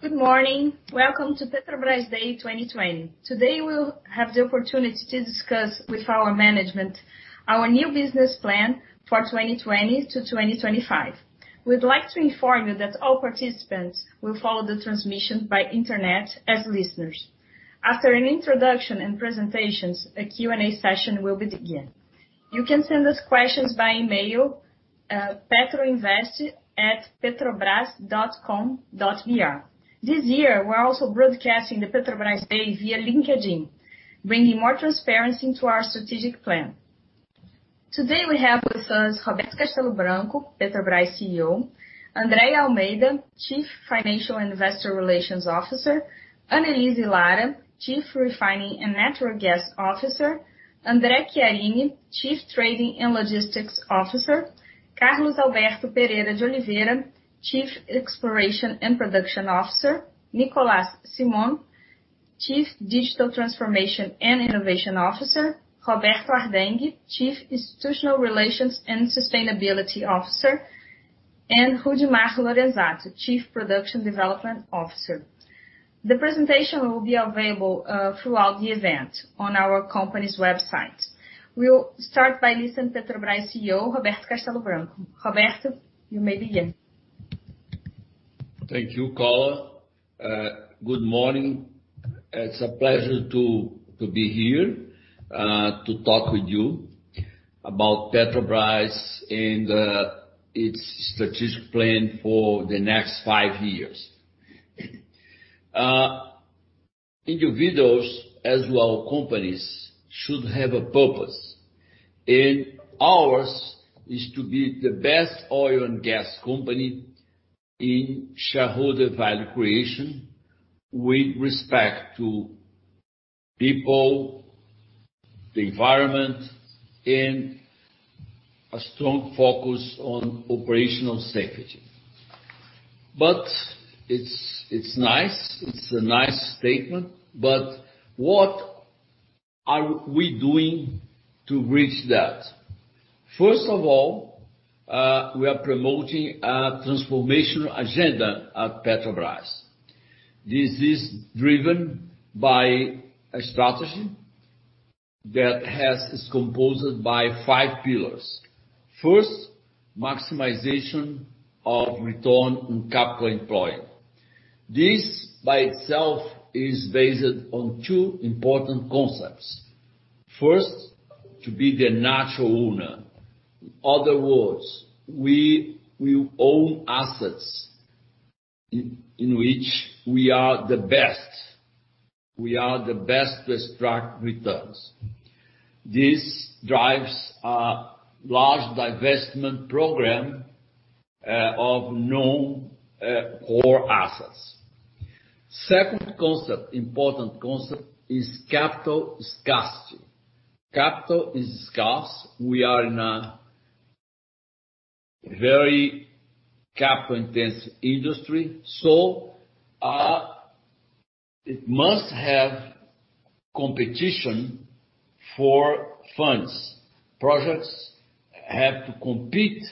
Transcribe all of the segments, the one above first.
Good morning. Welcome to Petrobras Day 2020. Today, we'll have the opportunity to discuss with our management our new business plan for 2020 to 2025. We'd like to inform you that all participants will follow the transmission by internet as listeners. After an introduction and presentations, a Q&A session will begin. You can send us questions by email, petroinvest@petrobras.com.br. This year, we're also broadcasting the Petrobras Day via LinkedIn, bringing more transparency to our strategic plan. Today we have with us Roberto Castello Branco, Petrobras CEO, Andrea Almeida, Chief Financial and Investor Relations Officer, Anelise Lara, Chief Refining and Natural Gas Officer, André Chiarini, Chief Trading and Logistics Officer, Carlos Alberto Pereira de Oliveira, Chief Exploration and Production Officer, Nicolás Simone, Chief Digital Transformation and Innovation Officer, Roberto Ardenghy, Chief Institutional Relations and Sustainability Officer, and Rudimar Lorenzatto, Chief Production Development Officer. The presentation will be available throughout the event on our company's website. We'll start by listening to Petrobras CEO, Roberto Castello Branco. Roberto, you may begin. Thank you, Carla. Good morning. It's a pleasure to be here, to talk with you about Petrobras and its strategic plan for the next five years. Individuals, as well as companies, should have a purpose, and ours is to be the best oil and gas company in shareholder value creation with respect to people, the environment, and a strong focus on operational safety. It's a nice statement, but what are we doing to reach that? First of all, we are promoting a transformational agenda at Petrobras. This is driven by a strategy that is composed of five pillars. First, maximization of return on capital employed. This by itself is based on two important concepts. First, to be the natural owner. In other words, we will own assets in which we are the best. We are the best to extract returns. This drives a large divestment program of non-core assets. Second important concept is capital scarcity. Capital is scarce. We are in a very capital-intensive industry, so it must have competition for funds. Projects have to compete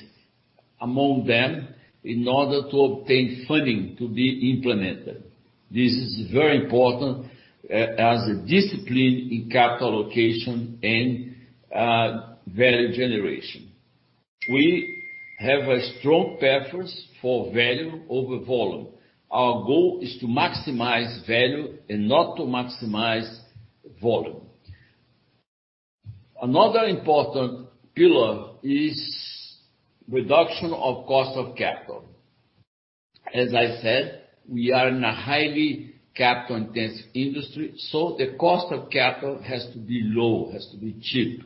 among them in order to obtain funding to be implemented. This is very important as a discipline in capital allocation and value generation. We have a strong preference for value over volume. Our goal is to maximize value and not to maximize volume. Another important pillar is reduction of cost of capital. As I said, we are in a highly capital-intensive industry, so the cost of capital has to be low, has to be cheap.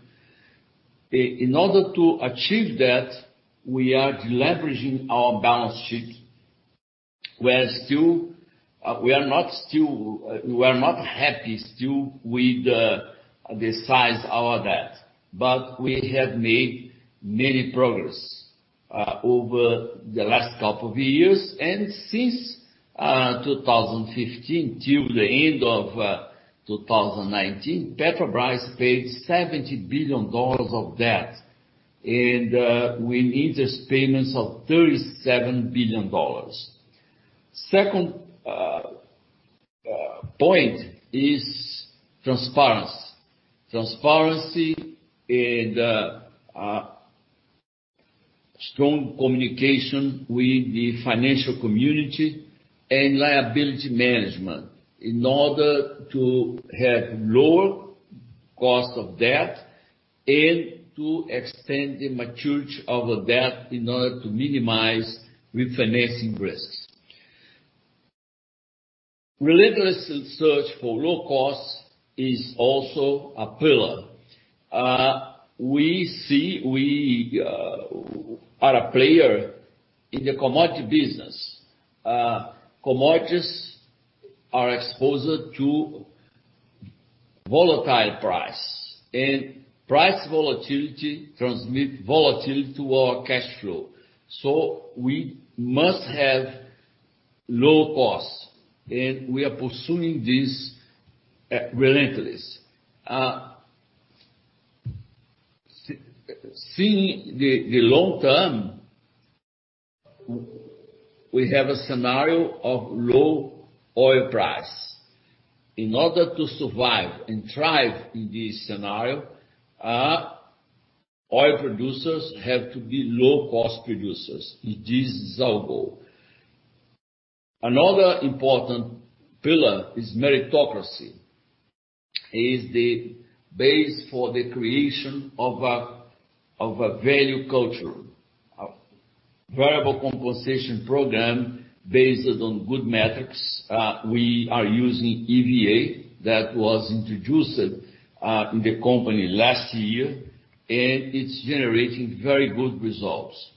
In order to achieve that, we are deleveraging our balance sheet. We are not happy still with the size of our debt. We have made many progress over the last couple of years. Since 2015 till the end of 2019, Petrobras paid $70 billion of debt, with interest payments of $37 billion. Second point is transparency. Transparency and strong communication with the financial community and liability management in order to have lower cost of debt and to extend the maturity of debt in order to minimize refinancing risks. Relentless search for low costs is also a pillar. We are a player in the commodity business. Commodities are exposed to volatile price. Price volatility transmit volatility to our cash flow. We must have low costs. We are pursuing this relentlessly. Seeing the long term, we have a scenario of low oil price. In order to survive and thrive in this scenario, oil producers have to be low-cost producers. It is our goal. Another important pillar is meritocracy. It is the base for the creation of a value culture, a variable compensation program based on good metrics. We are using EVA that was introduced in the company last year, and it's generating very good results.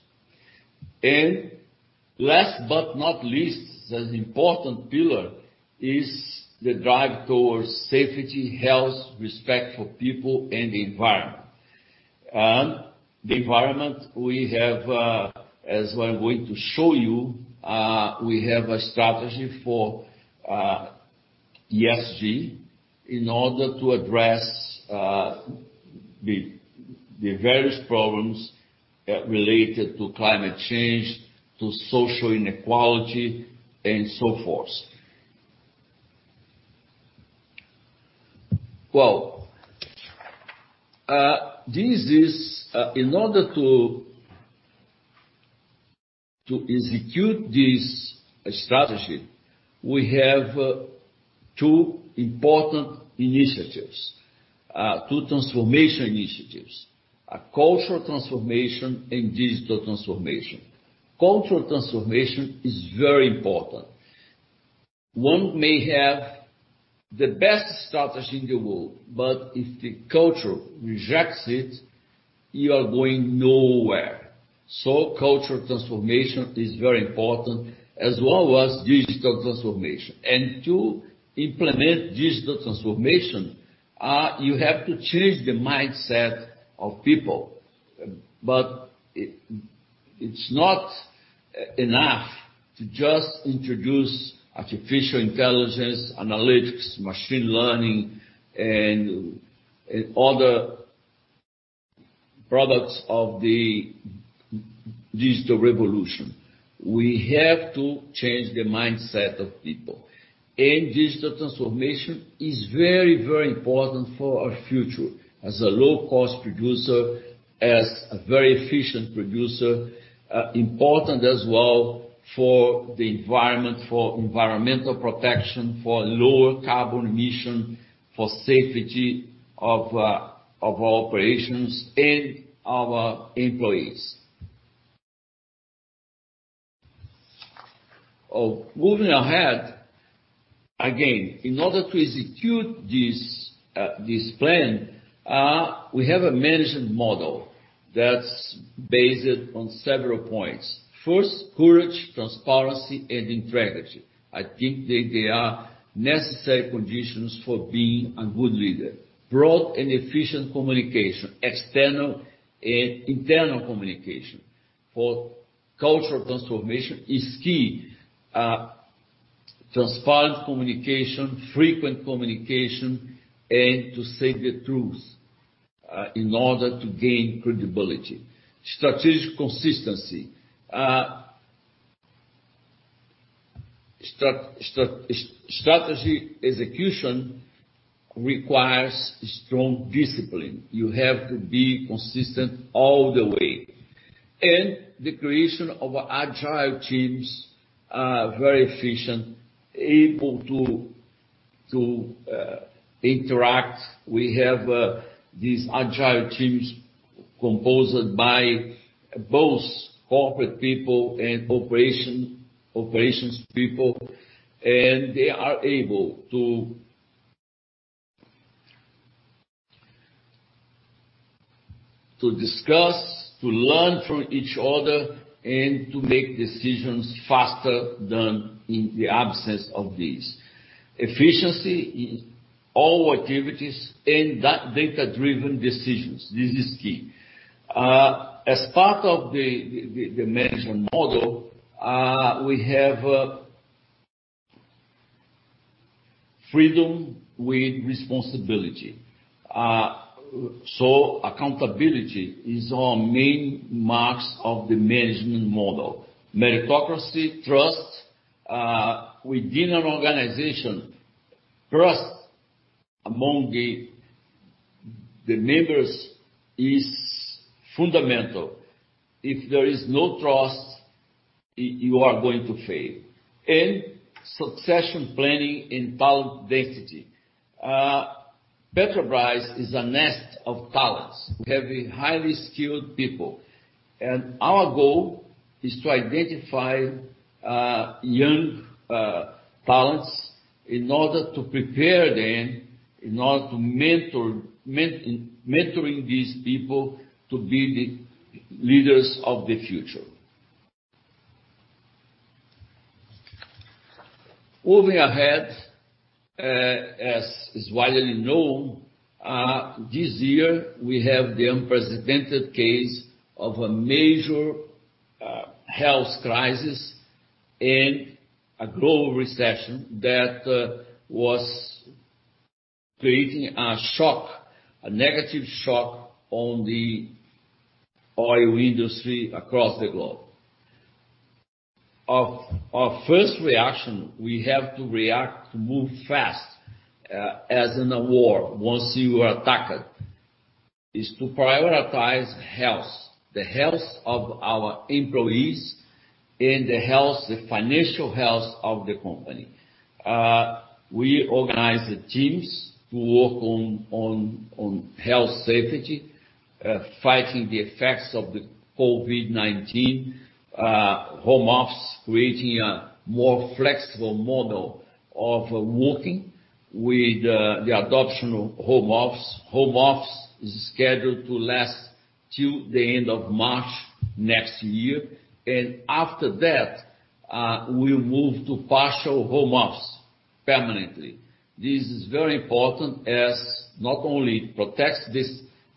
Last but not least, an important pillar is the drive towards safety, health, respect for people and the environment. The environment, as I'm going to show you, we have a strategy for ESG in order to address the various problems related to climate change, to social inequality and so forth. Well, in order to execute this strategy, we have two important initiatives, two transformation initiatives, a cultural transformation and digital transformation. Cultural transformation is very important. One may have the best strategy in the world, but if the culture rejects it, you are going nowhere. Cultural transformation is very important as well as digital transformation. To implement digital transformation, you have to change the mindset of people. It's not enough to just introduce artificial intelligence, analytics, machine learning, and other products of the digital revolution. We have to change the mindset of people. Digital transformation is very, very important for our future as a low-cost producer, as a very efficient producer, important as well for the environment, for environmental protection, for lower carbon emission, for safety of our operations and our employees. Moving ahead. Again, in order to execute this plan, we have a management model that's based on several points. First, courage, transparency, and integrity. I think they are necessary conditions for being a good leader. Broad and efficient communication, external and internal communication for cultural transformation is key. Transparent communication, frequent communication, and to say the truth, in order to gain credibility. Strategic consistency. Strategy execution requires strong discipline. You have to be consistent all the way. The creation of agile teams, very efficient, able to interact. We have these agile teams composed by both corporate people and operations people, and they are able to discuss, to learn from each other, and to make decisions faster than in the absence of this. Efficiency in all activities and data-driven decisions, this is key. As part of the management model, we have freedom with responsibility. Accountability is our main marks of the management model. Meritocracy, trust within an organization. Trust among the members is fundamental. If there is no trust, you are going to fail. Succession planning and talent density. Petrobras is a nest of talents. We have highly skilled people, and our goal is to identify young talents in order to prepare them, in order to mentor these people to be the leaders of the future. Moving ahead, as is widely known, this year we have the unprecedented case of a major health crisis and a global recession that was creating a negative shock on the oil industry across the globe. Our first reaction, we have to react to move fast, as in a war, once you are attacked, is to prioritize health, the health of our employees, and the financial health of the company. We organized teams to work on health safety, fighting the effects of the COVID-19, home office, creating a more flexible model of working with the adoption of home office. Home office is scheduled to last till the end of March next year. After that, we'll move to partial home office permanently. This is very important as not only protects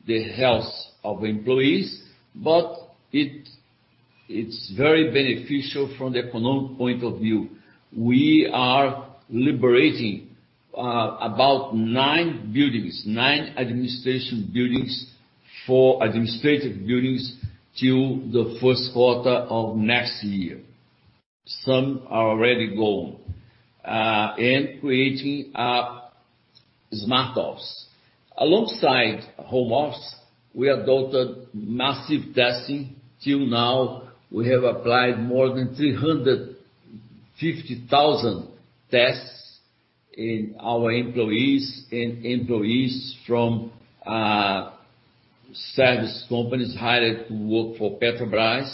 the health of employees, but it's very beneficial from the economic point of view. We are liberating about nine administration buildings for administrative buildings till the first quarter of next year. Some are already gone. Creating a smart office. Alongside home office, we adopted massive testing. Till now, we have applied more than 350,000 tests in our employees and employees from service companies hired to work for Petrobras.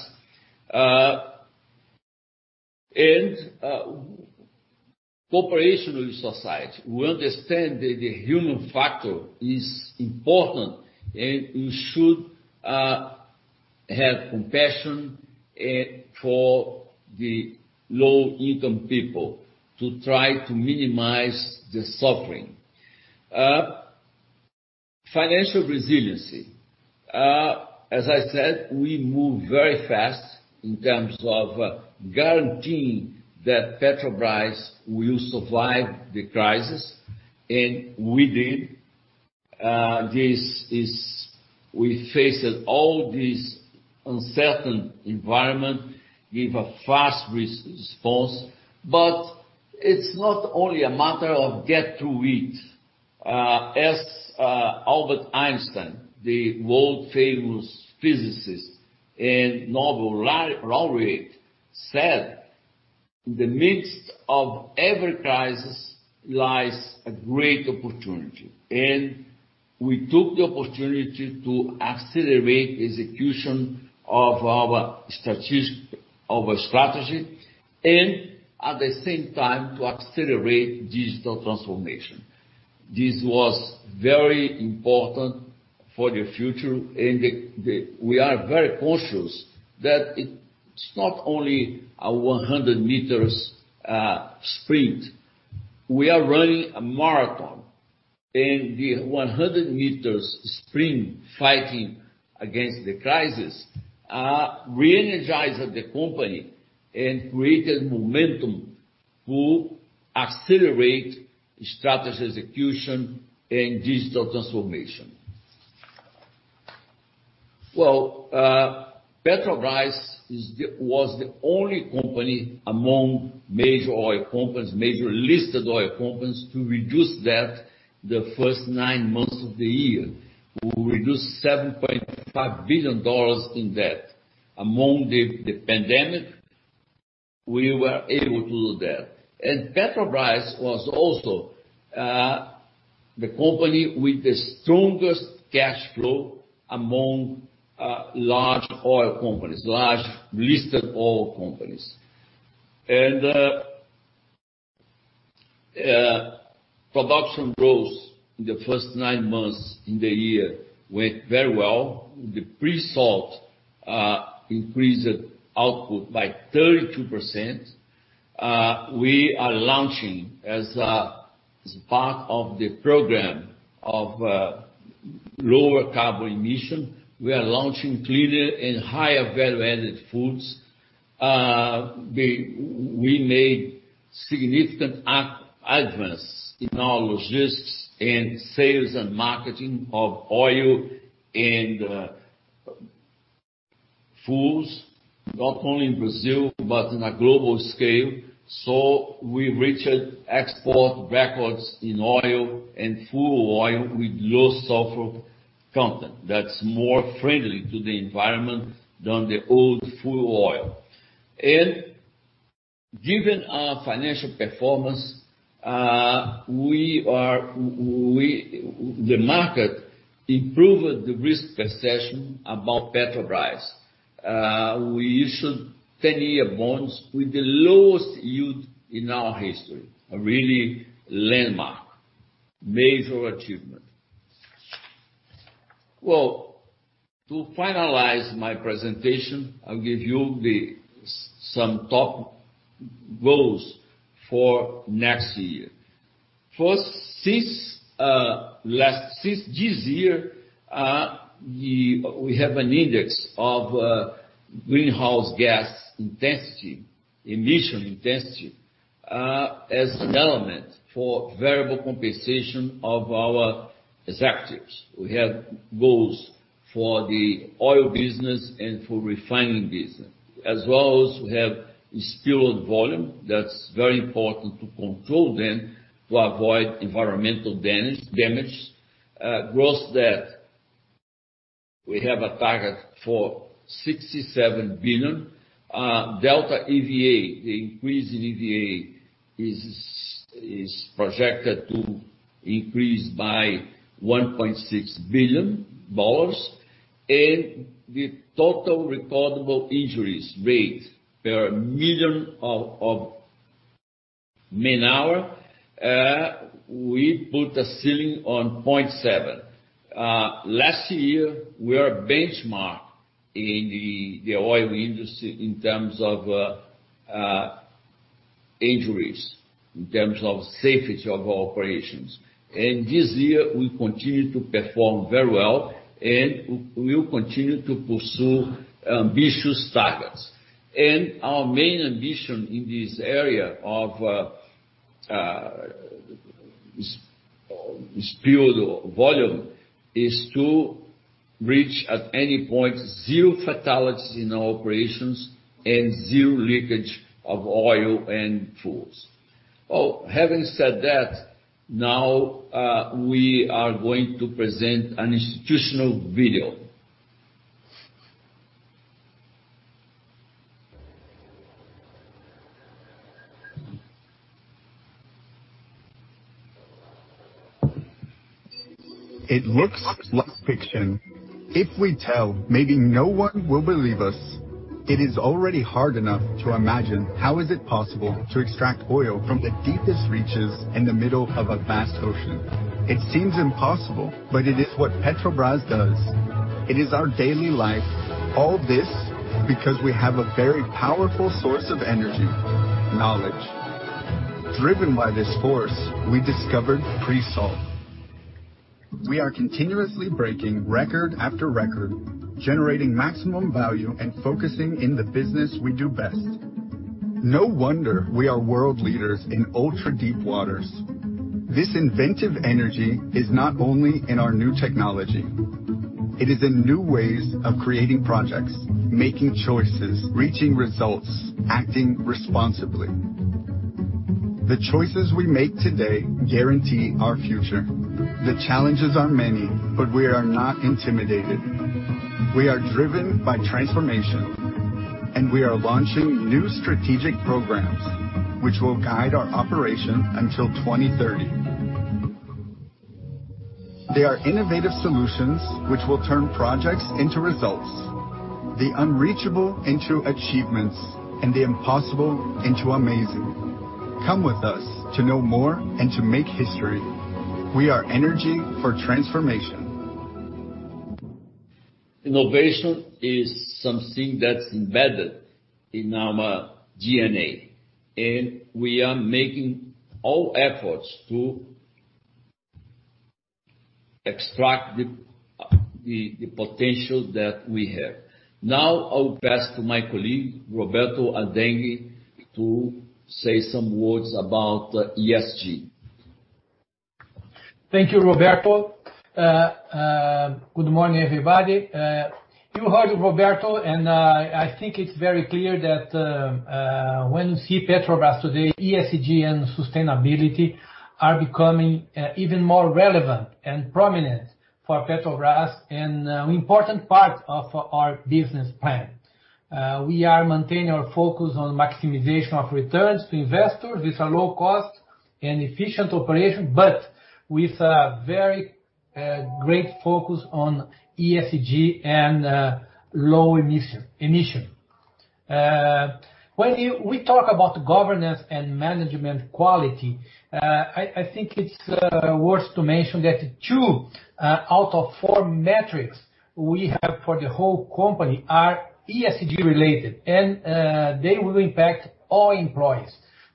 Cooperation with society. We understand that the human factor is important, and we should have compassion for the low-income people to try to minimize the suffering. Financial resiliency. As I said, we moved very fast in terms of guaranteeing that Petrobras will survive the crisis, and we did. We faced all this uncertain environment, gave a fast response. It's not only a matter of get through it. As Albert Einstein, the world-famous physicist and Nobel laureate said, "In the midst of every crisis lies a great opportunity." We took the opportunity to accelerate the execution of our strategy, and at the same time, to accelerate digital transformation. This was very important for the future, and we are very conscious that it's not only a 100 m sprint. We are running a marathon, the 100 m sprint fighting against the crisis re-energized the company and created momentum to accelerate strategy execution and digital transformation. Well, Petrobras was the only company among major listed oil companies to reduce debt the first nine months of the year. We reduced $7.5 billion in debt. Among the pandemic, we were able to do that. Petrobras was also the company with the strongest cash flow among large listed oil companies. Production growth in the first nine months in the year went very well. The pre-salt increased output by 32%. We are launching, as part of the program of lower carbon emission, we are launching cleaner and higher value-added fuels. We made significant advances in our logistics and sales and marketing of oil and fuels, not only in Brazil, but on a global scale. We reached export records in oil and fuel oil with low sulfur content that's more friendly to the environment than the old fuel oil. Given our financial performance, the market improved the risk perception about Petrobras. We issued 10-year bonds with the lowest yield in our history, a really landmark, major achievement. Well, to finalize my presentation, I'll give you some top goals for next year. Since this year, we have an index of greenhouse gas intensity, emission intensity, as an element for variable compensation of our executives. We have goals for the oil business and for refining business, as well as we have spilled volume. That's very important to control then to avoid environmental damage. Gross debt, we have a target for $67 billion. Delta EVA, the increase in EVA, is projected to increase by $1.6 billion. The total recordable injuries rate per million of man-hour, we put a ceiling on 0.7. Last year, we are benchmark in the oil industry in terms of injuries, in terms of safety of our operations. This year, we continue to perform very well and we will continue to pursue ambitious targets. Our main ambition in this area of spilled volume is to reach, at any point, zero fatalities in our operations and zero leakage of oil and fuels. Having said that, now we are going to present an institutional video. It looks like fiction. If we tell, maybe no one will believe us. It is already hard enough to imagine how is it possible to extract oil from the deepest reaches in the middle of a vast ocean. It seems impossible, but it is what Petrobras does. It is our daily life. All this because we have a very powerful source of energy, knowledge. Driven by this force, we discovered pre-salt. We are continuously breaking record after record, generating maximum value and focusing in the business we do best. No wonder we are world leaders in ultra-deep waters. This inventive energy is not only in our new technology, it is in new ways of creating projects, making choices, reaching results, acting responsibly. The choices we make today guarantee our future. The challenges are many, but we are not intimidated. We are driven by transformation, and we are launching new strategic programs, which will guide our operation until 2030. They are innovative solutions which will turn projects into results, the unreachable into achievements, and the impossible into amazing. Come with us to know more and to make history. We are energy for transformation. Innovation is something that's embedded in our DNA. We are making all efforts to extract the potential that we have. I will pass to my colleague, Roberto Ardenghy, to say some words about ESG. Thank you, Roberto. Good morning, everybody. You heard Roberto, and I think it's very clear that when you see Petrobras today, ESG and sustainability are becoming even more relevant and prominent for Petrobras and an important part of our business plan. We are maintaining our focus on maximization of returns to investors with a low cost and efficient operation, but with a very great focus on ESG and low emission. When we talk about governance and management quality, I think it's worth to mention that two out of four metrics we have for the whole company are ESG related, and they will impact all employees'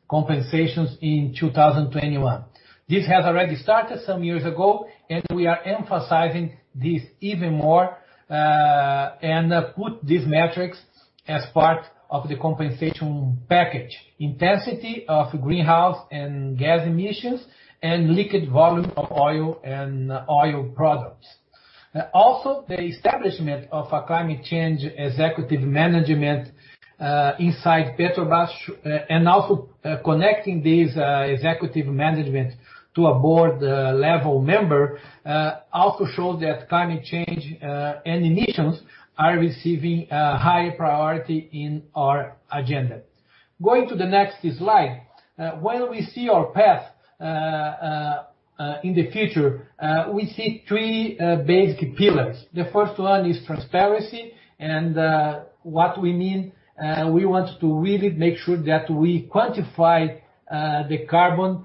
compensations in 2021. This has already started some years ago, and we are emphasizing this even more, and put these metrics as part of the compensation package. Intensity of greenhouse and gas emissions and liquid volume of oil and oil products. The establishment of a climate change executive management inside Petrobras, and also connecting this executive management to a board level member, also shows that climate change and emissions are receiving a high priority in our agenda. Going to the next slide. When we see our path, in the future, we see three basic pillars. The first one is transparency, and what we mean, we want to really make sure that we quantify the carbon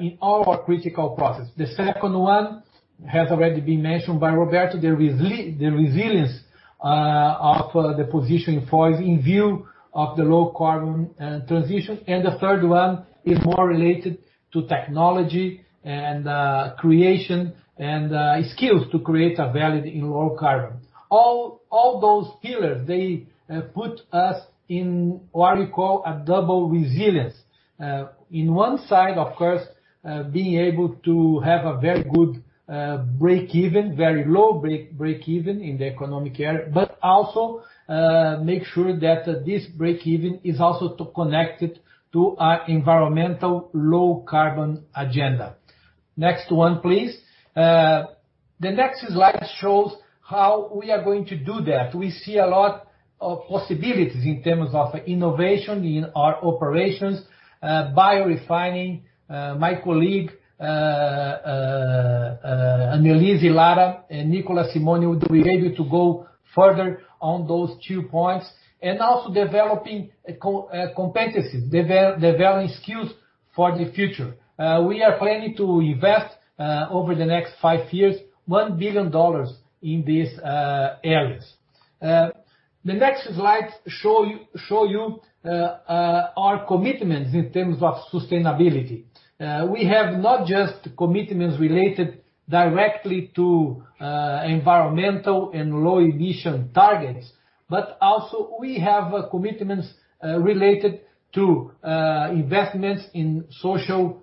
in all our critical process. The second one has already been mentioned by Roberto, the resilience of the position in view of the low-carbon transition. The third one is more related to technology and creation and skills to create a value in low-carbon. All those pillars, they put us in what you call a double resilience. In one side, of course, being able to have a very good breakeven, very low breakeven in the economic area, but also make sure that this breakeven is also to connect it to our environmental low-carbon agenda. Next one, please. The next slide shows how we are going to do that. We see a lot of possibilities in terms of innovation in our operations, biorefining. My colleague, Anelise Lara and Nicolás Simone, will be able to go further on those two points and also developing competencies, developing skills for the future. We are planning to invest over the next five years, $1 billion in these areas. The next slide show you our commitments in terms of sustainability. We have not just commitments related directly to environmental and low emission targets, but also we have commitments related to investments in social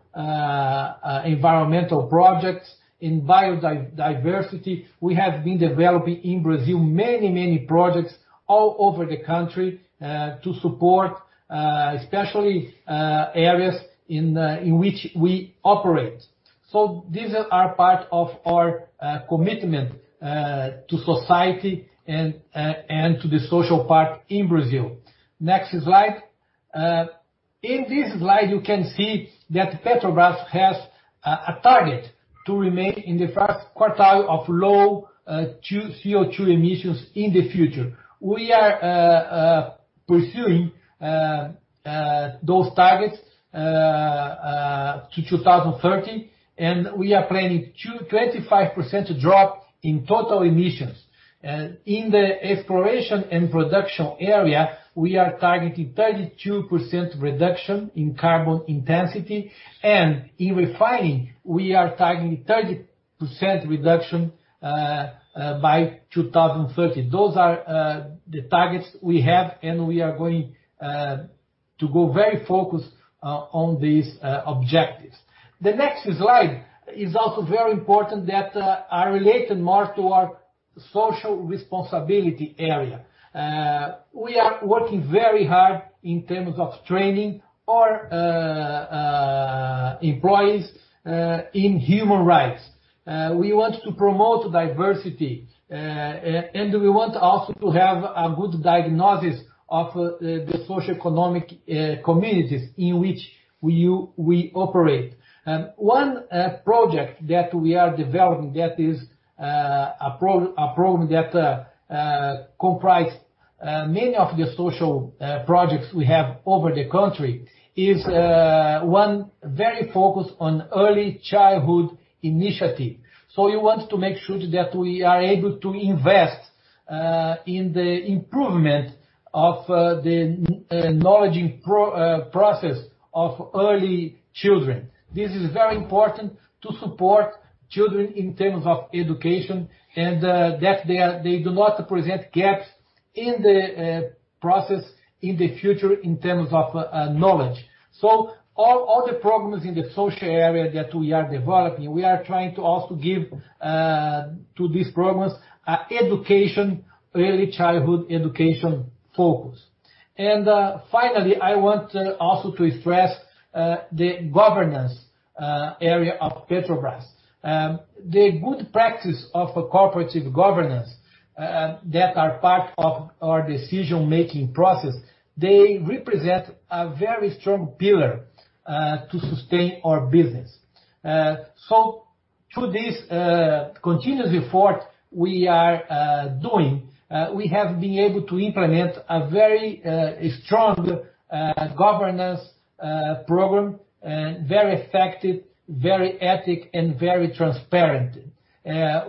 environmental projects, in biodiversity. We have been developing in Brazil many projects all over the country, to support, especially, areas in which we operate. These are part of our commitment to society and to the social part in Brazil. Next slide. In this slide, you can see that Petrobras has a target to remain in the first quartile of low CO2 emissions in the future. We are pursuing those targets to 2030, and we are planning 25% drop in total emissions. In the exploration and production area, we are targeting 32% reduction in carbon intensity. In refining, we are targeting 30% reduction by 2030. Those are the targets we have, and we are going to go very focused on these objectives. The next slide is also very important that are related more to our social responsibility area. We are working very hard in terms of training our employees in human rights. We want to promote diversity. We want also to have a good diagnosis of the socioeconomic communities in which we operate. One project that we are developing that is a program that comprise many of the social projects we have over the country is one very focused on early childhood initiative. We want to make sure that we are able to invest in the improvement of the knowledge process of early children. This is very important to support children in terms of education and that they do not present gaps in the process in the future in terms of knowledge. All the programs in the social area that we are developing, we are trying to also give to these programs an early childhood education focus. Finally, I want also to express the governance area of Petrobras. The good practice of a cooperative governance that are part of our decision-making process, they represent a very strong pillar to sustain our business. Through this continuous effort we are doing, we have been able to implement a very strong governance program, very effective, very ethic, and very transparent.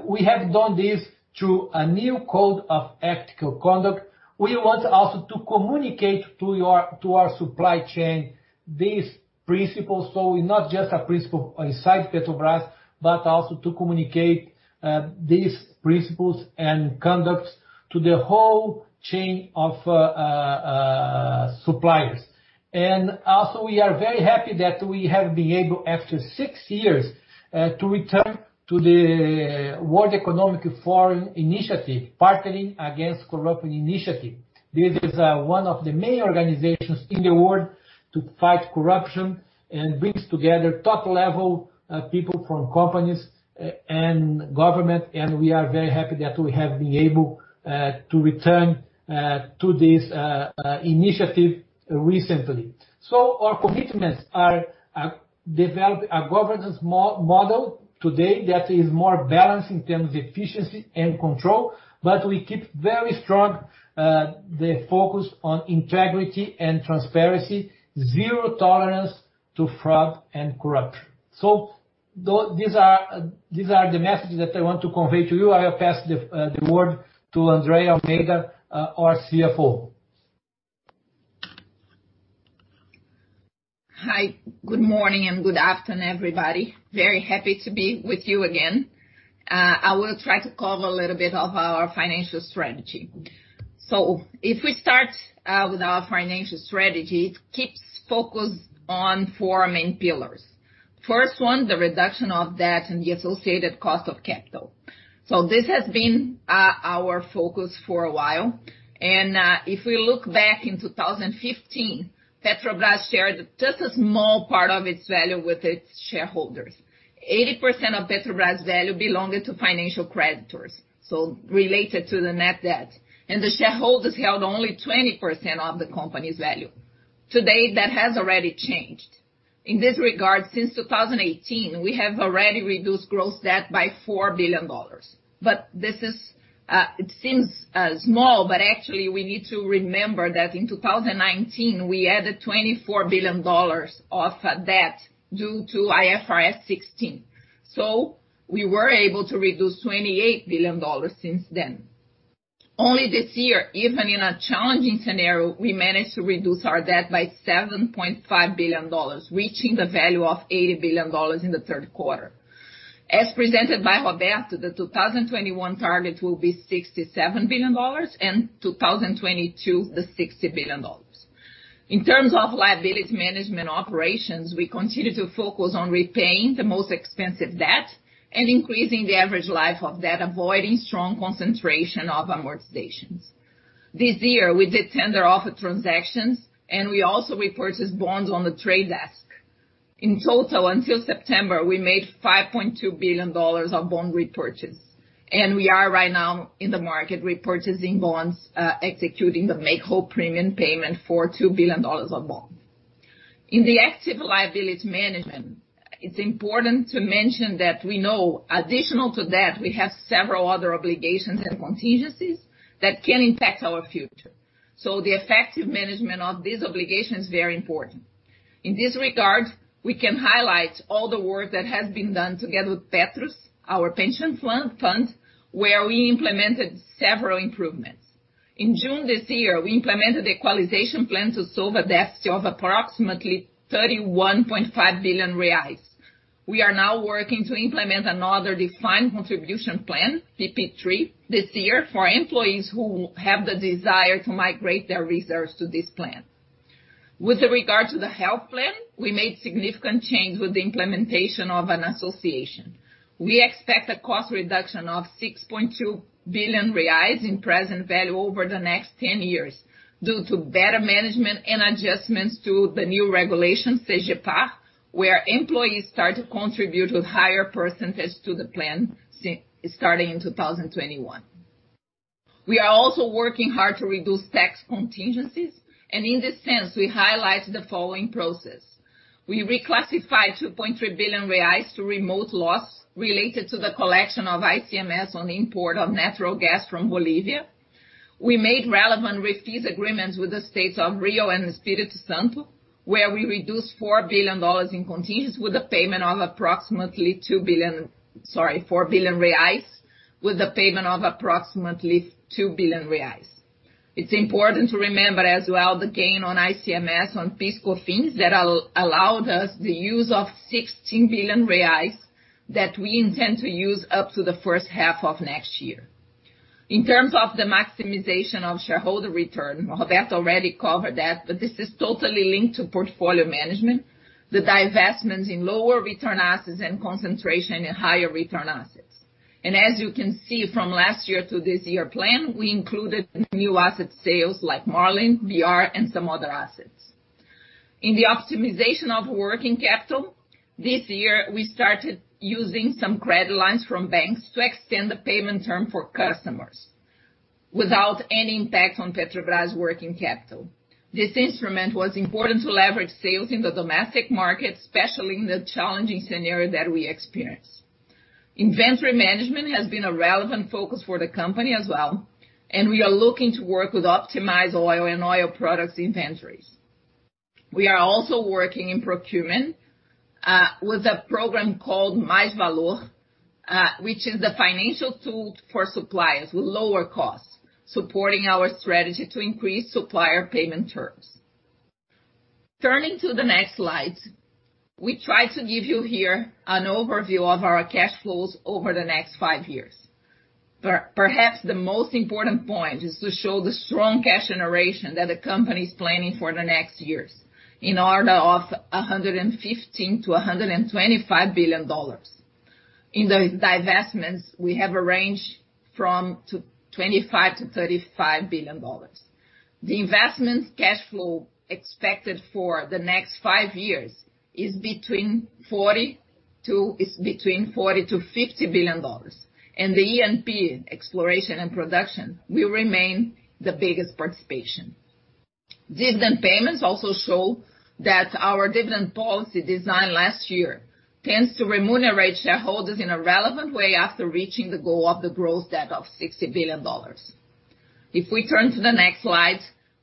We have done this through a new code of ethical conduct. We want also to communicate to our supply chain these principles. Not just a principle inside Petrobras, but also to communicate these principles and conducts to the whole chain of suppliers. Also, we are very happy that we have been able, after six years, to return to the World Economic Forum Initiative, Partnering Against Corruption Initiative. This is one of the main organizations in the world to fight corruption and brings together top-level people from companies and government. We are very happy that we have been able to return to this initiative recently. Our commitments are develop a governance model today that is more balanced in terms of efficiency and control. We keep very strong the focus on integrity and transparency, zero tolerance to fraud and corruption. These are the messages that I want to convey to you. I will pass the word to Andrea Almeida, our CFO. Hi, good morning and good afternoon, everybody. Very happy to be with you again. I will try to cover a little bit of our financial strategy. If we start with our financial strategy, it keeps focus on four main pillars. First one, the reduction of debt and the associated cost of capital. This has been our focus for a while, and if we look back in 2015, Petrobras shared just a small part of its value with its shareholders. 80% of Petrobras value belonged to financial creditors, so related to the net debt, and the shareholders held only 20% of the company's value. Today, that has already changed. In this regard, since 2018, we have already reduced gross debt by $4 billion. It seems small, but actually, we need to remember that in 2019, we added $24 billion of debt due to IFRS 16. We were able to reduce $28 billion since then. Only this year, even in a challenging scenario, we managed to reduce our debt by $7.5 billion, reaching the value of $80 billion in the third quarter. As presented by Roberto, the 2021 target will be $67 billion, and 2022, the $60 billion. In terms of liability management operations, we continue to focus on repaying the most expensive debt and increasing the average life of debt, avoiding strong concentration of amortizations. This year, we did tender offer transactions, and we also repurchased bonds on the trade desk. In total, until September, we made $5.2 billion of bond repurchase, and we are right now in the market repurchasing bonds, executing the make-whole premium payment for $2 billion of bonds. In the active liability management, it's important to mention that we know additional to that, we have several other obligations and contingencies that can impact our future. The effective management of this obligation is very important. In this regard, we can highlight all the work that has been done together with Petros, our pension fund, where we implemented several improvements. In June this year, we implemented equalization plan to solve a deficit of approximately 31.5 billion reais. We are now working to implement another defined contribution plan, PP3, this year for employees who have the desire to migrate their reserves to this plan. With regard to the health plan, we made significant change with the implementation of an association. We expect a cost reduction of 6.2 billion reais in present value over the next 10 years due to better management and adjustments to the new regulations, CGPAR, where employees start to contribute with higher percent to the plan starting in 2021. We are also working hard to reduce tax contingencies. In this sense, we highlight the following process. We reclassified 2.3 billion reais to remote loss related to the collection of ICMS on the import of natural gas from Bolivia. We made relevant REFIS agreements with the states of Rio and Espírito Santo, where we reduced BRL 4 billion in contingents with the payment of approximately 2 billion. It's important to remember as well the gain on ICMS on PIS/COFINS that allowed us the use of 16 billion reais that we intend to use up to the first half of next year. In terms of the maximization of shareholder return, Roberto already covered that, but this is totally linked to portfolio management, the divestments in lower return assets, and concentration in higher return assets. As you can see from last year to this year plan, we included new asset sales like Marlim, BR, and some other assets. In the optimization of working capital, this year, we started using some credit lines from banks to extend the payment term for customers without any impact on Petrobras working capital. This instrument was important to leverage sales in the domestic market, especially in the challenging scenario that we experienced. Inventory management has been a relevant focus for the company as well, and we are looking to work with optimized oil and oil products inventories. We are also working in procurement, with a program called Mais Valor, which is the financial tool for suppliers with lower costs, supporting our strategy to increase supplier payment terms. Turning to the next slide. We try to give you here an overview of our cash flows over the next five years. Perhaps the most important point is to show the strong cash generation that the company's planning for the next years, in order of $115 billion-$125 billion. In the divestments, we have a range from $25 billion-$35 billion. The investments cash flow expected for the next five years is between $40 billion-$50 billion. The E&P, exploration and production, will remain the biggest participation. Dividend payments also show that our dividend policy designed last year tends to remunerate shareholders in a relevant way after reaching the goal of the growth debt of $60 billion. If we turn to the next slide,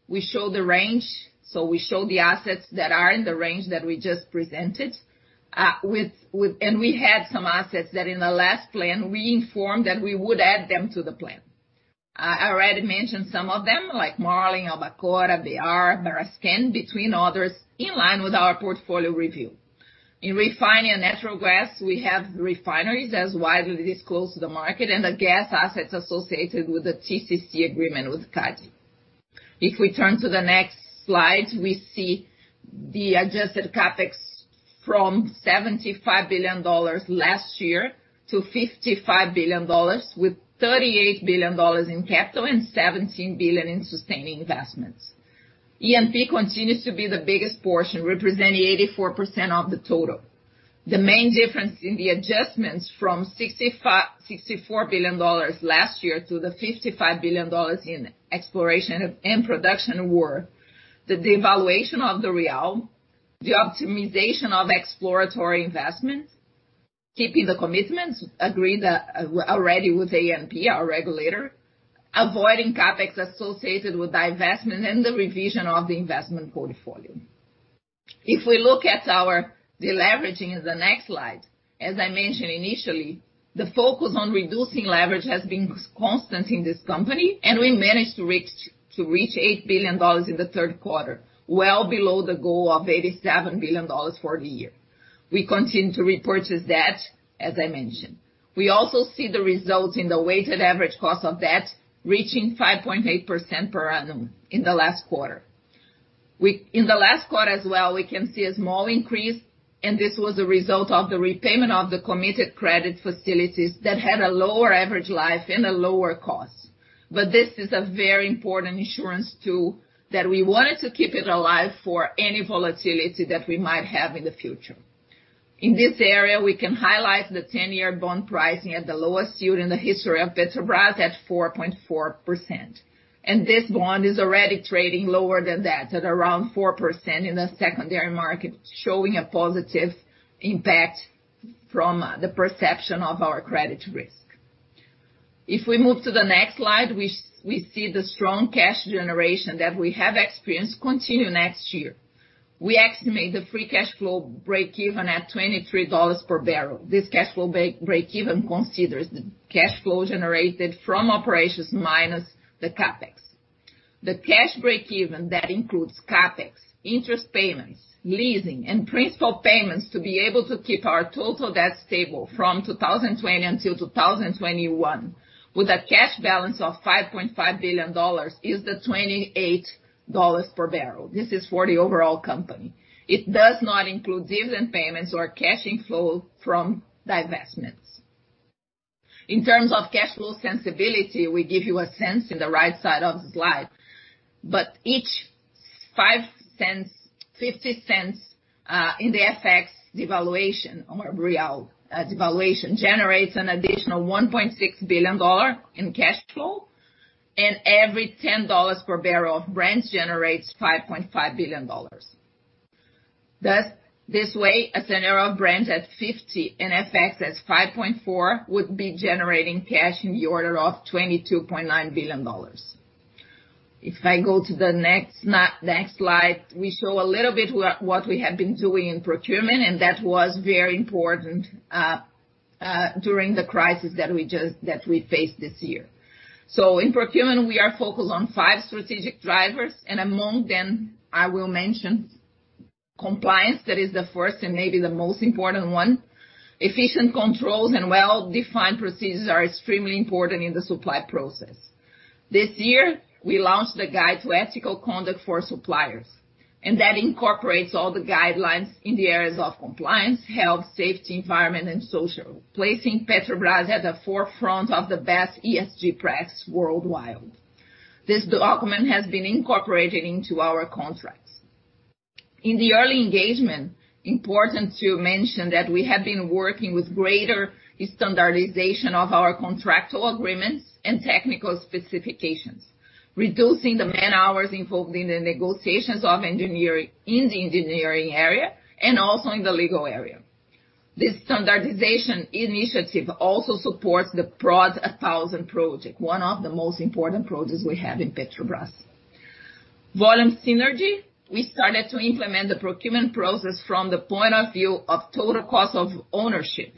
we show the range. We show the assets that are in the range that we just presented, and we had some assets that in the last plan, we informed that we would add them to the plan. I already mentioned some of them, like Marlim, Albacora, BR, Braskem, between others, in line with our portfolio review. In refining and natural gas, we have refineries as widely disclosed to the market, and the gas assets associated with the TCC agreement with CADE. If we turn to the next slide, we see the adjusted CapEx from $75 billion last year to $55 billion, with $38 billion in capital and $17 billion in sustaining investments. E&P continues to be the biggest portion, representing 84% of the total. The main difference in the adjustments from $64 billion last year to the $55 billion in exploration and production were the devaluation of the real, the optimization of exploratory investments, keeping the commitments agreed already with ANP, our regulator, avoiding CapEx associated with divestment, and the revision of the investment portfolio. If we look at our deleveraging in the next slide, as I mentioned initially, the focus on reducing leverage has been constant in this company, and we managed to reach $8 billion in the third quarter, well below the goal of $87 billion for the year. We continue to repurchase debt, as I mentioned. We also see the results in the weighted average cost of debt reaching 5.8% per annum in the last quarter. In the last quarter as well, we can see a small increase, and this was a result of the repayment of the committed credit facilities that had a lower average life and a lower cost. This is a very important insurance tool that we wanted to keep it alive for any volatility that we might have in the future. In this area, we can highlight the 10-year bond pricing at the lowest yield in the history of Petrobras at 4.4%. This bond is already trading lower than that, at around 4% in the secondary market, showing a positive impact from the perception of our credit risk. If we move to the next slide, we see the strong cash generation that we have experienced continue next year. We estimate the free cash flow breakeven at $23 per barrel. This cash flow breakeven considers the cash flow generated from operations minus the CapEx. The cash breakeven that includes CapEx, interest payments, leasing, and principal payments to be able to keep our total debt stable from 2020 until 2021, with a cash balance of $5.5 billion, is the $28 per barrel. This is for the overall company. It does not include dividend payments or cash inflow from divestments. In terms of cash flow sensibility, we give you a sense in the right side of the slide, each $0.50 in the FX devaluation, or real devaluation, generates an additional $1.6 billion in cash flow, and every $10 per barrel of Brent generates $5.5 billion. This way, a scenario of Brent at $50 and FX at 5.4 would be generating cash in the order of $22.9 billion. If I go to the next slide, we show a little bit what we have been doing in procurement. That was very important during the crisis that we faced this year. In procurement, we are focused on five strategic drivers. Among them, I will mention compliance. That is the first and maybe the most important one. Efficient controls and well-defined procedures are extremely important in the supply process. This year, we launched the Guide to Ethical Conduct for Suppliers. That incorporates all the guidelines in the areas of compliance, health, safety, environment, and social, placing Petrobras at the forefront of the best ESG practice worldwide. This document has been incorporated into our contracts. In the early engagement, important to mention that we have been working with greater standardization of our contractual agreements and technical specifications, reducing the man-hours involved in the negotiations of engineering in the engineering area and also in the legal area. This standardization initiative also supports the PROD 1000 project, one of the most important projects we have in Petrobras. Volume synergy, we started to implement the procurement process from the point of view of total cost of ownership.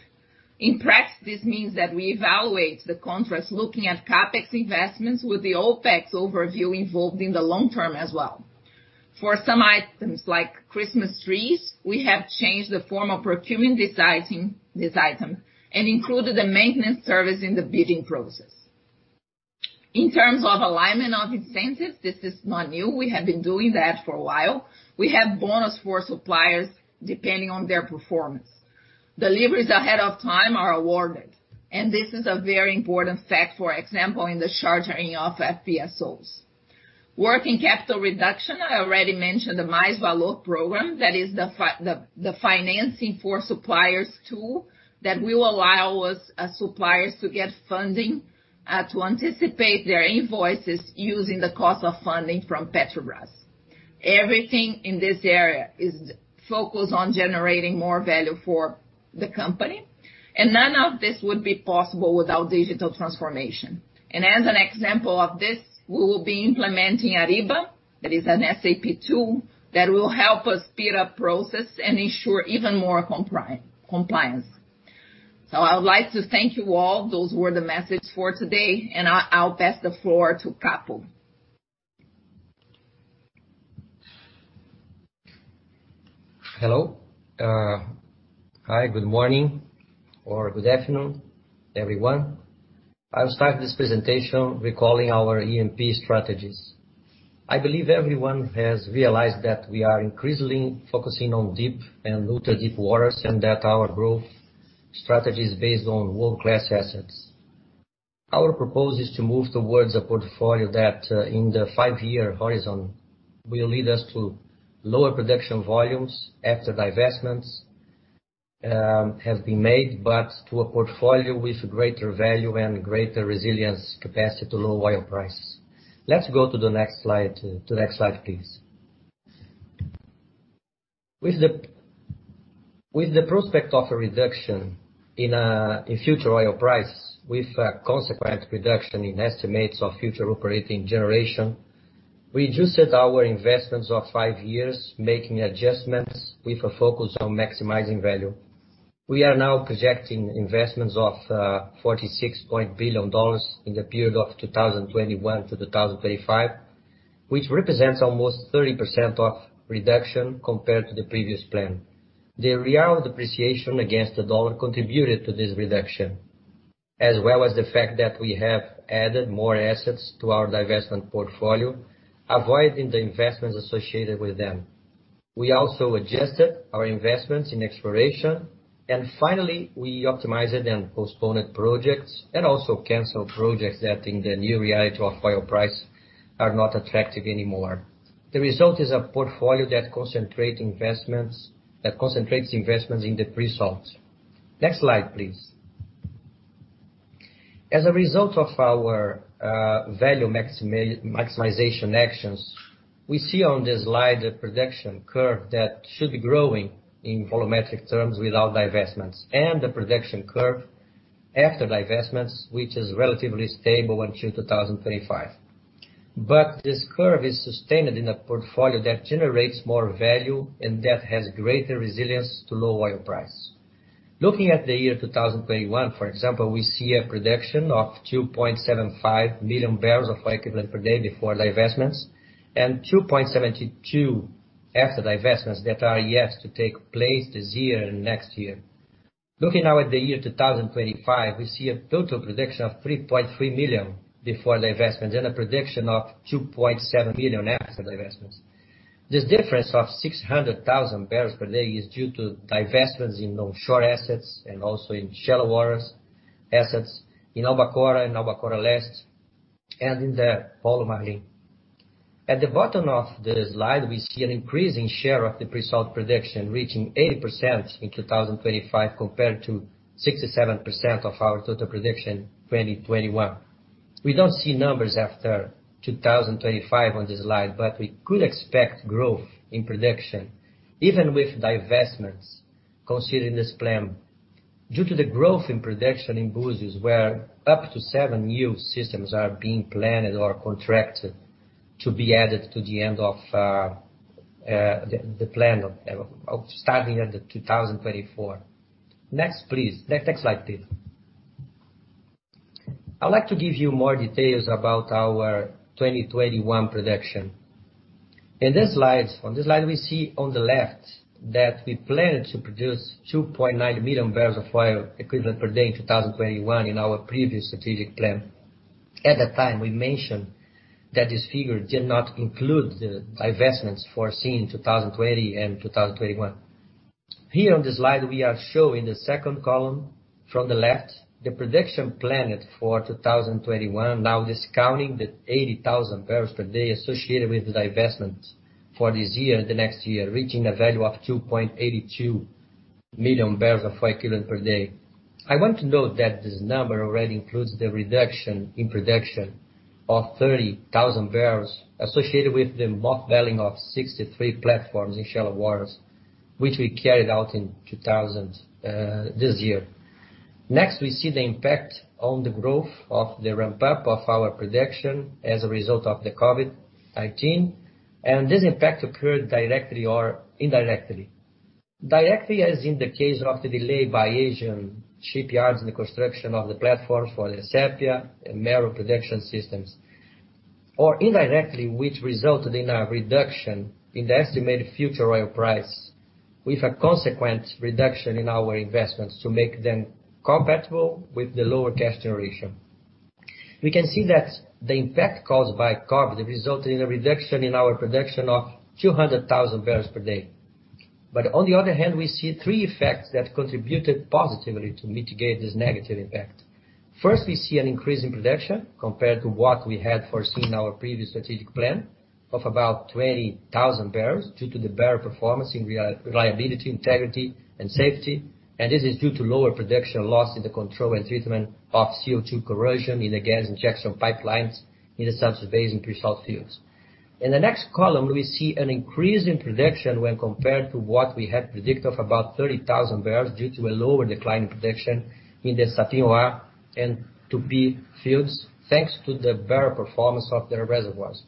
In practice, this means that we evaluate the contracts looking at CapEx investments with the OpEx overview involved in the long term as well. For some items like Christmas trees, we have changed the form of procurement this item, and included the maintenance service in the bidding process. In terms of alignment of incentives, this is not new. We have been doing that for a while. We have bonus for suppliers depending on their performance. Deliveries ahead of time are awarded, and this is a very important fact, for example, in the chartering of FPSOs. Working capital reduction, I already mentioned the Mais Valor program. That is the financing for suppliers tool that will allow suppliers to get funding to anticipate their invoices using the cost of funding from Petrobras. Everything in this area is focused on generating more value for the company, and none of this would be possible without digital transformation. As an example of this, we will be implementing Ariba. That is an SAP tool that will help us speed up processes and ensure even more compliance. I would like to thank you all. Those were the messages for today, and I'll pass the floor to Capo. Hello. Hi, good morning, or good afternoon, everyone. I'll start this presentation recalling our E&P strategies. I believe everyone has realized that we are increasingly focusing on deep and ultra-deep waters, and that our growth strategy is based on world-class assets. Our proposal is to move towards a portfolio that, in the five-year horizon, will lead us to lower production volumes after divestments have been made, but to a portfolio with greater value and greater resilience capacity to low oil price. Let's go to the next slide, please. With the prospect of a reduction in future oil price with a consequent reduction in estimates of future operating generation, we adjusted our investments of five years, making adjustments with a focus on maximizing value. We are now projecting investments of $46 billion in the period of 2021 to 2035, which represents almost 30% of reduction compared to the previous plan. The Brazilian real depreciation against the dollar contributed to this reduction, as well as the fact that we have added more assets to our divestment portfolio, avoiding the investments associated with them. We also adjusted our investments in exploration. Finally, we optimized and postponed projects, also canceled projects that in the new reality of oil price are not attractive anymore. The result is a portfolio that concentrates investments in the pre-salt. Next slide, please. As a result of our value maximization actions, we see on this slide the production curve that should be growing in volumetric terms without divestments, and the production curve after divestments, which is relatively stable until 2035. This curve is sustained in a portfolio that generates more value and that has greater resilience to low oil price. Looking at the year 2021, for example, we see a production of 2.75 million barrels of oil equivalent per day before divestments, and 2.72 after divestments that are yet to take place this year and next year. Looking now at the year 2025, we see a total production of 3.3 million before divestment and a production of 2.7 million after divestments. This difference of 600,000 barrels per day is due to divestments in onshore assets and also in shallow waters assets in Albacora, in Albacora West, and in the Polo Marlim. At the bottom of the slide, we see an increasing share of the pre-salt production reaching 80% in 2025, compared to 67% of our total production 2021. We don't see numbers after 2025 on this slide, but we could expect growth in production even with divestments considered in this plan due to the growth in production in Búzios, where up to seven new systems are being planned or contracted to be added to the end of the plan, starting in 2024. Next, please. Next slide, please. I'd like to give you more details about our 2021 production. On this slide, we see on the left that we planned to produce 2.9 million barrels of oil equivalent per day in 2021 in our previous strategic plan. At that time, we mentioned that this figure did not include the divestments foreseen in 2020 and 2021. Here on this slide, we are showing the second column from the left, the production planned for 2021, now discounting the 80,000 bbl per day associated with the divestment for this year and the next year, reaching a value of 2.82 million barrels of oil equivalent per day. I want to note that this number already includes the reduction in production of 30,000 bbl associated with the mothballing of 63 platforms in shallow waters, which we carried out this year. Next, we see the impact on the growth of the ramp-up of our production as a result of the COVID-19, and this impact occurred directly or indirectly. Directly, as in the case of the delay by Asian shipyards in the construction of the platform for the Sépia and Mero production systems. Indirectly, which resulted in a reduction in the estimated future oil price with a consequent reduction in our investments to make them compatible with the lower cash generation. We can see that the impact caused by COVID resulted in a reduction in our production of 200,000 barrels per day. On the other hand, we see three effects that contributed positively to mitigate this negative impact. First, we see an increase in production compared to what we had foreseen in our previous strategic plan of about 20,000 barrels due to the better performance in reliability, integrity, and safety. This is due to lower production loss in the control and treatment of CO2 corrosion in the sub-salt pre-salt fields. In the next column, we see an increase in production when compared to what we had predicted of about 30,000 barrels due to a lower decline in production in the Sapinhoá field, thanks to the better performance of their reservoirs.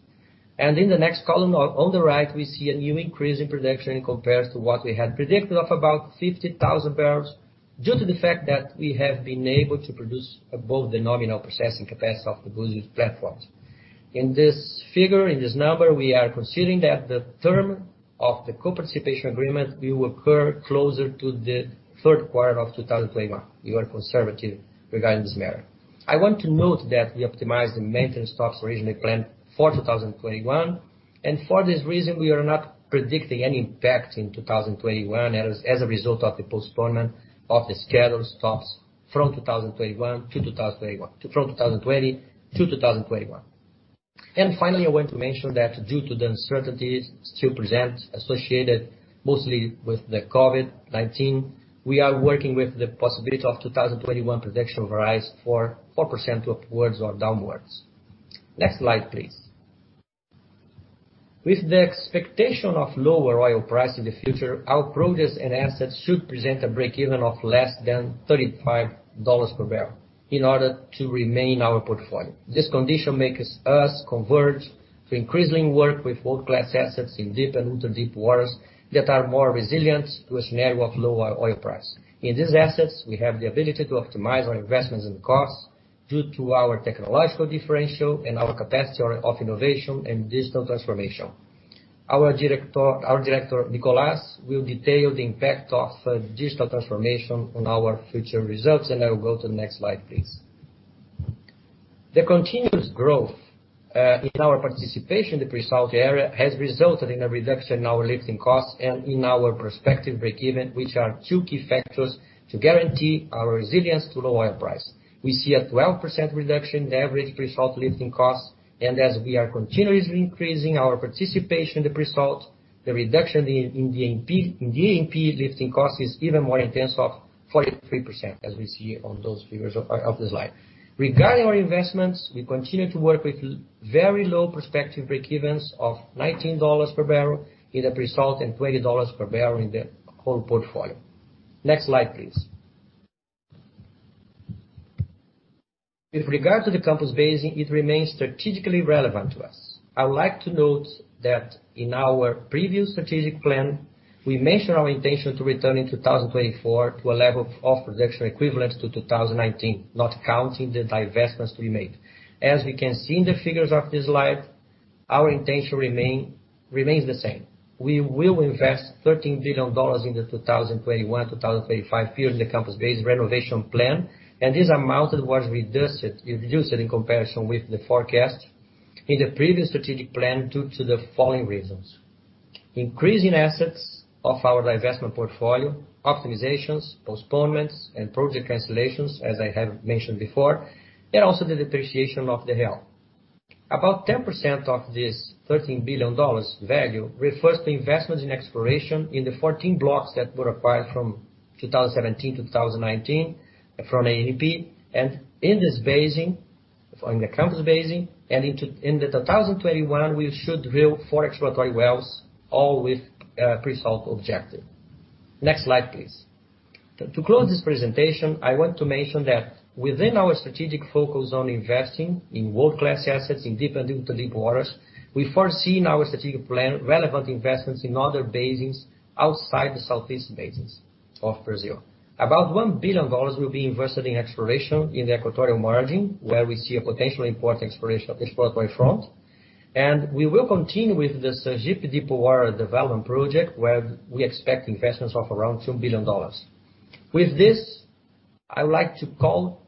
In the next column on the right, we see a new increase in production compared to what we had predicted of about 50,000 bbl due to the fact that we have been able to produce above the nominal processing capacity of the produced platforms. In this figure, in this number, we are considering that the term of the co-participation agreement will occur closer to the third quarter of 2021. We are conservative regarding this matter. I want to note that we optimized the maintenance stops originally planned for 2021. For this reason, we are not predicting any impact in 2021 as a result of the postponement of the scheduled stops from 2020 to 2021. Finally, I want to mention that due to the uncertainties still present associated mostly with the COVID-19, we are working with the possibility of 2021 production varies for 4% upwards or downwards. Next slide, please. With the expectation of lower oil price in the future, our progress and assets should present a breakeven of less than $35 per barrel in order to remain our portfolio. This condition makes us converge to increasingly work with world-class assets in deep and ultra-deep waters that are more resilient to a scenario of lower oil price. In these assets, we have the ability to optimize our investments and costs due to our technological differential and our capacity of innovation and digital transformation. Our director, Nicolás, will detail the impact of digital transformation on our future results, and I will go to the next slide, please. The continuous growth in our participation in the pre-salt area has resulted in a reduction in our lifting costs and in our perspective breakeven, which are two key factors to guarantee our resilience to low oil price. We see a 12% reduction in average pre-salt lifting costs, and as we are continuously increasing our participation in the pre-salt, the reduction in the ANP lifting cost is even more intense of 43%, as we see on those figures of the slide. Regarding our investments, we continue to work with very low prospective breakevens of $19 per barrel in the pre-salt and $20 per barrel in the whole portfolio. Next slide, please. With regard to the Campos Basin, it remains strategically relevant to us. I would like to note that in our previous strategic plan, we mentioned our intention to return in 2024 to a level of production equivalent to 2019, not counting the divestments we made. As we can see in the figures of this slide, our intention remains the same. We will invest $13 billion in the 2021, 2025 period in the Campos Basin renovation plan. This amount was reduced in comparison with the forecast in the previous strategic plan due to the following reasons: Increase in assets of our divestment portfolio, optimizations, postponements, and project cancellations, as I have mentioned before, and also the depreciation of the Real. About 10% of this $13 billion value refers to investments in exploration in the 14 blocks that were acquired from 2017 to 2019 from ANP. In this basin, in the Campos Basin, in 2021, we should drill four exploratory wells, all with pre-salt objective. Next slide, please. To close this presentation, I want to mention that within our strategic focus on investing in world-class assets in deep and ultra-deep waters, we foresee in our strategic plan relevant investments in other basins outside the southeast basins of Brazil. About $1 billion will be invested in exploration in the equatorial margin, where we see a potentially important exploration of exploratory front. We will continue with the Sergipe Deep Water Development Project, where we expect investments of around $2 billion. With this, I would like to call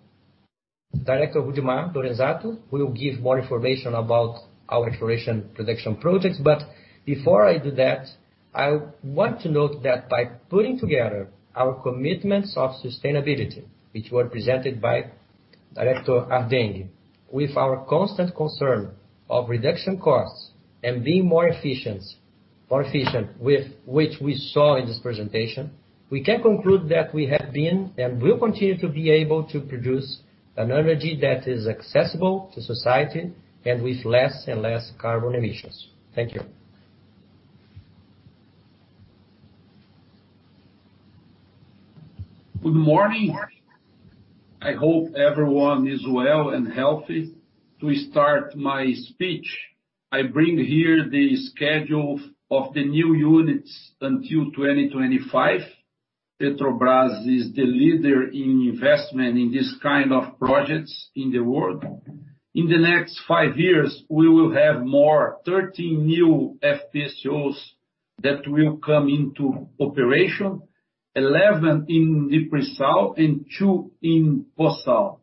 Director Rudimar Lorenzatto, who will give more information about our exploration production projects. Before I do that, I want to note that by putting together our commitments of sustainability, which were presented by Director Ardenghy, with our constant concern of reduction costs and being more efficient, with which we saw in this presentation. We can conclude that we have been, and will continue to be able to produce an energy that is accessible to society and with less and less carbon emissions. Thank you. Good morning. I hope everyone is well and healthy. To start my speech, I bring here the schedule of the new units until 2025. Petrobras is the leader in investment in this kind of projects in the world. In the next five years, we will have more 30 new FPSOs that will come into operation, 11 in deep pre-salt and two in post-salt.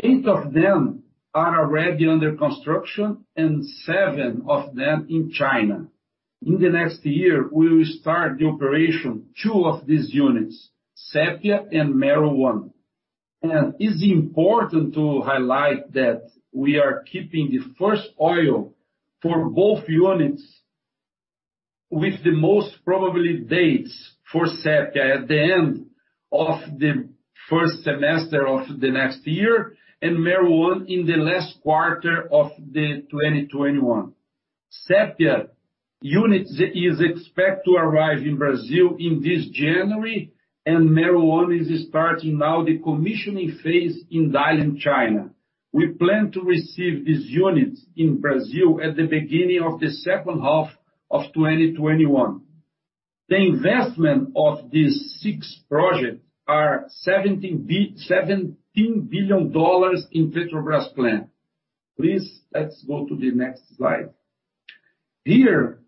Eight of them are already under construction and seven of them in China. In the next year, we will start the operation, two of these units, Sépia and Mero 1. It's important to highlight that we are keeping the first oil for both units with the most probably dates for Sépia at the end of the first semester of the next year, and Mero 1 in the last quarter of 2021. Sépia unit is expected to arrive in Brazil in this January, and Mero 1 is starting now the commissioning phase in Dalian, China. We plan to receive these units in Brazil at the beginning of the second half of 2021. The investment of these six projects are $17 billion in Petrobras plan. Please, let's go to the next slide. Here,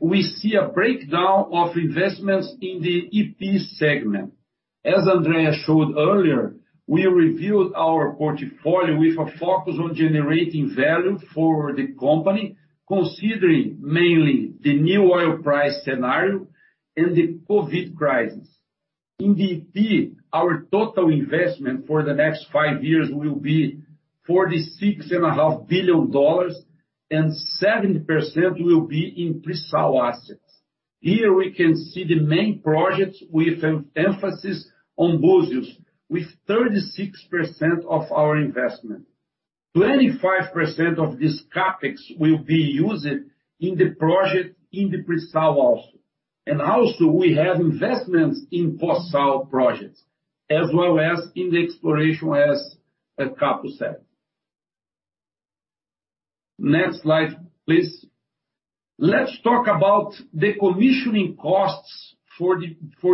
we see a breakdown of investments in the E&P segment. As Andrea showed earlier, we reviewed our portfolio with a focus on generating value for the company, considering mainly the new oil price scenario and the COVID-19 crisis. In the E&P, our total investment for the next five years will be $46.5 billion, and 70% will be in pre-salt assets. Here we can see the main projects with an emphasis on Búzios, with 36% of our investment. 25% of this CapEx will be used in the project in the pre-salt also. We have investments in post-salt projects, as well as in the exploration, as Capo said. Next slide, please. Let's talk about the commissioning costs for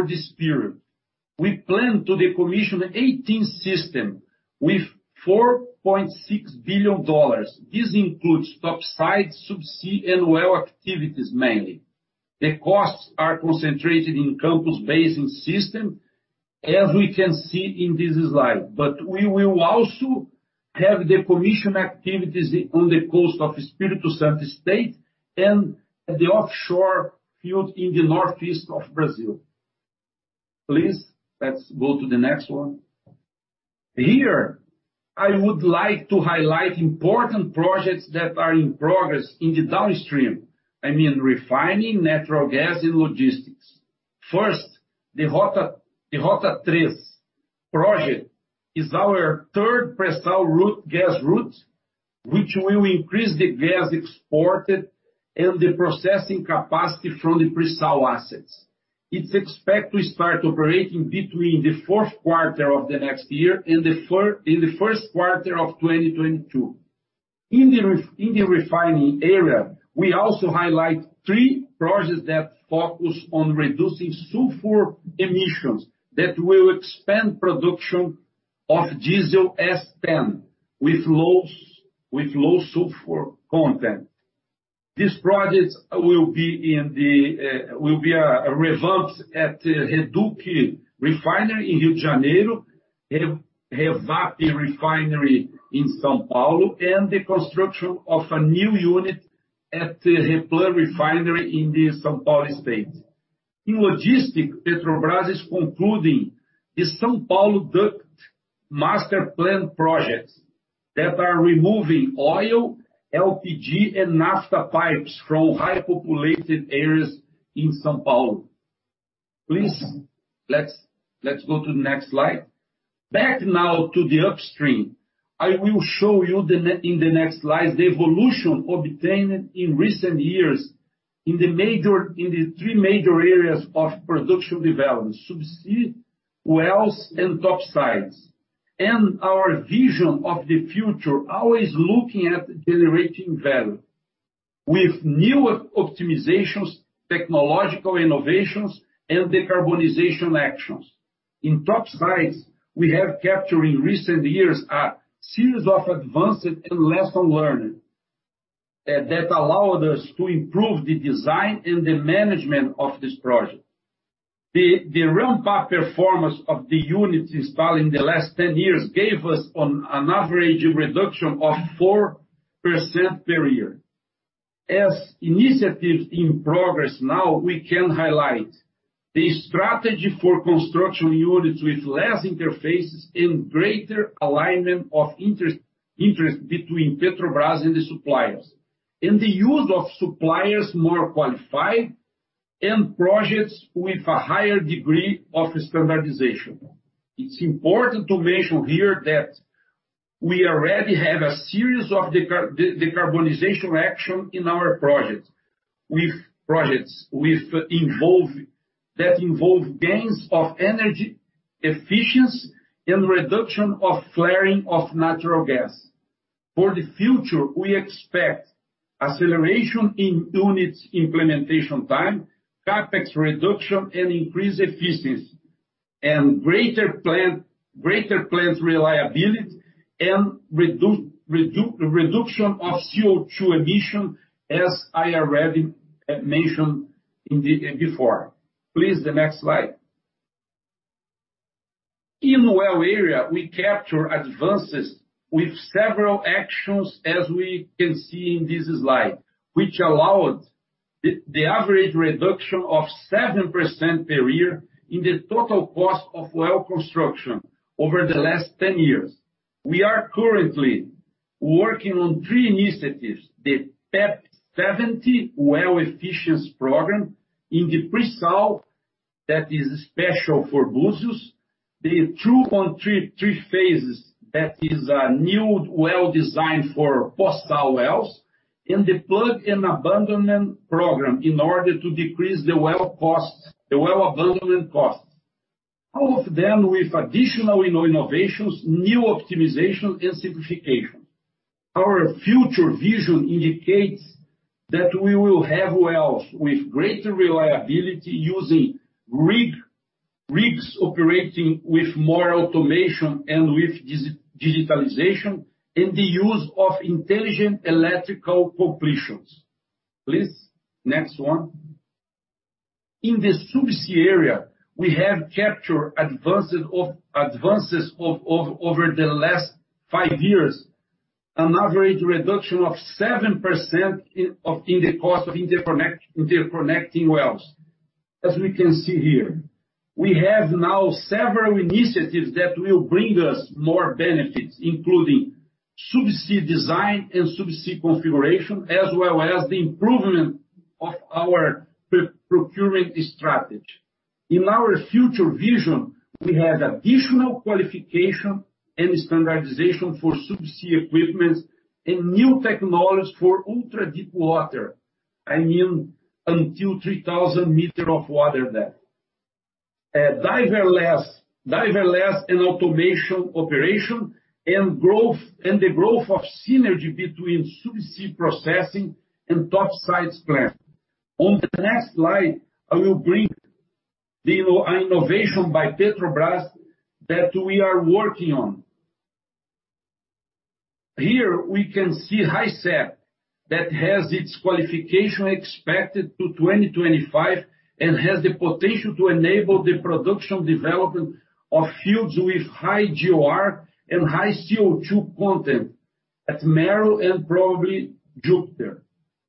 this period. We plan to commission 18 systems with $4.6 billion. This includes topside subsea and well activities mainly. The costs are concentrated in Campos Basin system, as we can see in this slide. We will also have the commission activities on the coast of the Espírito Santo State and the offshore field in the northeast of Brazil. Let's go to the next one. Here, I would like to highlight important projects that are in progress in the downstream. I mean, refining natural gas and logistics. The Rota 3 project is our third pre-salt route, gas route, which will increase the gas exported and the processing capacity from the pre-salt assets. It's expected to start operating between the fourth quarter of the next year and the first quarter of 2022. In the refining area, we also highlight three projects that focus on reducing sulfur emissions that will expand production of Diesel S10 with low sulfur content. These projects will be a revamp at Reduc refinery in Rio de Janeiro, REPAR refinery in São Paulo, and the construction of a new unit at Replan refinery in the São Paulo state. In logistics, Petrobras is concluding the São Paulo duct master plan projects that are removing oil, LPG, and naphtha pipes from high-populated areas in São Paulo. Please, let's go to the next slide. Back now to the upstream. I will show you in the next slide, the evolution obtained in recent years in the three major areas of production development, subsea wells and topsides. Our vision of the future, always looking at generating value with new optimizations, technological innovations, and decarbonization actions. In topsides, we have captured in recent years a series of advances and lesson learning that allowed us to improve the design and the management of this project. The ramp-up performance of the units installed in the last 10 years gave us an average reduction of 4% per year. As initiatives in progress now, we can highlight the strategy for construction units with less interfaces and greater alignment of interest between Petrobras and the suppliers. The use of suppliers more qualified and projects with a higher degree of standardization. It's important to mention here that we already have a series of decarbonization actions in our projects, that involve gains of energy efficiency and reduction of flaring of natural gas. For the future, we expect acceleration in units implementation time, CapEx reduction, and increased efficiency, and greater plant reliability, and reduction of CO2 emission, as I already mentioned before. Please, the next slide. In well area, we capture advances with several actions, as we can see in this slide, which allowed the average reduction of 7% per year in the total cost of well construction over the last 10 years. We are currently working on three initiatives, the PEP-70 Well Efficiency Program in the pre-salt that is special for Búzios, the Two on Three phases that is a new well design for post-salt wells, and the plug and abandonment program in order to decrease the well abandonment costs. All of them with additional innovations, new optimization, and simplification. Our future vision indicates that we will have wells with greater reliability using rigs operating with more automation and with digitalization, and the use of intelligent electrical completions. Please, next one. In the subsea area, we have captured advances over the last five years, an average reduction of 7% in the cost of interconnecting wells, as we can see here. We have now several initiatives that will bring us more benefits, including subsea design and subsea configuration, as well as the improvement of our procurement strategy. In our future vision, we have additional qualification and standardization for subsea equipment and new technologies for ultra-deep water, until 3,000 m of water depth, diverless and automation operation, and the growth of synergy between subsea processing and topsides plant. On the next slide, I will bring the innovation by Petrobras that we are working on. Here we can see HISEP that has its qualification expected to 2025 and has the potential to enable the production development of fields with high GOR and high CO2 content at Mero and probably Jupiter.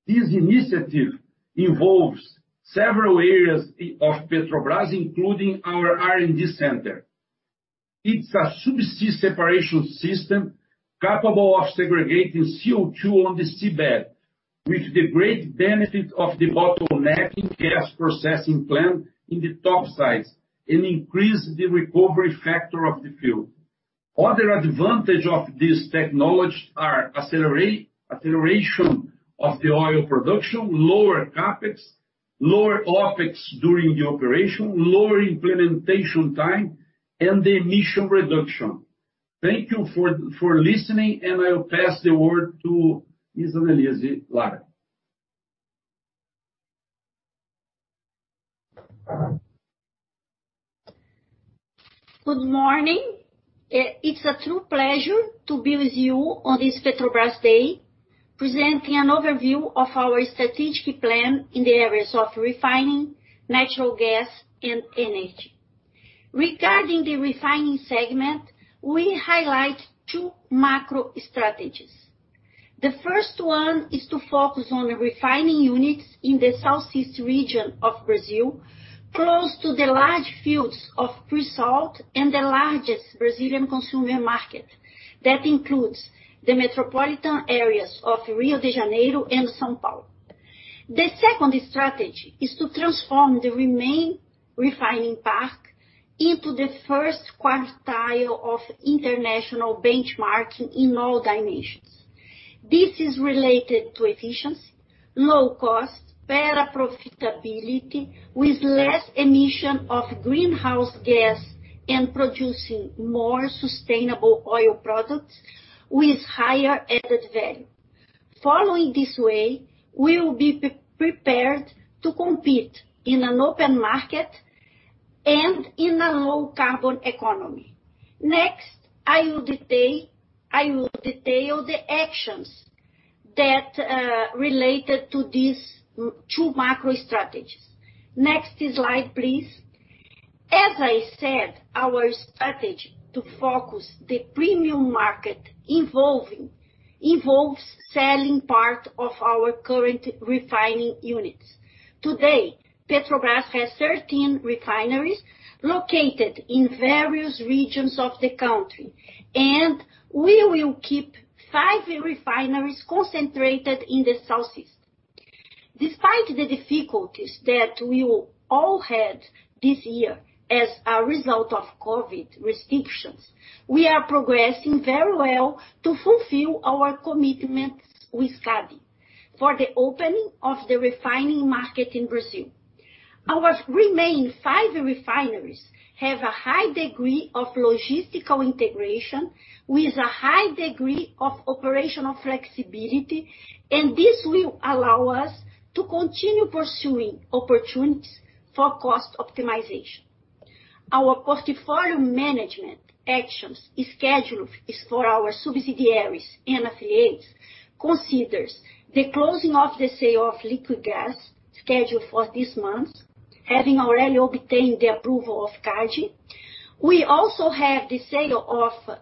This initiative involves several areas of Petrobras, including our R&D center. It's a subsea separation system capable of segregating CO2 on the seabed, with the great benefit of the bottleneck in gas processing plant in the topsides, and increase the recovery factor of the field. Other advantage of this technology are acceleration of the oil production, lower CapEx, lower OpEx during the operation, lower implementation time, and the emission reduction. Thank you for listening, and I'll pass the word to Ms. Anelise Lara. Good morning. It's a true pleasure to be with you on this Petrobras Day, presenting an overview of our strategic plan in the areas of refining, natural gas, and energy. Regarding the refining segment, we highlight two macro strategies. The first one is to focus on refining units in the southeast region of Brazil, close to the large fields of pre-salt and the largest Brazilian consumer market. That includes the metropolitan areas of Rio de Janeiro and São Paulo. The second strategy is to transform the remaining refining park into the first quintile of international benchmarking in all dimensions. This is related to efficiency, low cost, better profitability, with less emission of greenhouse gas, and producing more sustainable oil products with higher added value. Following this way, we will be prepared to compete in an open market and in a low-carbon economy. Next, I will detail the actions that are related to these two macro strategies. Next slide, please. As I said, our strategy to focus the premium market involves selling part of our current refining units. Today, Petrobras has 13 refineries located in various regions of the country, and we will keep five refineries concentrated in the Southeast. Despite the difficulties that we all had this year as a result of COVID restrictions, we are progressing very well to fulfill our commitments with CADE for the opening of the refining market in Brazil. Our remaining five refineries have a high degree of logistical integration, with a high degree of operational flexibility, and this will allow us to continue pursuing opportunities for cost optimization. Our portfolio management actions scheduled is for our subsidiaries and affiliates considers the closing of the sale of Liquigás scheduled for this month, having already obtained the approval of CADE. We also have the sale of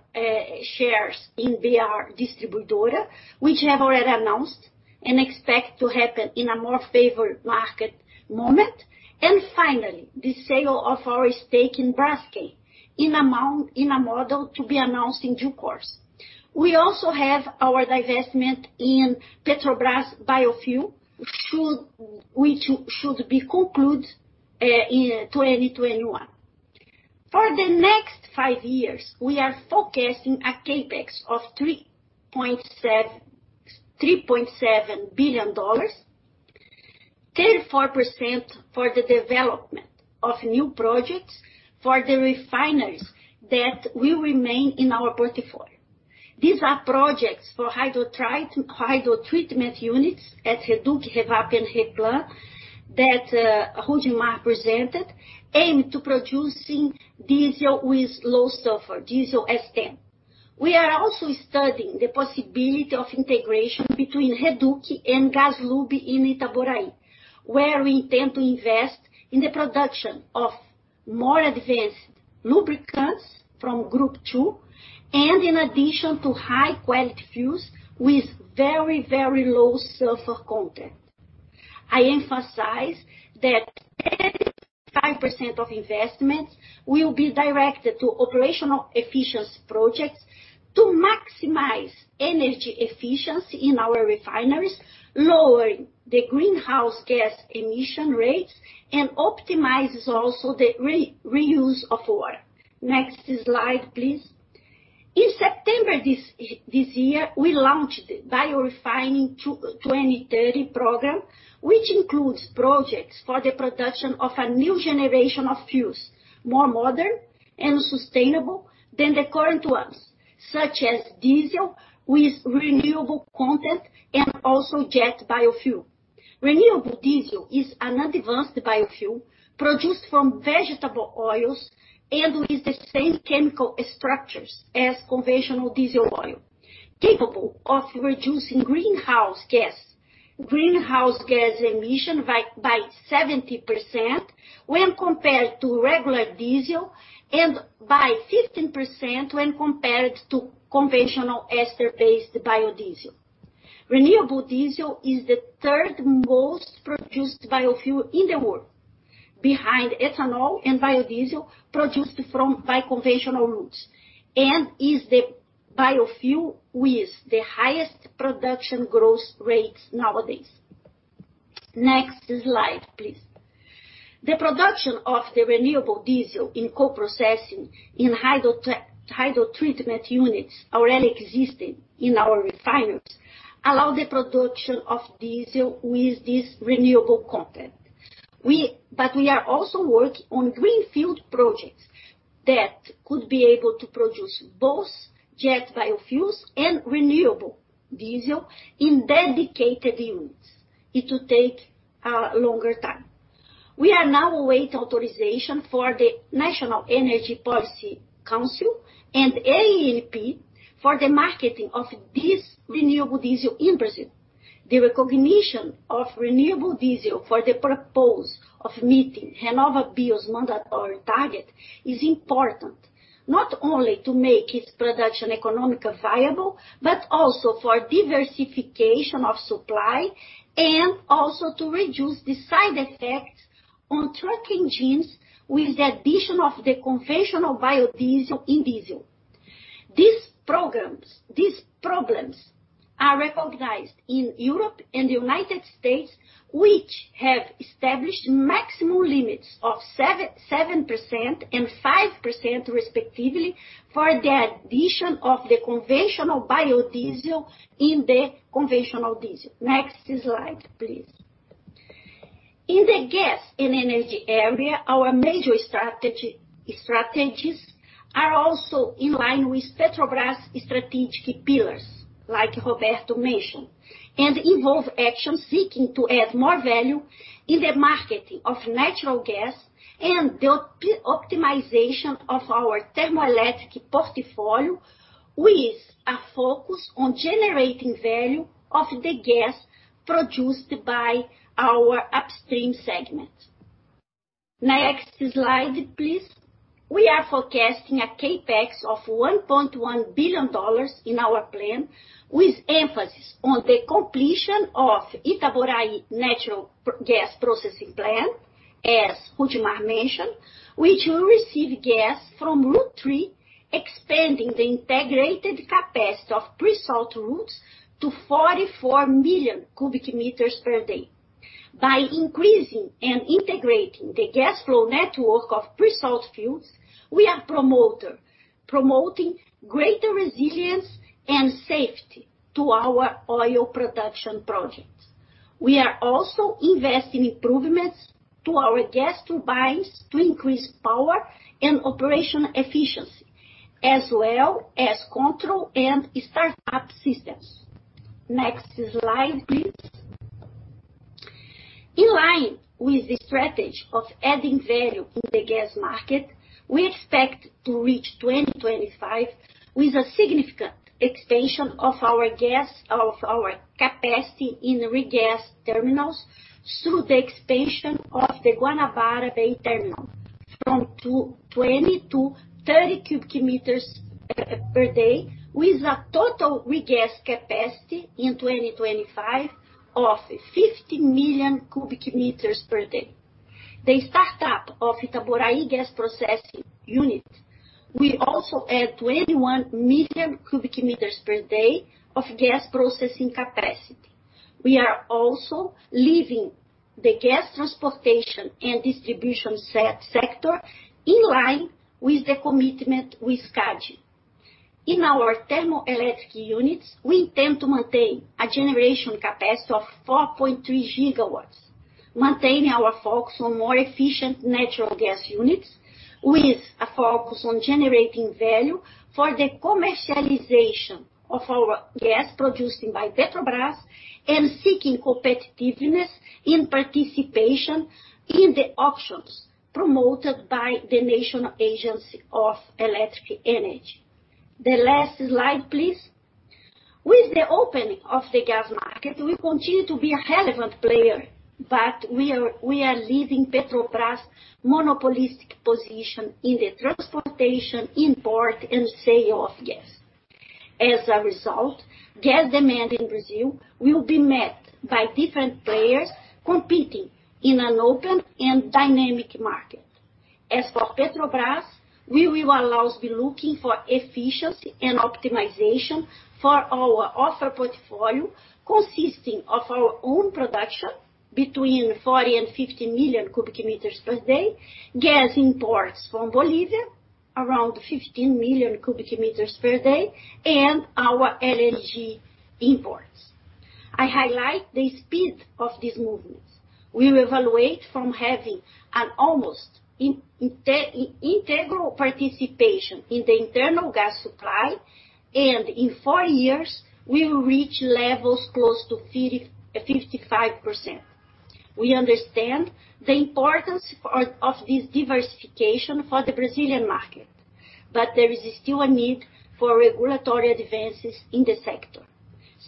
shares in BR Distribuidora, which have already announced and expect to happen in a more favored market moment. Finally, the sale of our stake in Braskem in a model to be announced in due course. We also have our divestment in Petrobras Biocombustível, which should be concluded in 2021. For the next five years, we are forecasting a CapEx of $3.7 billion, 34% for the development of new projects for the refineries that will remain in our portfolio. These are projects for hydrotreatment units at Reduc, Revap and Replan, that Rudimar presented, aimed to producing Diesel S10. We are also studying the possibility of integration between Reduc and GasLub in Itaboraí, where we intend to invest in the production of more advanced lubricants from Group 2, in addition to high-quality fuels with very, very low sulfur content. I emphasize that 35% of investments will be directed to operational efficiency projects to maximize energy efficiency in our refineries, lowering the greenhouse gas emission rates, and optimizes also the reuse of water. Next slide, please. In September this year, we launched the BioRefining 2030 program, which includes projects for the production of a new generation of fuels, more modern and sustainable than the current ones, such as diesel with renewable content and also jet biofuel. Renewable diesel is an advanced biofuel produced from vegetable oils and with the same chemical structures as conventional diesel oil, capable of reducing greenhouse gas emission by 70% when compared to regular diesel and by 15% when compared to conventional ester-based biodiesel. Renewable diesel is the third most produced biofuel in the world, behind ethanol and biodiesel produced from by conventional routes, and is the biofuel with the highest production growth rates nowadays. Next slide, please. The production of the renewable diesel in co-processing in hydrotreatment units already existing in our refineries allow the production of diesel with this renewable content. We are also working on greenfield projects that could be able to produce both jet biofuels and renewable diesel in dedicated units. It will take a longer time. We are now awaiting authorization for the National Energy Policy Council and ANP for the marketing of this renewable diesel in Brazil. The recognition of renewable diesel for the purpose of meeting RenovaBio's mandatory target is important, not only to make its production economically viable, but also for diversification of supply and also to reduce the side effects on truck engines with the addition of the conventional biodiesel in diesel. These problems are recognized in Europe and the United States, which have established maximum limits of 7% and 5% respectively for the addition of the conventional biodiesel in the conventional diesel. Next slide, please. In the gas and energy area, our major strategies are also in line with Petrobras strategic pillars, like Roberto mentioned, and involve actions seeking to add more value in the marketing of natural gas and the optimization of our thermoelectric portfolio, with a focus on generating value of the gas produced by our upstream segment. Next slide, please. We are forecasting a CapEx of $1.1 billion in our plan, with emphasis on the completion of Itaboraí Natural Gas Processing Plant, as Rudimar mentioned, which will receive gas from Rota 3, expanding the integrated capacity of pre-salt routes to 44 million cubic meters per day. By increasing and integrating the gas flow network of pre-salt fields, we are promoting greater resilience and safety to our oil production projects. We are also investing improvements to our gas turbines to increase power and operational efficiency, as well as control and startup systems. Next slide, please. In line with the strategy of adding value in the gas market, we expect to reach 2025 with a significant expansion of our capacity in regas terminals through the expansion of the Guanabara Bay Terminal from 20 to 30 cubic meters per day, with a total regas capacity in 2025 of 50 million cubic meters per day. The startup of Itaboraí Gas Processing Unit will also add 21 million cubic meters per day of gas processing capacity. We are also leaving the gas transportation and distribution sector in line with the commitment with CADE. In our thermoelectric units, we intend to maintain a generation capacity of 4.3 GW, maintaining our focus on more efficient natural gas units, with a focus on generating value for the commercialization of our gas produced by Petrobras, and seeking competitiveness in participation in the auctions promoted by the National Agency of Electric Energy. The last slide, please. With the opening of the gas market, we continue to be a relevant player, but we are leaving Petrobras' monopolistic position in the transportation, import, and sale of gas. As a result, gas demand in Brazil will be met by different players competing in an open and dynamic market. As for Petrobras, we will also be looking for efficiency and optimization for our offer portfolio, consisting of our own production between 40 million and 50 million cubic meters per day, gas imports from Bolivia, around 15 million cubic meters per day, and our LNG imports. I highlight the speed of these movements. We will evaluate from having an almost integral participation in the internal gas supply, and in four years, we will reach levels close to 55%. We understand the importance of this diversification for the Brazilian market. There is still a need for regulatory advances in the sector.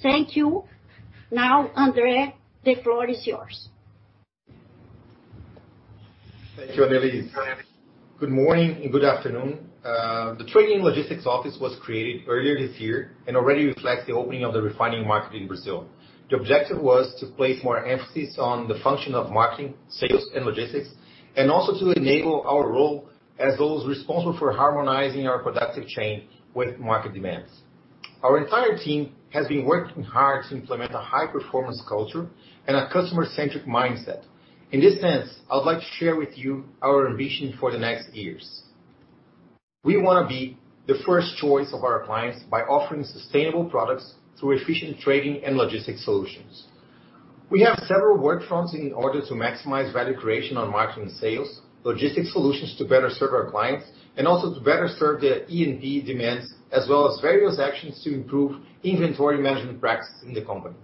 Thank you. Andre, the floor is yours. Thank you, Anelise. Good morning and good afternoon. The Trading Logistics Office was created earlier this year and already reflects the opening of the refining market in Brazil. The objective was to place more emphasis on the function of marketing, sales, and logistics, and also to enable our role as those responsible for harmonizing our productive chain with market demands. Our entire team has been working hard to implement a high-performance culture and a customer-centric mindset. In this sense, I would like to share with you our ambition for the next years. We want to be the first choice of our clients by offering sustainable products through efficient trading and logistics solutions. We have several work fronts in order to maximize value creation on marketing and sales, logistics solutions to better serve our clients, and also to better serve their E&P demands, as well as various actions to improve inventory management practices in the company.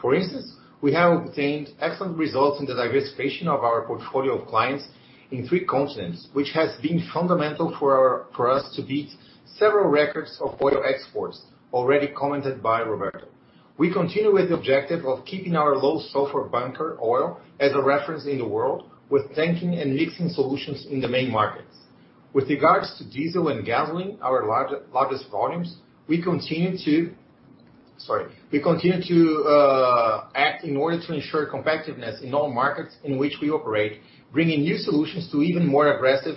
For instance, we have obtained excellent results in the diversification of our portfolio of clients in three continents, which has been fundamental for us to beat several records of oil exports, already commented by Roberto. We continue with the objective of keeping our low sulfur bunker oil as a reference in the world with tanking and mixing solutions in the main markets. With regards to diesel and gasoline, our largest volumes, we continue to act in order to ensure competitiveness in all markets in which we operate, bringing new solutions to be even more aggressive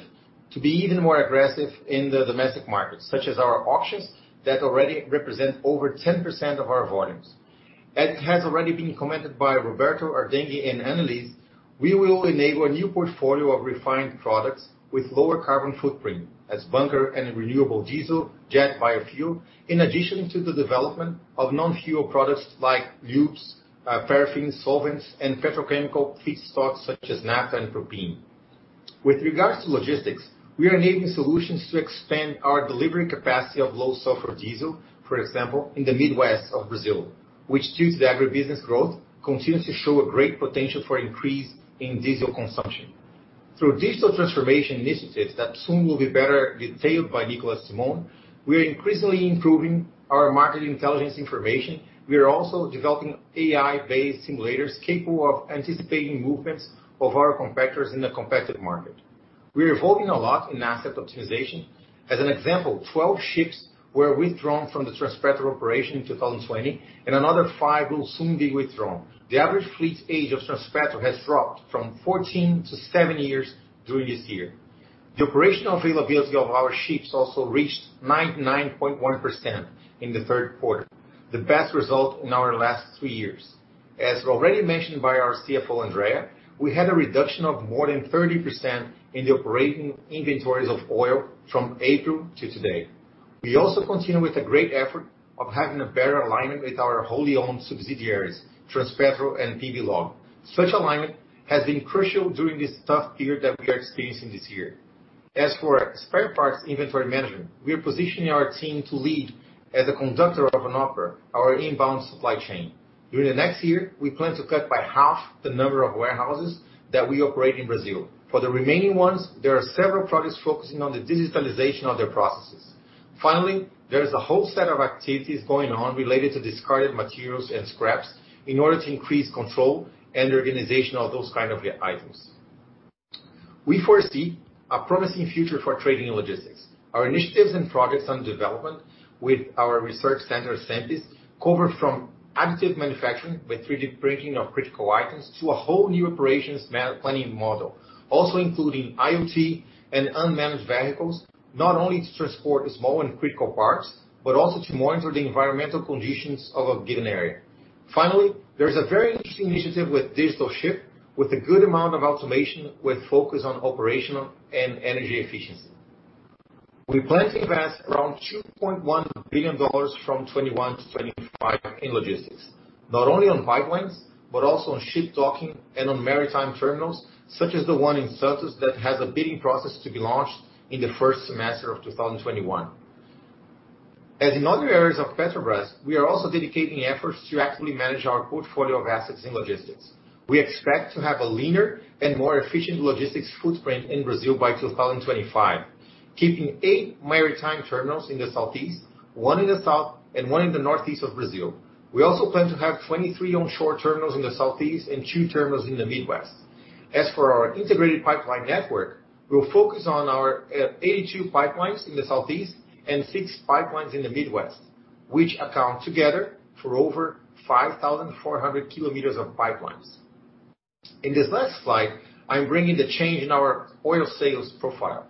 in the domestic markets, such as our auctions that already represent over 10% of our volumes. As has already been commented by Roberto Ardenghy and Anelise, we will enable a new portfolio of refined products with lower carbon footprint, as bunker and renewable diesel, jet biofuel, in addition to the development of non-fuel products like lubes, paraffin, solvents, and petrochemical feedstock such as Naphtha and Propene. With regards to logistics, we are enabling solutions to expand our delivery capacity of low sulfur diesel, for example, in the Midwest of Brazil. Which due to the agribusiness growth, continues to show a great potential for increase in diesel consumption. Through digital transformation initiatives that soon will be better detailed by Nicolás Simone, we are increasingly improving our market intelligence information. We are also developing AI-based simulators capable of anticipating movements of our competitors in the competitive market. We are evolving a lot in asset optimization. As an example, 12 ships were withdrawn from the Transpetro operation in 2020, and another 5 will soon be withdrawn. The average fleet age of Transpetro has dropped from 14 to seven years during this year. The operational availability of our ships also reached 99.1% in the third quarter, the best result in our last three years. As already mentioned by our CFO, Andrea, we had a reduction of more than 30% in the operating inventories of oil from April to today. We also continue with a great effort of having a better alignment with our wholly owned subsidiaries, Transpetro and PB-LOG. Such alignment has been crucial during this tough year that we are experiencing. As for spare parts inventory management, we are positioning our team to lead as a conductor of an opera, our inbound supply chain. During the next year, we plan to cut by half the number of warehouses that we operate in Brazil. For the remaining ones, there are several projects focusing on the digitalization of their processes. Finally, there is a whole set of activities going on related to discarded materials and scraps in order to increase control and organization of those kind of items. We foresee a promising future for trading and logistics. Our initiatives and projects on development with our research center, Cenpes, cover from additive manufacturing with 3D printing of critical items, to a whole new operations planning model. Including IoT and unmanned vehicles, not only to transport small and critical parts, but also to monitor the environmental conditions of a given area. There is a very interesting initiative with digital ship, with a good amount of automation, with focus on operational and energy efficiency. We plan to invest around $2.1 billion from 2021-2025 in logistics. On pipelines, but also on ship docking and on maritime terminals, such as the one in Santos that has a bidding process to be launched in the first semester of 2021. In other areas of Petrobras, we are also dedicating efforts to actively manage our portfolio of assets in logistics. We expect to have a leaner and more efficient logistics footprint in Brazil by 2025, keeping eight maritime terminals in the Southeast, one in the South, and one in the Northeast of Brazil. We also plan to have 23 onshore terminals in the Southeast and two terminals in the Midwest. For our integrated pipeline network, we will focus on our 82 pipelines in the Southeast and six pipelines in the Midwest, which account together for over 5,400 km of pipelines. In this last slide, I'm bringing the change in our oil sales profile.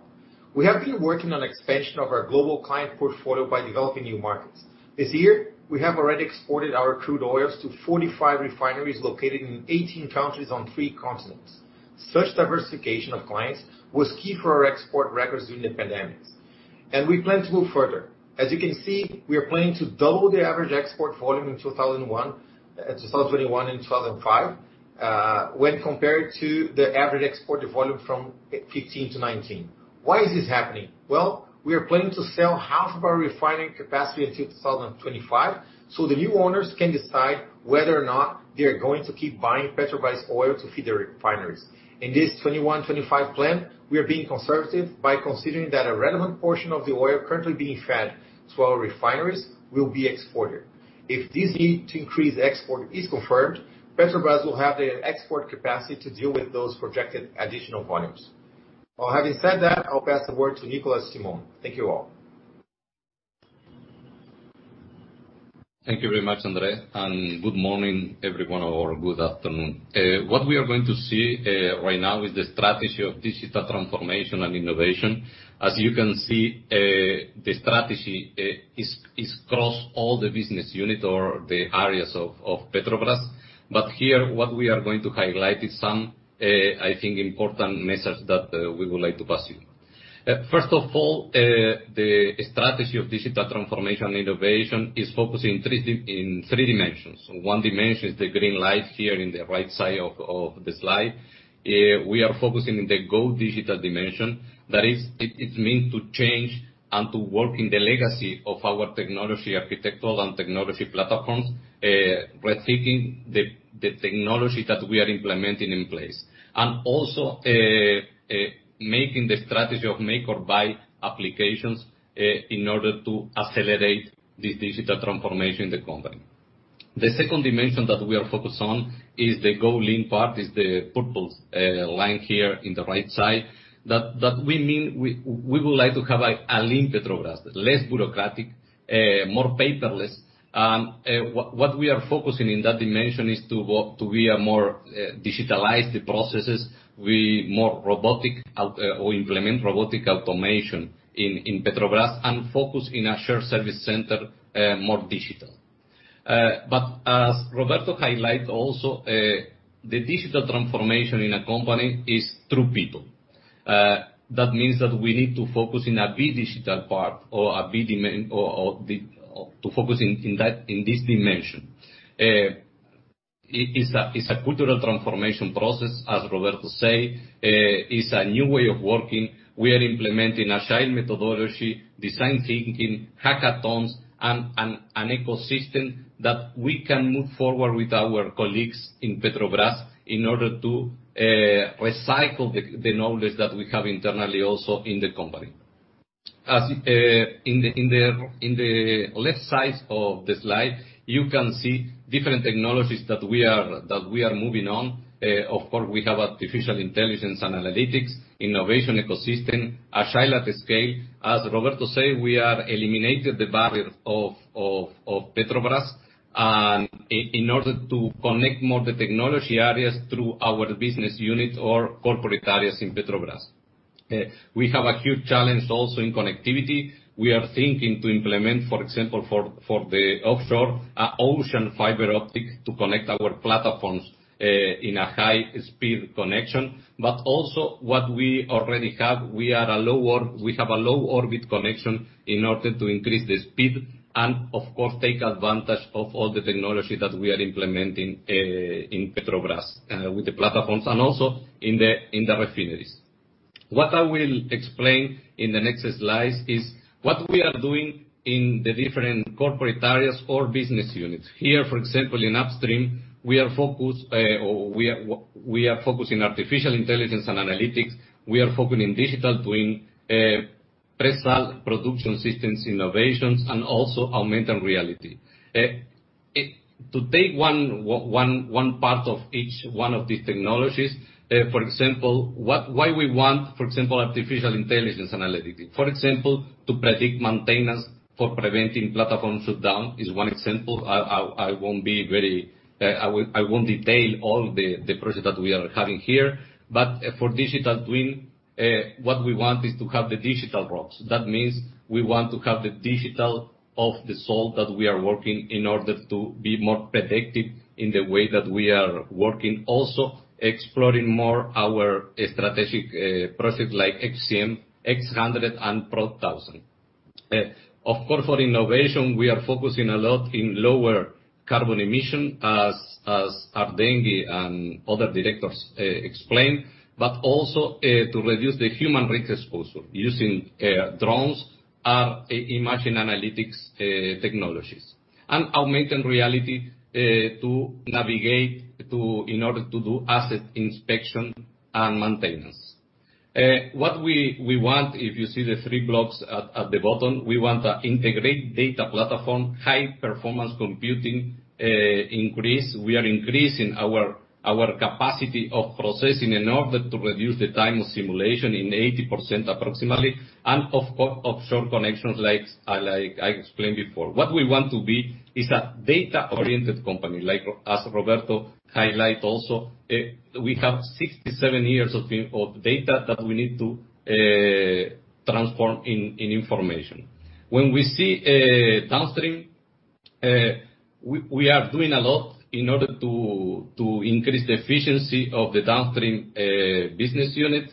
We have been working on expansion of our global client portfolio by developing new markets. This year, we have already exported our crude oils to 45 refineries located in 18 countries on three continents. Such diversification of clients was key for our export records during the pandemic. We plan to move further. As you can see, we are planning to double the average export volume in 2021 and 2025, when compared to the average exported volume from 2015 to 2019. Why is this happening? Well, we are planning to sell half of our refining capacity until 2025. The new owners can decide whether or not they are going to keep buying Petrobras oil to feed their refineries. In this 21/25 plan, we are being conservative by considering that a relevant portion of the oil currently being fed to our refineries will be exported. If this need to increase export is confirmed, Petrobras will have the export capacity to deal with those projected additional volumes. Well, having said that, I'll pass the word to Nicolás Simone. Thank you all. Thank you very much, Andre, and good morning everyone, or good afternoon. What we are going to see right now is the strategy of digital transformation and innovation. As you can see, the strategy is across all the business unit or the areas of Petrobras. Here, what we are going to highlight is some, I think, important message that we would like to pass you. First of all, the strategy of digital transformation and innovation is focusing in three dimensions. One dimension is the green light here in the right side of the slide. We are focusing in the go digital dimension. That is, it means to change and to work in the legacy of our technology architectural and technology platforms, rethinking the technology that we are implementing in place. Also making the strategy of make or buy applications in order to accelerate the digital transformation in the company. The second dimension that we are focused on is the go lean part, is the purple line here in the right side. That we mean we would like to have a lean Petrobras, less bureaucratic, more paperless. What we are focusing in that dimension is to be a more digitalized processes with more robotic or implement robotic automation in Petrobras and focus in a shared service center, more digital. As Roberto highlight also, the digital transformation in a company is through people. That means that we need to focus in a be digital part or to focus in this dimension. It's a cultural transformation process, as Roberto say, is a new way of working. We are implementing agile methodology, design thinking, hackathons, and an ecosystem that we can move forward with our colleagues in Petrobras in order to recycle the knowledge that we have internally also in the company. In the left side of the slide, you can see different technologies that we are moving on. Of course, we have artificial intelligence and analytics, innovation ecosystem, agile at scale. As Roberto say, we are eliminating the barrier of Petrobras in order to connect more the technology areas through our business unit or corporate areas in Petrobras. We have a huge challenge also in connectivity. We are thinking to implement, for example, for the offshore, an ocean fiber optic to connect our platforms in a high-speed connection. Also what we already have, we have a low orbit connection in order to increase the speed and, of course, take advantage of all the technology that we are implementing in Petrobras, with the platforms and also in the refineries. What I will explain in the next slide is what we are doing in the different corporate areas or business units. Here, for example, in upstream, we are focused on artificial intelligence and analytics. We are focused on digital twin, personal production systems innovations, and also augmented reality. To take one part of each one of these technologies, for example, why we want artificial intelligence analytics? For example, to predict maintenance for preventing platform shutdown is one example. I won't detail all the projects that we are having here, for digital twin, what we want is to have the digital rocks. That means we want to have the digital of the soul that we are working in order to be more predictive in the way that we are working, also exploring more our strategic projects like XCM, X100, and PROD 1000. Of course, for innovation, we are focusing a lot on lower carbon emission, as Ardenghy and other directors explained, but also to reduce the human risk exposure using drones or image analytics technologies and augmented reality to navigate in order to do asset inspection and maintenance. What we want, if you see the three blocks at the bottom, we want to integrate data platform, high performance computing increase. We are increasing our capacity of processing in order to reduce the time of simulation in 80% approximately, and of course, offshore connections like I explained before. What we want to be is a data-oriented company. As Roberto highlighted also, we have 67 years of data that we need to transform in information. When we see downstream, we are doing a lot in order to increase the efficiency of the downstream business unit.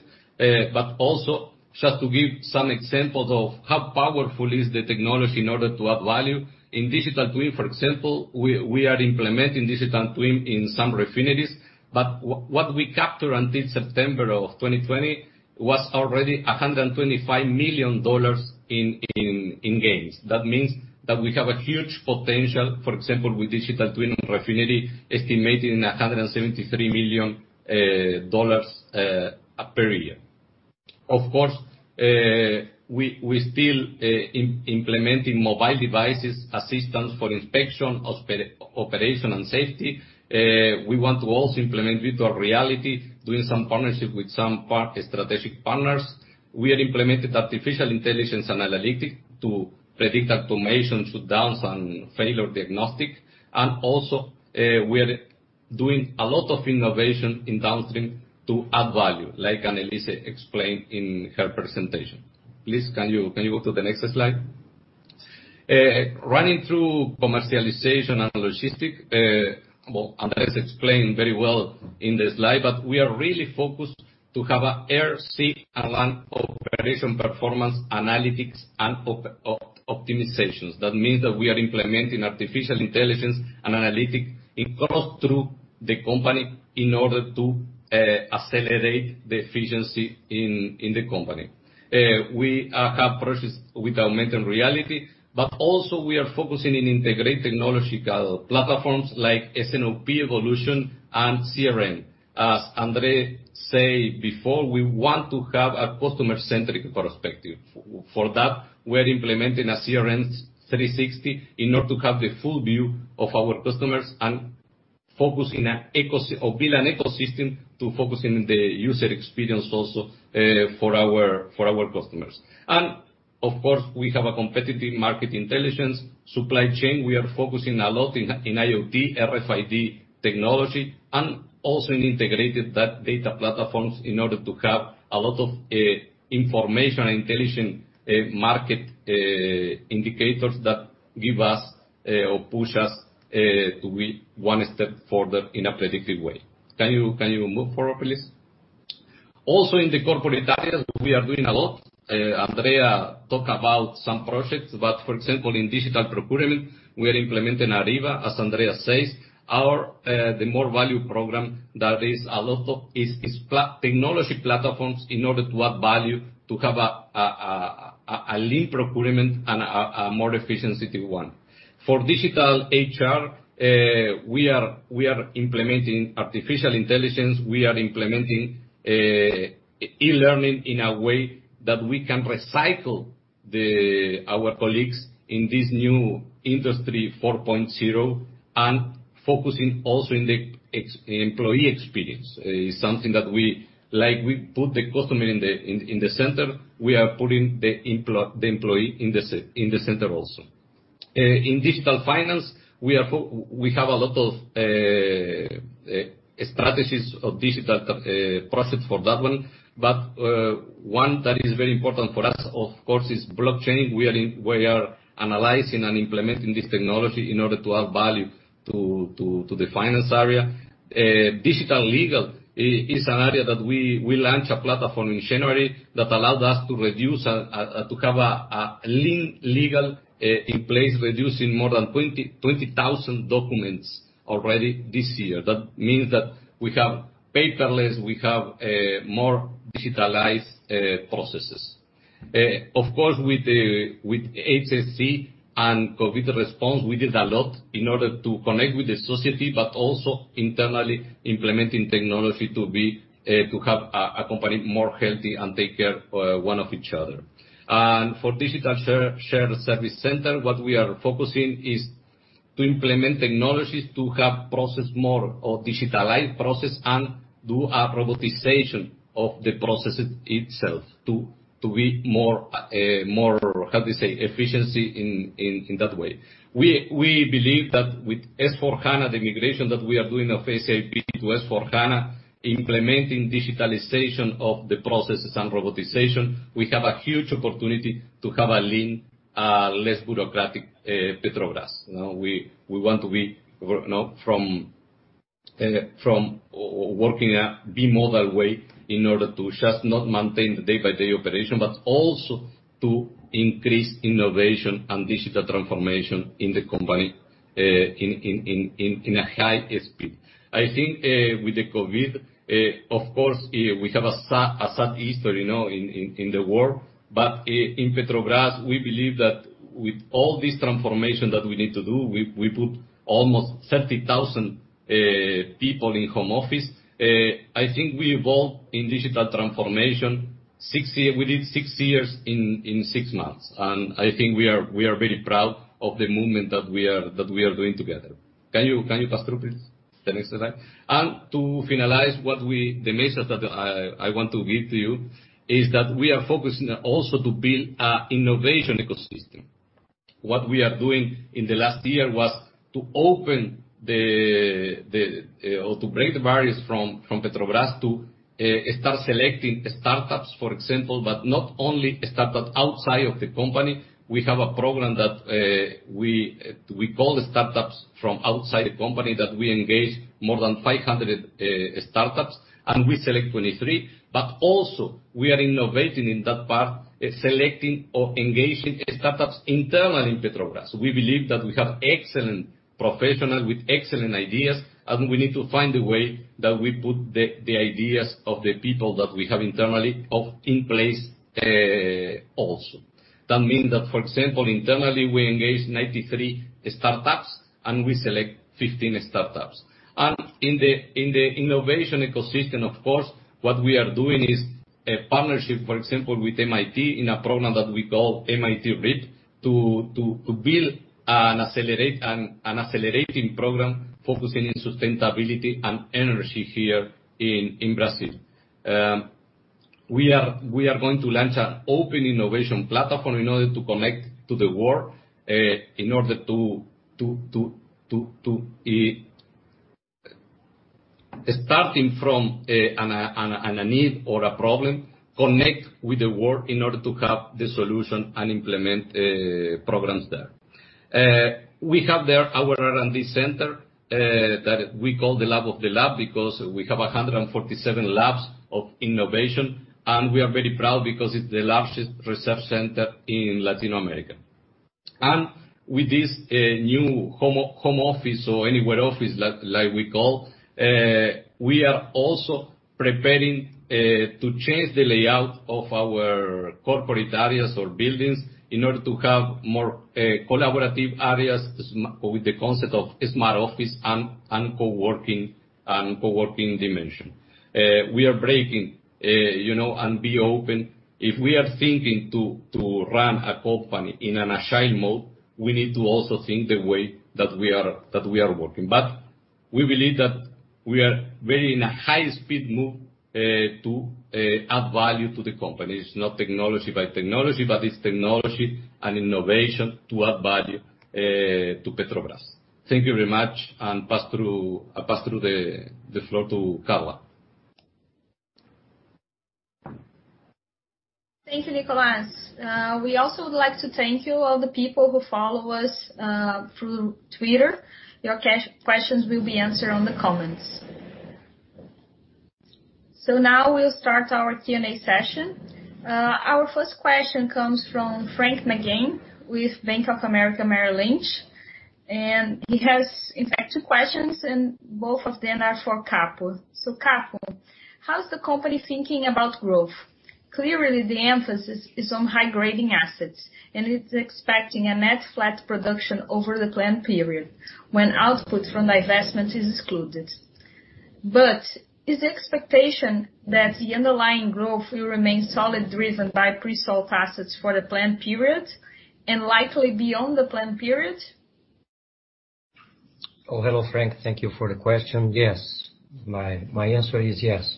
Also, just to give some examples of how powerful is the technology in order to add value, in digital twin, for example, we are implementing digital twin in some refineries, but what we captured until September of 2020 was already $125 million in gains. That means that we have a huge potential, for example, with digital twin refinery, estimating $173 million per year. Of course, we still implementing mobile devices, assistance for inspection, operation, and safety. We want to also implement virtual reality, doing some partnership with some strategic partners. We have implemented artificial intelligence and analytics to predict automation shutdowns and failure diagnostic. Also, we are doing a lot of innovation in downstream to add value, like Anelise Lara explained in her presentation. Please, can you go to the next slide? Running through commercialization and logistics. Well, André explained very well in the slide, but we are really focused to have air, sea, and land operation performance analytics and optimizations. That means that we are implementing artificial intelligence and analytics across the company in order to accelerate the efficiency in the company. We have projects with augmented reality, but also we are focusing on integrating technological platforms like S&OP Evolution and CRM. As Andrea said before, we want to have a customer-centric perspective. For that, we are implementing a CRM 360 in order to have the full view of our customers and build an ecosystem to focus on the user experience also for our customers. Of course, we have a competitive market intelligence supply chain. We are focusing a lot in IoT, RFID technology, and also in integrated data platforms in order to have a lot of information, intelligent market indicators that give us or push us to be one step further in a predictive way. Can you move forward, please? In the corporate areas, we are doing a lot. Andrea talked about some projects. For example, in digital procurement, we are implementing Ariba, as Andrea says. The Mais Valor program that is a lot of is technology platforms in order to add value, to have a lean procurement and a more efficiency one. For digital HR, we are implementing artificial intelligence. We are implementing e-learning in a way that we can recycle our colleagues in this new industry 4.0 and focusing also on the employee experience. Like we put the customer in the center, we are putting the employee in the center also. In digital finance, we have a lot of strategies of digital projects for that one, but one that is very important for us, of course, is blockchain. We are analyzing and implementing this technology in order to add value to the finance area. Digital legal is an area that we launched a platform in January that allowed us to have a lean legal in place, reducing more than 20,000 documents already this year. That means that we have paperless, we have more digitalized processes. Of course, with HSC and COVID response, we did a lot in order to connect with the society, but also internally implementing technology to have a company more healthy and take care of one of each other. For digital shared service center, what we are focusing is to implement technologies to have process more digitalize process and do a robotization of the processes itself to be more, how to say, efficiency in that way. We believe that with SAP S/4HANA, the migration that we are doing of SAP to SAP S/4HANA, implementing digitalization of the processes and robotization, we have a huge opportunity to have a lean, less bureaucratic Petrobras. We want to be from working a bimodal way in order to just not maintain the day-by-day operation, but also to increase innovation and digital transformation in the company in a high speed. I think with the COVID-19, of course, we have a sad history in the world. In Petrobras, we believe that with all this transformation that we need to do, we put almost 30,000 people in home office. I think we evolved in digital transformation, we did six years in six months. I think we are very proud of the movement that we are doing together. Can you pass through, please, the next slide? To finalize, the message that I want to give to you is that we are focusing also to build an innovation ecosystem. What we are doing in the last year was to open the, or to break the barriers from Petrobras to start selecting startups, for example, but not only startup outside of the company. We have a program that we call startups from outside the company that we engage more than 500 startups, and we select 23. Also we are innovating in that part, selecting or engaging startups internal in Petrobras. We believe that we have excellent professionals with excellent ideas, and we need to find a way that we put the ideas of the people that we have internally in place, also. That means that, for example, internally, we engage 93 startups and we select 15 startups. In the innovation ecosystem, of course, what we are doing is a partnership, for example, with MIT in a program that we call MIT REAP to build an accelerating program focusing in sustainability and energy here in Brazil. We are going to launch an open innovation platform in order to connect to the world, in order to, starting from a need or a problem, connect with the world in order to have the solution and implement programs there. We have there our R&D center, that we call the lab of the lab because we have 147 labs of innovation, and we are very proud because it's the largest research center in Latin America. With this new home office or anywhere office, like we call, we are also preparing to change the layout of our corporate areas or buildings in order to have more collaborative areas with the concept of smart office and co-working dimension. We are breaking, and be open. If we are thinking to run a company in a agile mode, we need to also think the way that we are working. We believe that we are very in a high-speed move to add value to the company. It's not technology by technology, but it's technology and innovation to add value to Petrobras. Thank you very much. Pass through the floor to Carla. Thank you, Nicolás. We also would like to thank you all the people who follow us through Twitter. Your questions will be answered on the comments. Now we'll start our Q&A session. Our first question comes from Frank McGann with Bank of America Merrill Lynch, and he has, in fact, two questions, and both of them are for Capo. Capo, how's the company thinking about growth? Clearly, the emphasis is on high-grading assets, and it's expecting a net flat production over the plan period when output from divestment is excluded. Is the expectation that the underlying growth will remain solid, driven by pre-salt assets for the plan period and likely beyond the plan period? Oh, hello, Frank. Thank you for the question. Yes. My answer is yes.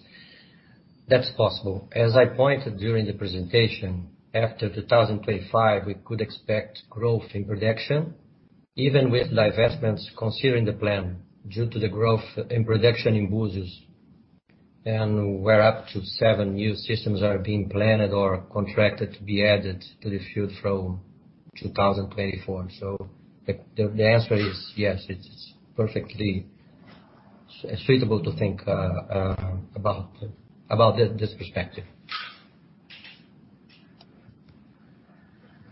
That's possible. As I pointed during the presentation, after 2025, we could expect growth in production, even with divestments considering the plan, due to the growth in production in Búzios. We're up to seven new systems are being planned or contracted to be added to the field from 2024. The answer is yes, it's perfectly suitable to think about this perspective.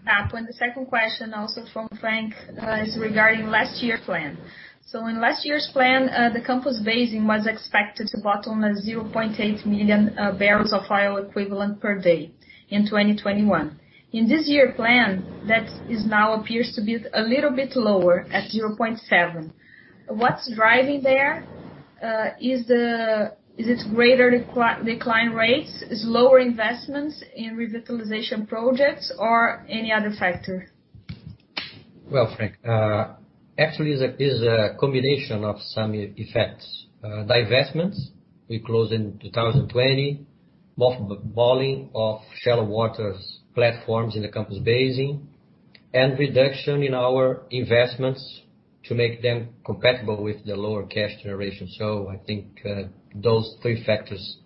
Cap, the second question also from Frank is regarding last year's plan. In last year's plan, the Campos Basin was expected to bottom a 0.8 million barrels of oil equivalent per day in 2021. In this year's plan, that now appears to be a little bit lower at 0.7 million barrels. What's driving there? Is it greater decline rates? Is it lower investments in revitalization projects, or any other factor? Well, Frank, actually, it is a combination of some effects. Divestments, we closed in 2020, mothballing of shallow waters platforms in the Campos Basin, and reduction in our investments to make them compatible with the lower cash generation. I think, those three factors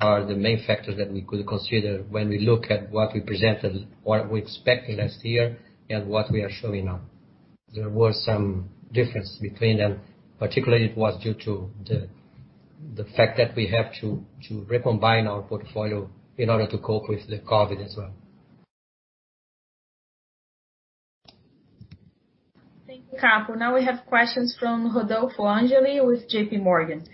are the main factors that we could consider when we look at what we presented, what we expected last year, and what we are showing now. There was some difference between them. Particularly, it was due to the fact that we have to recombine our portfolio in order to cope with the COVID as well. Thank you, Cap. We have questions from Rodolfo Angele with JPMorgan.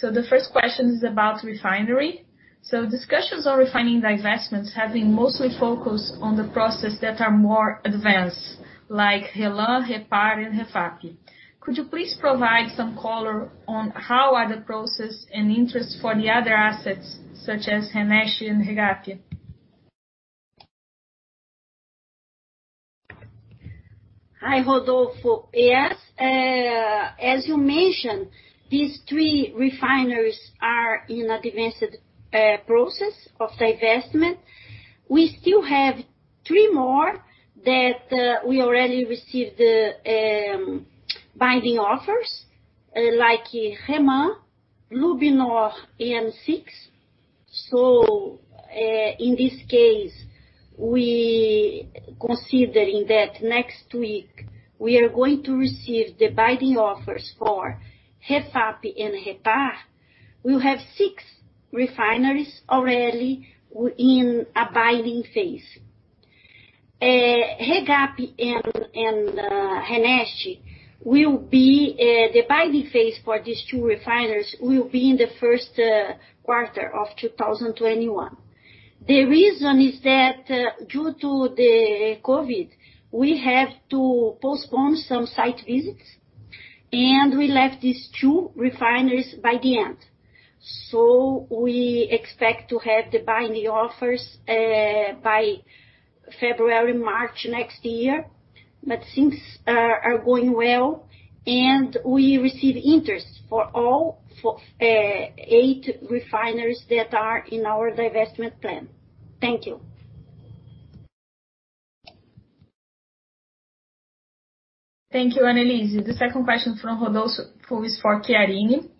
The first question is about refinery. Discussions on refining divestments have been mostly focused on the process that are more advanced, like RLAM, REPAR, and REFAP. Could you please provide some color on how are the process and interest for the other assets, such as REMAN and REGAP? Hi, Rodolfo. Yes, as you mentioned, these three refineries are in a divested process of divestment. We still have three more that we already received the binding offers, like REMAN, Lubnor, and SIX. In this case, we considering that next week we are going to receive the binding offers for REFAP and REPAR, we'll have six refineries already in a binding phase. REGAP and REMAN, the binding phase for these two refineries will be in the first quarter of 2021. The reason is that due to the COVID, we have to postpone some site visits, and we left these two refineries by the end. We expect to have the binding offers by February, March next year. Things are going well, and we receive interest for all eight refineries that are in our divestment plan. Thank you. Thank you, Anelise. The second question from Rodolfo is for Chiarini.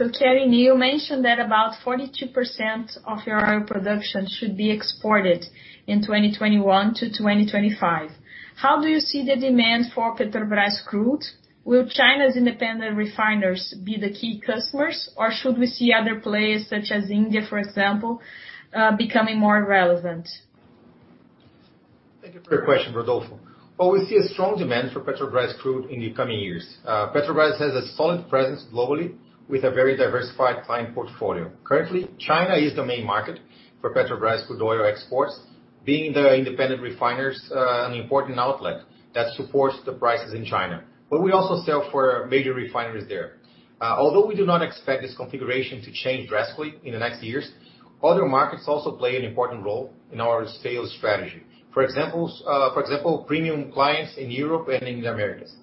Chiarini, you mentioned that about 42% of your oil production should be exported in 2021-2025. How do you see the demand for Petrobras crude? Will China's independent refiners be the key customers, or should we see other players, such as India, for example, becoming more relevant? Thank you for your question, Rodolfo. Well, we see a strong demand for Petrobras crude in the coming years. Petrobras has a solid presence globally with a very diversified client portfolio. Currently, China is the main market for Petrobras crude oil exports, being the independent refiners an important outlet that supports the prices in China. We also sell for major refineries there. Although we do not expect this configuration to change drastically in the next years, other markets also play an important role in our sales strategy. For example, premium clients in Europe and in the Americas.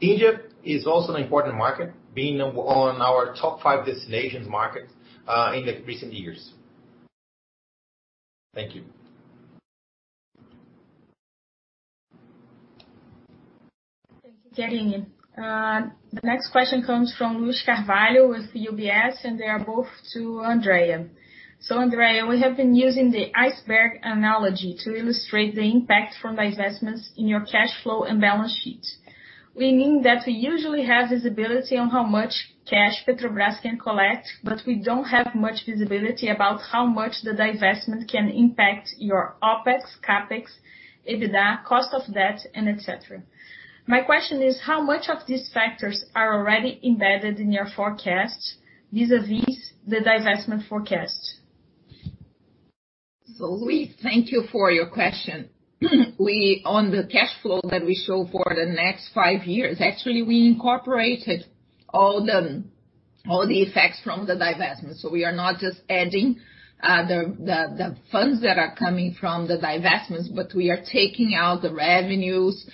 India is also an important market, being on our top five destinations markets in the recent years. Thank you. Thank you, Chiarini. The next question comes from Luiz Carvalho with UBS. They are both to Andrea. Andrea, we have been using the iceberg analogy to illustrate the impact from divestments in your cash flow and balance sheet. We mean that we usually have visibility on how much cash Petrobras can collect, we don't have much visibility about how much the divestment can impact your OpEx, CapEx, EBITDA, cost of debt, and etc. My question is, how much of these factors are already embedded in your forecast vis-a-vis the divestment forecast? Luiz, thank you for your question. On the cash flow that we show for the next five years, actually, we incorporated all the effects from the divestment. We are not just adding the funds that are coming from the divestments, but we are taking out the revenues,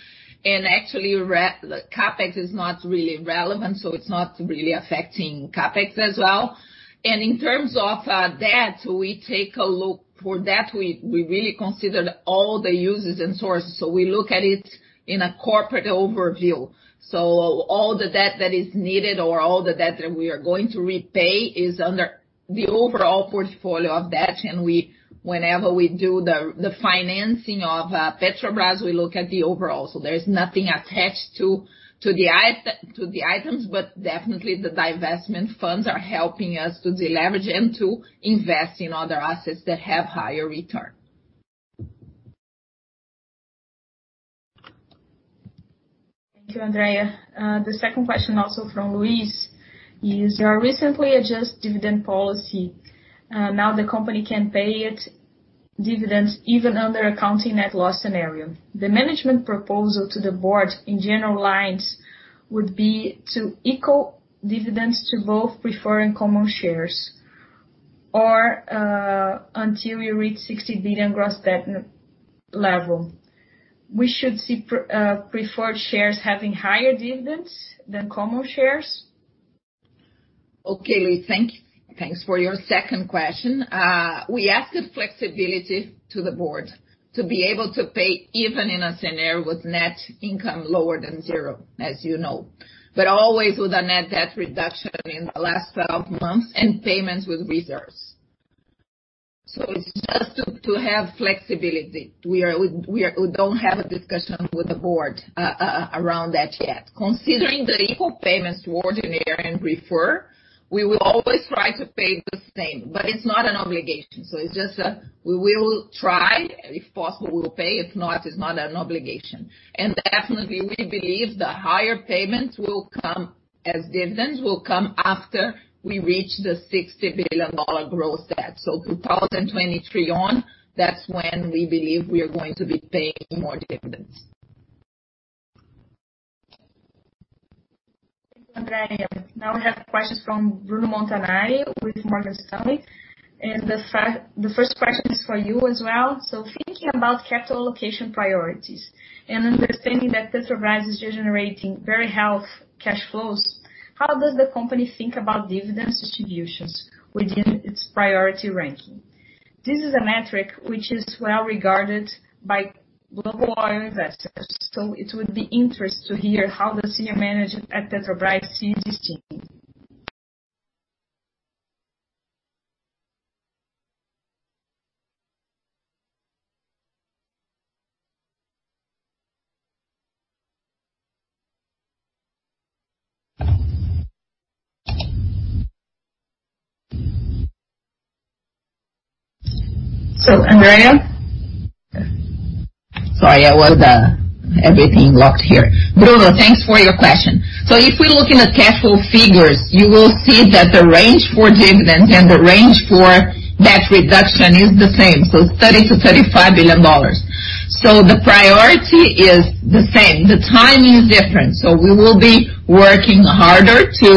and actually, CapEx is not really relevant, so it's not really affecting CapEx as well. In terms of debt, we take a look. For debt, we really considered all the uses and sources. We look at it in a corporate overview. All the debt that is needed or all the debt that we are going to repay is under the overall portfolio of debt. Whenever we do the financing of Petrobras, we look at the overall. There's nothing attached to the items, but definitely the divestment funds are helping us to deleverage and to invest in other assets that have higher return. Thank you, Andrea. The second question also from Luiz, is your recently adjusted dividend policy. The company can pay its dividends even under accounting net loss scenario. The management proposal to the board in general lines would be to equal dividends to both preferred and common shares, or until we reach $60 billion gross debt level. We should see preferred shares having higher dividends than common shares? Okay, Luiz. Thanks for your second question. We asked flexibility to the board to be able to pay even in a scenario with net income lower than zero, as you know. Always with a net debt reduction in the last 12 months and payments with reserves. It's just to have flexibility. We don't have a discussion with the board around that yet. Considering that equal payments to ordinary and preferred, we will always try to pay the same, but it's not an obligation. It's just a, we will try, if possible, we will pay. If not, it's not an obligation. Definitely, we believe the higher payments will come as dividends will come after we reach the $60 billion gross debt. 2023 on, that's when we believe we are going to be paying more dividends. Thank you, Andrea. We have questions from Bruno Montanari with Morgan Stanley. The first question is for you as well. Thinking about capital allocation priorities and understanding that Petrobras is generating very healthy cash flows, how does the company think about dividend distributions within its priority ranking? This is a metric which is well regarded by global oil investors, it would be interesting to hear how the senior management at Petrobras sees this changing. Andrea? Sorry, I was everything locked here. Bruno, thanks for your question. If we're looking at cash flow figures, you will see that the range for dividends and the range for debt reduction is the same, $30 billion-$35 billion. The priority is the same. The time is different. We will be working harder to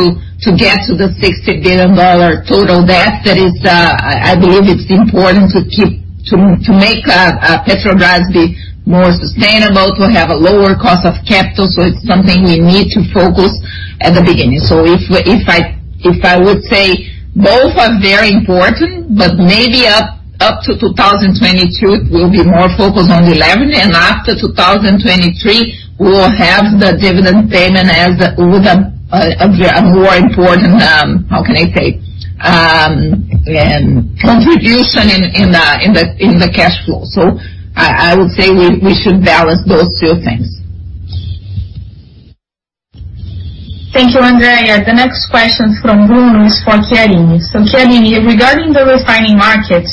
get to the $60 billion total debt. That is I believe it's important to make Petrobras be more sustainable, to have a lower cost of capital. It's something we need to focus at the beginning. If I would say both are very important, but maybe up to 2022, we'll be more focused on the levy, and after 2023, we will have the dividend payment as a more important, how can I say, contribution in the cash flow. I would say we should balance those two things. Thank you, Andrea. The next question from Bruno is for Chiarini. Chiarini, regarding the refining market,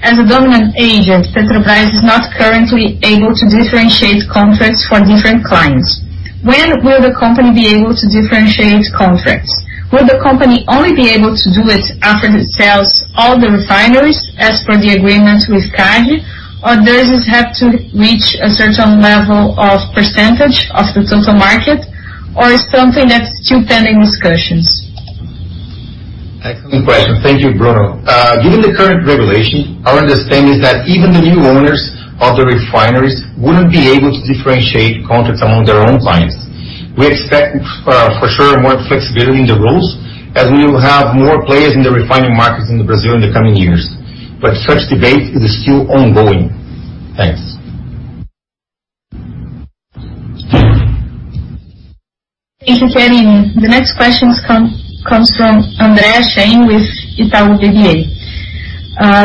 as a dominant agent, Petrobras is not currently able to differentiate contracts for different clients. When will the company be able to differentiate contracts? Will the company only be able to do it after it sells all the refineries as per the agreement with CADE, or does it have to reach a certain level of percentage of the total market, or it's something that's still pending discussions? Excellent question. Thank you, Bruno. Given the current regulation, our understanding is that even the new owners of the refineries wouldn't be able to differentiate contracts among their own clients. We expect, for sure, more flexibility in the rules, as we will have more players in the refining markets in Brazil in the coming years. Such debate is still ongoing. Thanks. Thank you, Chiarini. The next question comes from Andrea Shane with Itaú BBA.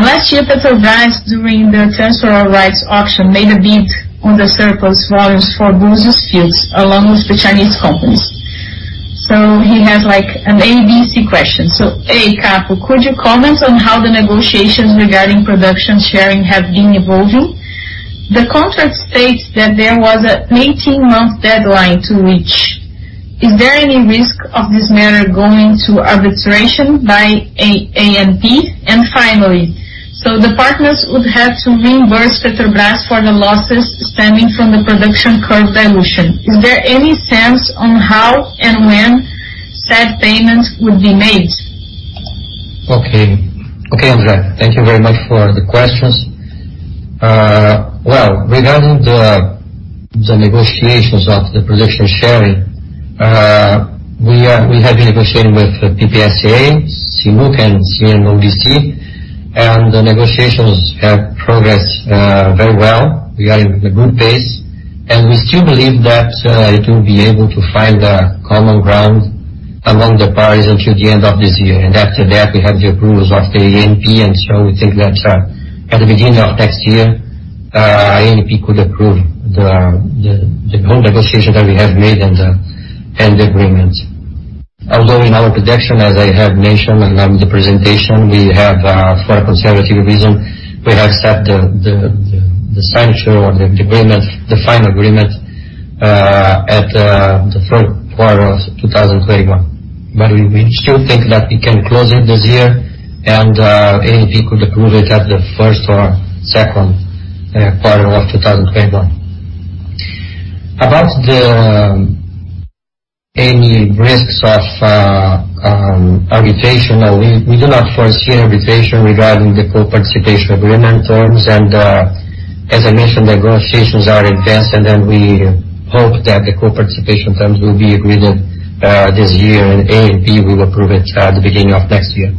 Last year, Petrobras during the terrestrial rights auction, made a bid on the surplus volumes for Búzios Fields, along with the Chinese companies. He has an ABC question. A, Caio, could you comment on how the negotiations regarding production sharing have been evolving? The contract states that there was an 18-month deadline to which, is there any risk of this matter going to arbitration by ANP? Finally, the partners would have to reimburse Petrobras for the losses stemming from the production curve dilution. Is there any sense on how and when said payments would be made? Okay. Okay, Andre. Thank you very much for the questions. Well, regarding the negotiations of the production sharing, we have been negotiating with PPSA, CNOOC, and CNODC, and the negotiations have progressed very well. We are in a good pace, and we still believe that it will be able to find a common ground among the parties until the end of this year. After that, we have the approvals of the ANP, and so we think that at the beginning of next year, ANP could approve the whole negotiation that we have made and the agreement. Although in our projection, as I have mentioned in the presentation, we have for a conservative reason, we have set the signature or the final agreement at the third quarter of 2021. We still think that we can close it this year, and ANP could approve it at the first or second quarter of 2021. About any risks of arbitration, no, we do not foresee an arbitration regarding the co-participation agreement terms. As I mentioned, negotiations are advanced, and then we hope that the co-participation terms will be agreed this year, and ANP will approve it at the beginning of next year.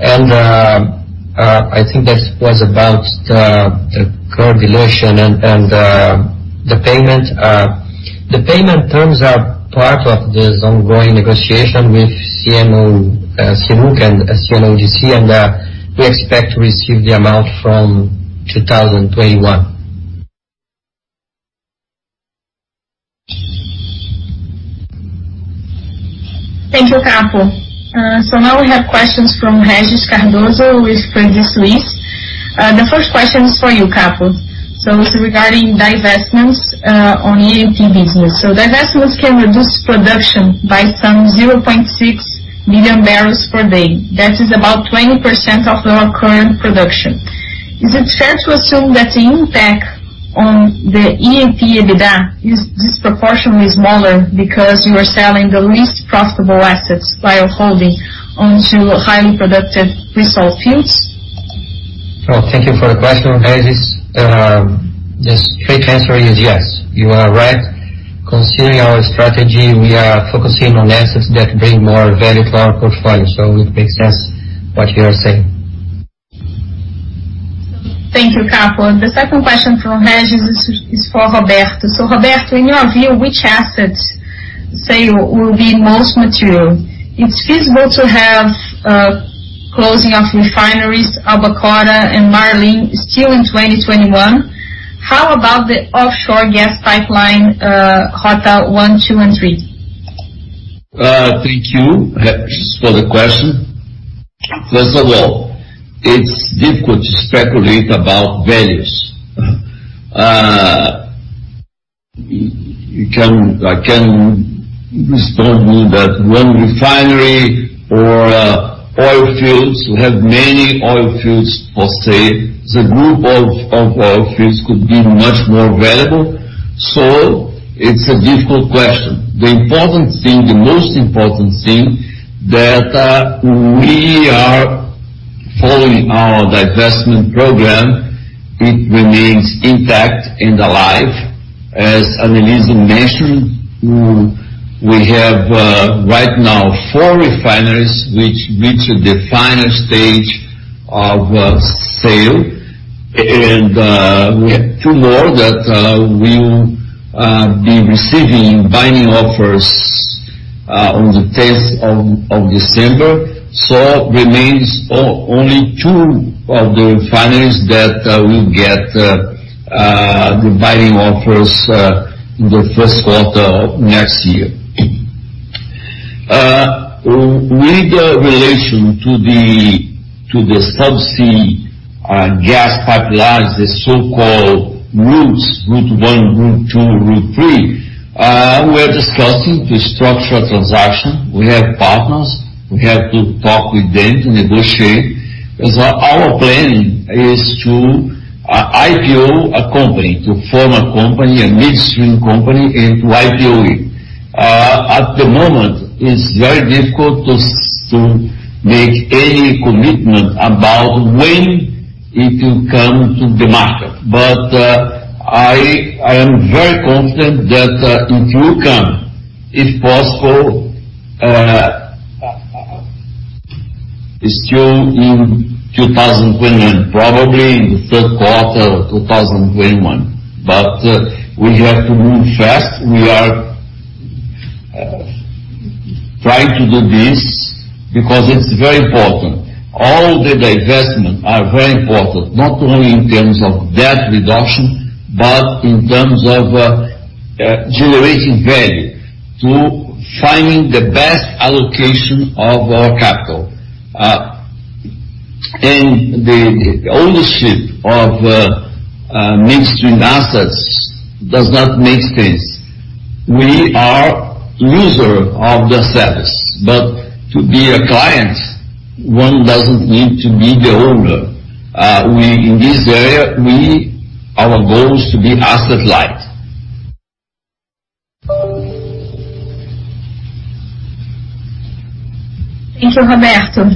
I think that was about the co-participation and the payment. The payment terms are part of this ongoing negotiation with CNOOC and CNODC, and we expect to receive the amount from 2021. Thank you, Capo. Now we have questions from Regis Cardoso with Credit Suisse. The first question is for you, Capo. It's regarding divestments on E&P business. Divestments can reduce production by some 0.6 million barrels per day. That is about 20% of our current production. Is it fair to assume that the impact on the E&P EBITDA is disproportionally smaller because you are selling the least profitable assets while holding onto highly productive pre-salt fields? Thank you for the question, Regis. The straight answer is yes, you are right. Considering our strategy, we are focusing on assets that bring more value to our portfolio. It makes sense what you are saying. Thank you, Capo. The second question from Regis is for Roberto. Roberto, in your view, which assets sale will be most material? It is feasible to have closing of refineries Albacora and Marlim still in 2021. How about the offshore gas pipeline Rota 1, 2, and 3? Thank you, Regis, for the question. First of all, it's difficult to speculate about values. I can stumble that one refinery or oil fields, we have many oil fields per se. The group of oil fields could be much more valuable. It's a difficult question. The most important thing, that we are following our divestment program. It remains intact and alive. As Anelise mentioned, we have right now four refineries, which reach the final stage of sale. We have two more that we'll be receiving binding offers on the tenth of December. Remains only two of the refineries that will get the binding offers in the first quarter of next year. With relation to the subsea gas pipelines, the so-called routes, route 1, route 2, route 3, we're discussing to structure a transaction. We have partners. We have to talk with them to negotiate, because our plan is to IPO a company, to form a company, a midstream company, and to IPO it. At the moment, it's very difficult to make any commitment about when it will come to the market. I am very confident that it will come. If possible, still in 2021, probably in the third quarter of 2021. We have to move fast. We are trying to do this because it's very important. All the divestment are very important, not only in terms of debt reduction, but in terms of generating value to finding the best allocation of our capital. The ownership of midstream assets does not make sense. We are user of the service, but to be a client, one doesn't need to be the owner. In this area, our goal is to be asset light. Thank you, Roberto.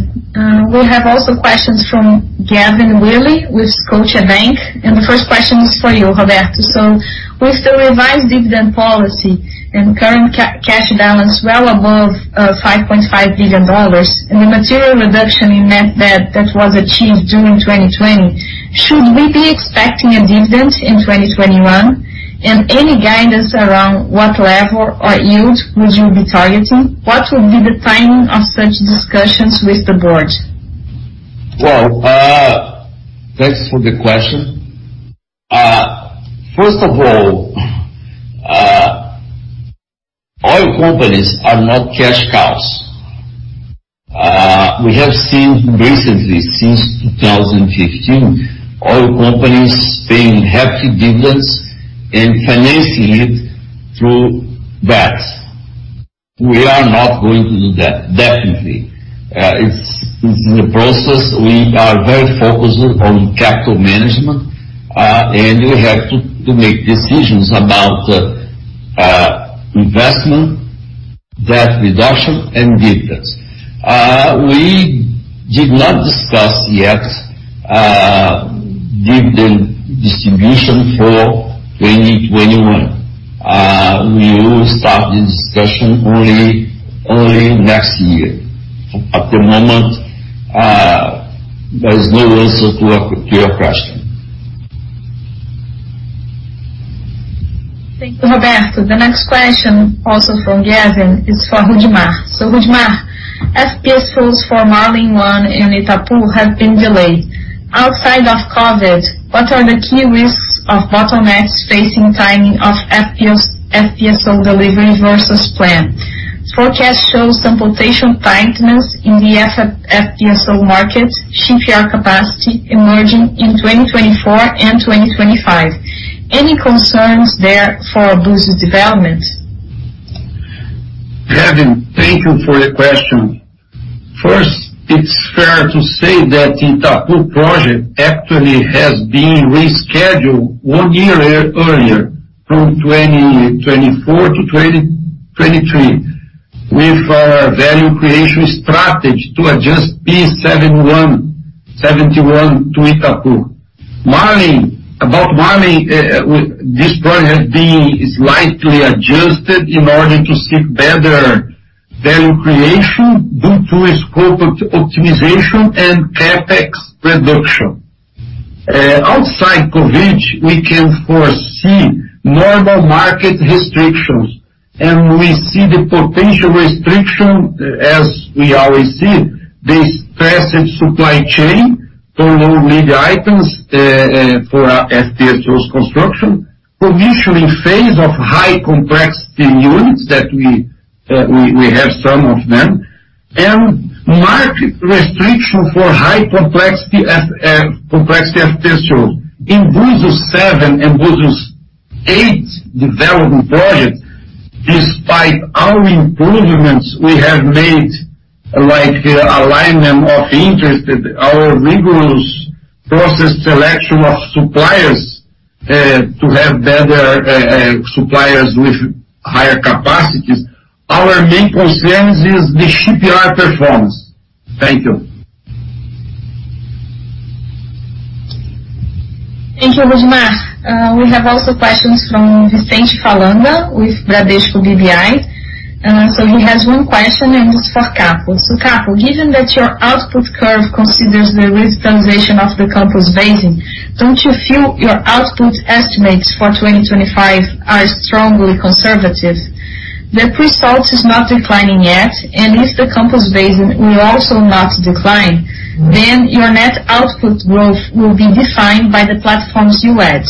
We have also questions from Gavin Wolff with Scotiabank. The first question is for you, Roberto. With the revised dividend policy and current cash balance well above $5.5 billion, and the material reduction in net debt that was achieved during 2020, should we be expecting a dividend in 2021? Any guidance around what level or yield would you be targeting? What would be the timing of such discussions with the board? Well, thanks for the question. First of all, oil companies are not cash cows. We have seen recently, since 2015, oil companies paying hefty dividends and financing it through debts. We are not going to do that, definitely. This is a process. We are very focused on capital management, and we have to make decisions about investment, debt reduction, and dividends. We did not discuss yet dividend distribution for 2021. We will start the discussion only early next year. At the moment, there's no answer to your question. Thank you, Roberto. The next question, also from Gavin, is for Rudimar. Rudimar, FPSOs for Marlim 1 and Itapu have been delayed. Outside of COVID, what are the key risks of bottlenecks facing timing of FPSO delivery versus plan? Forecast shows some potential tightness in the FPSO market, shipyard capacity emerging in 2024 and 2025. Any concerns there for Búzios's development? Gavin, thank you for your question. First, it's fair to say that the Itapu project actually has been rescheduled one year earlier from 2024 to 2023 with our value creation strategy to adjust P-71 to Itapu. About Marlim, this project has been slightly adjusted in order to seek better value creation due to a scope of optimization and CapEx reduction. Outside COVID, we can foresee normal market restrictions, and we see the potential restriction as we always see the stressed supply chain for low lead items for our FPSOs construction, commissioning phase of high complexity units that we have some of them, and market restriction for high complexity FPSOs. In Búzios 7 and Búzios 8 development project, despite our improvements we have made, like alignment of interested, our rigorous process selection of suppliers to have better suppliers with higher capacities, our main concerns is the shipyard performance. Thank you. Thank you, Rudimar. We have also questions from Vicente Falanga with Bradesco BBI. He has one question, and this is for Capo. Capo, given that your output curve considers the revitalization of the Campos Basin, don't you feel your output estimates for 2025 are strongly conservative? The pre-salt is not declining yet, and if the Campos Basin will also not decline, then your net output growth will be defined by the platforms you add.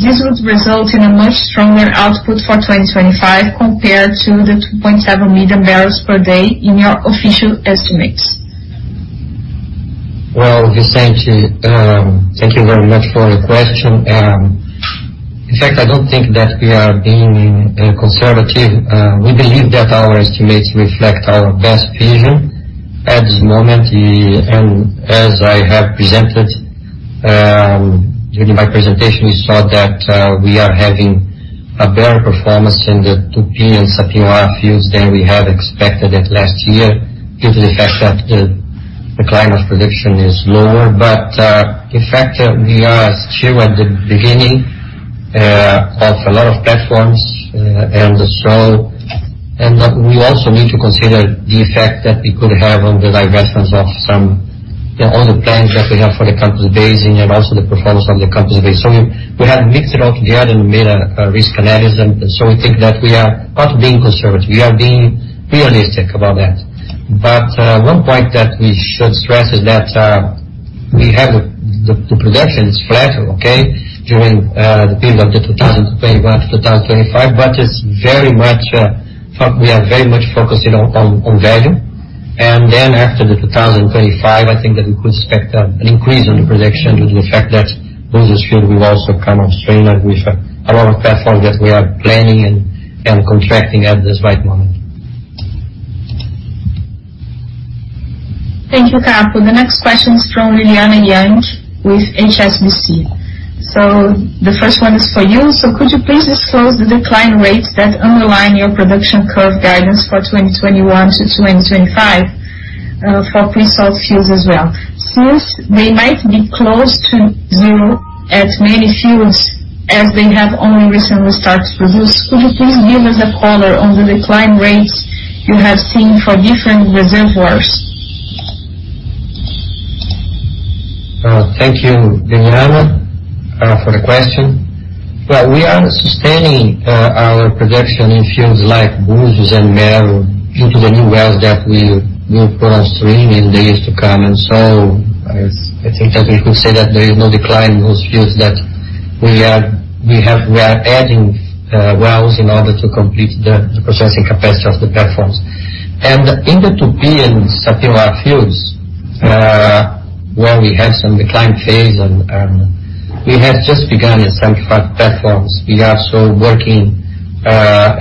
This would result in a much stronger output for 2025 compared to the 2.7 million barrels per day in your official estimates. Well, Vicente, thank you very much for your question. In fact, I don't think that we are being conservative. We believe that our estimates reflect our best vision at this moment. As I have presented during my presentation, we saw that we are having a better performance in the Tupi and Sapinhoá Fields than we had expected it last year, due to the fact that the climate prediction is lower. In fact, we are still at the beginning of a lot of platforms. We also need to consider the effect that it could have on the divestments of all the plans that we have for the Campos Basin, and also the performance on the Campos Basin. We have mixed it all together and made a risk analysis, and so we think that we are not being conservative. We are being realistic about that. One point that we should stress is that the production is flat, okay, during the period of the 2021-2025, but we are very much focusing on value. After the 2025, I think that we could expect an increase in the production due to the fact that Búzios field will also come on stream, and we have a lot of platforms that we are planning and contracting at this right moment. Thank you, Capo. The next question is from Lilyanna Yang with HSBC. The first one is for you. Could you please disclose the decline rates that underline your production curve guidance for 2021-2025, for pre-salt fields as well? Since they might be close to zero at many fields as they have only recently started to produce, could you please give us a color on the decline rates you have seen for different reservoirs? Thank you, Lilyanna, for the question. We are sustaining our production in fields like Búzios and Mero due to the new wells that we will put on stream in the days to come. I think that we could say that there is no decline in those fields, that we are adding wells in order to complete the processing capacity of the platforms. In the Tupi and Sapinhoá Fields, where we have some decline phase and we have just begun at some front platforms. We are still working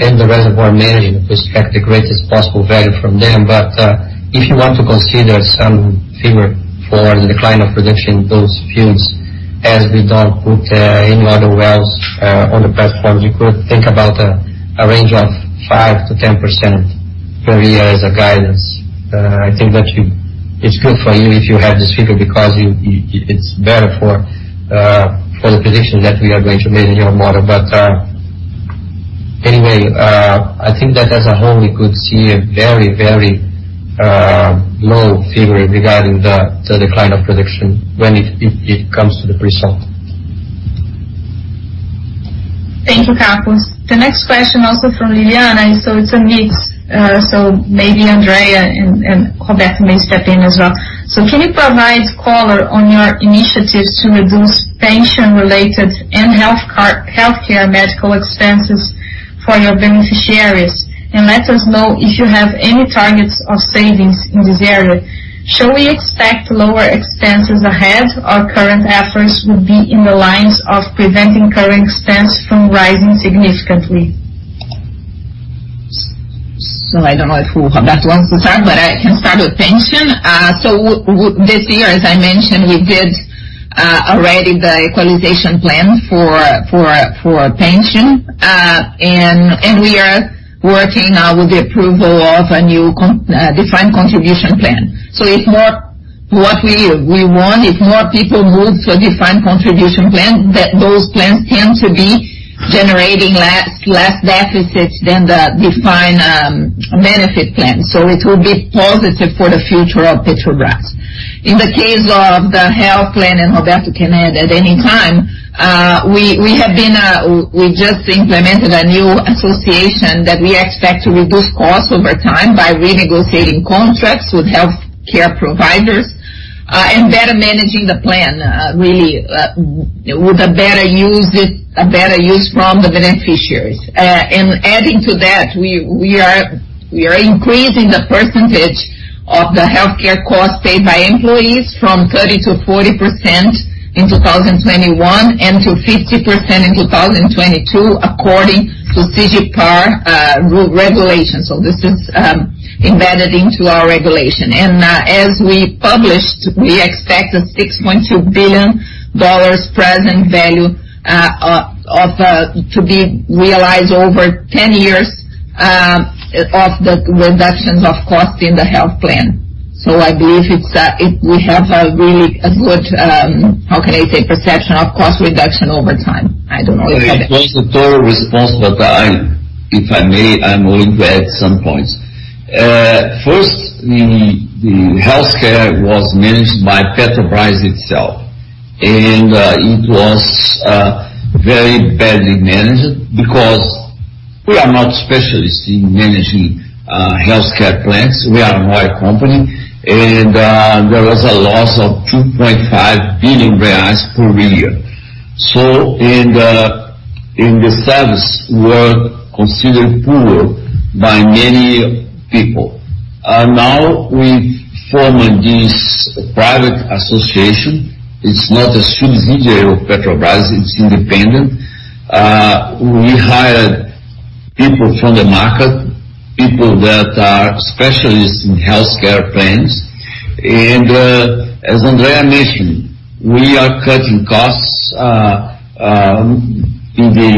in the reservoir management to extract the greatest possible value from them. If you want to consider some figure for the decline of production in those fields, as we don't put any other wells on the platform, you could think about a range of 5%-10% per year as a guidance. I think that it's good for you if you have this figure, because it's better for the position that we are going to make in your model. Anyway, I think that as a whole, we could see a very low figure regarding the decline of production when it comes to the pre-salt. Thank you, Carlos. The next question also from Lilyanna. It's a mix. Maybe Andrea and Roberto may step in as well. Can you provide color on your initiatives to reduce pension related and healthcare medical expenses for your beneficiaries? Let us know if you have any targets of savings in this area. Should we expect lower expenses ahead or current efforts will be in the lines of preventing current expense from rising significantly? I don't know if Roberto wants to start, but I can start with pension. This year, as I mentioned, we did already the equalization plan for pension. We are working now with the approval of a new defined contribution plan. What we want, if more people move to a defined contribution plan, that those plans tend to be generating less deficits than the defined benefit plan. It will be positive for the future of Petrobras. In the case of the health plan, and Roberto can add at any time, we just implemented a new association that we expect to reduce costs over time by renegotiating contracts with healthcare providers, and better managing the plan, really, with a better use from the beneficiaries. Adding to that, we are increasing the percentage of the healthcare cost paid by employees from 30% to 40% in 2021 and to 50% in 2022 according to CGPAR regulations. This is embedded into our regulation. As we published, we expect a $6.2 billion present value to be realized over 10 years of the reductions of cost in the health plan. I believe we have a really good, how can I say, perception of cost reduction over time. It was a thorough response. If I may, I'm going to add some points. First, the healthcare was managed by Petrobras itself. It was very badly managed because we are not specialists in managing healthcare plans. We are an oil company. There was a loss of 2.5 billion reais per year. The service were considered poor by many people. Now we formed this private association. It's not a subsidiary of Petrobras, it's independent. We hired people from the market, people that are specialists in healthcare plans. As Andrea mentioned, we are cutting costs in the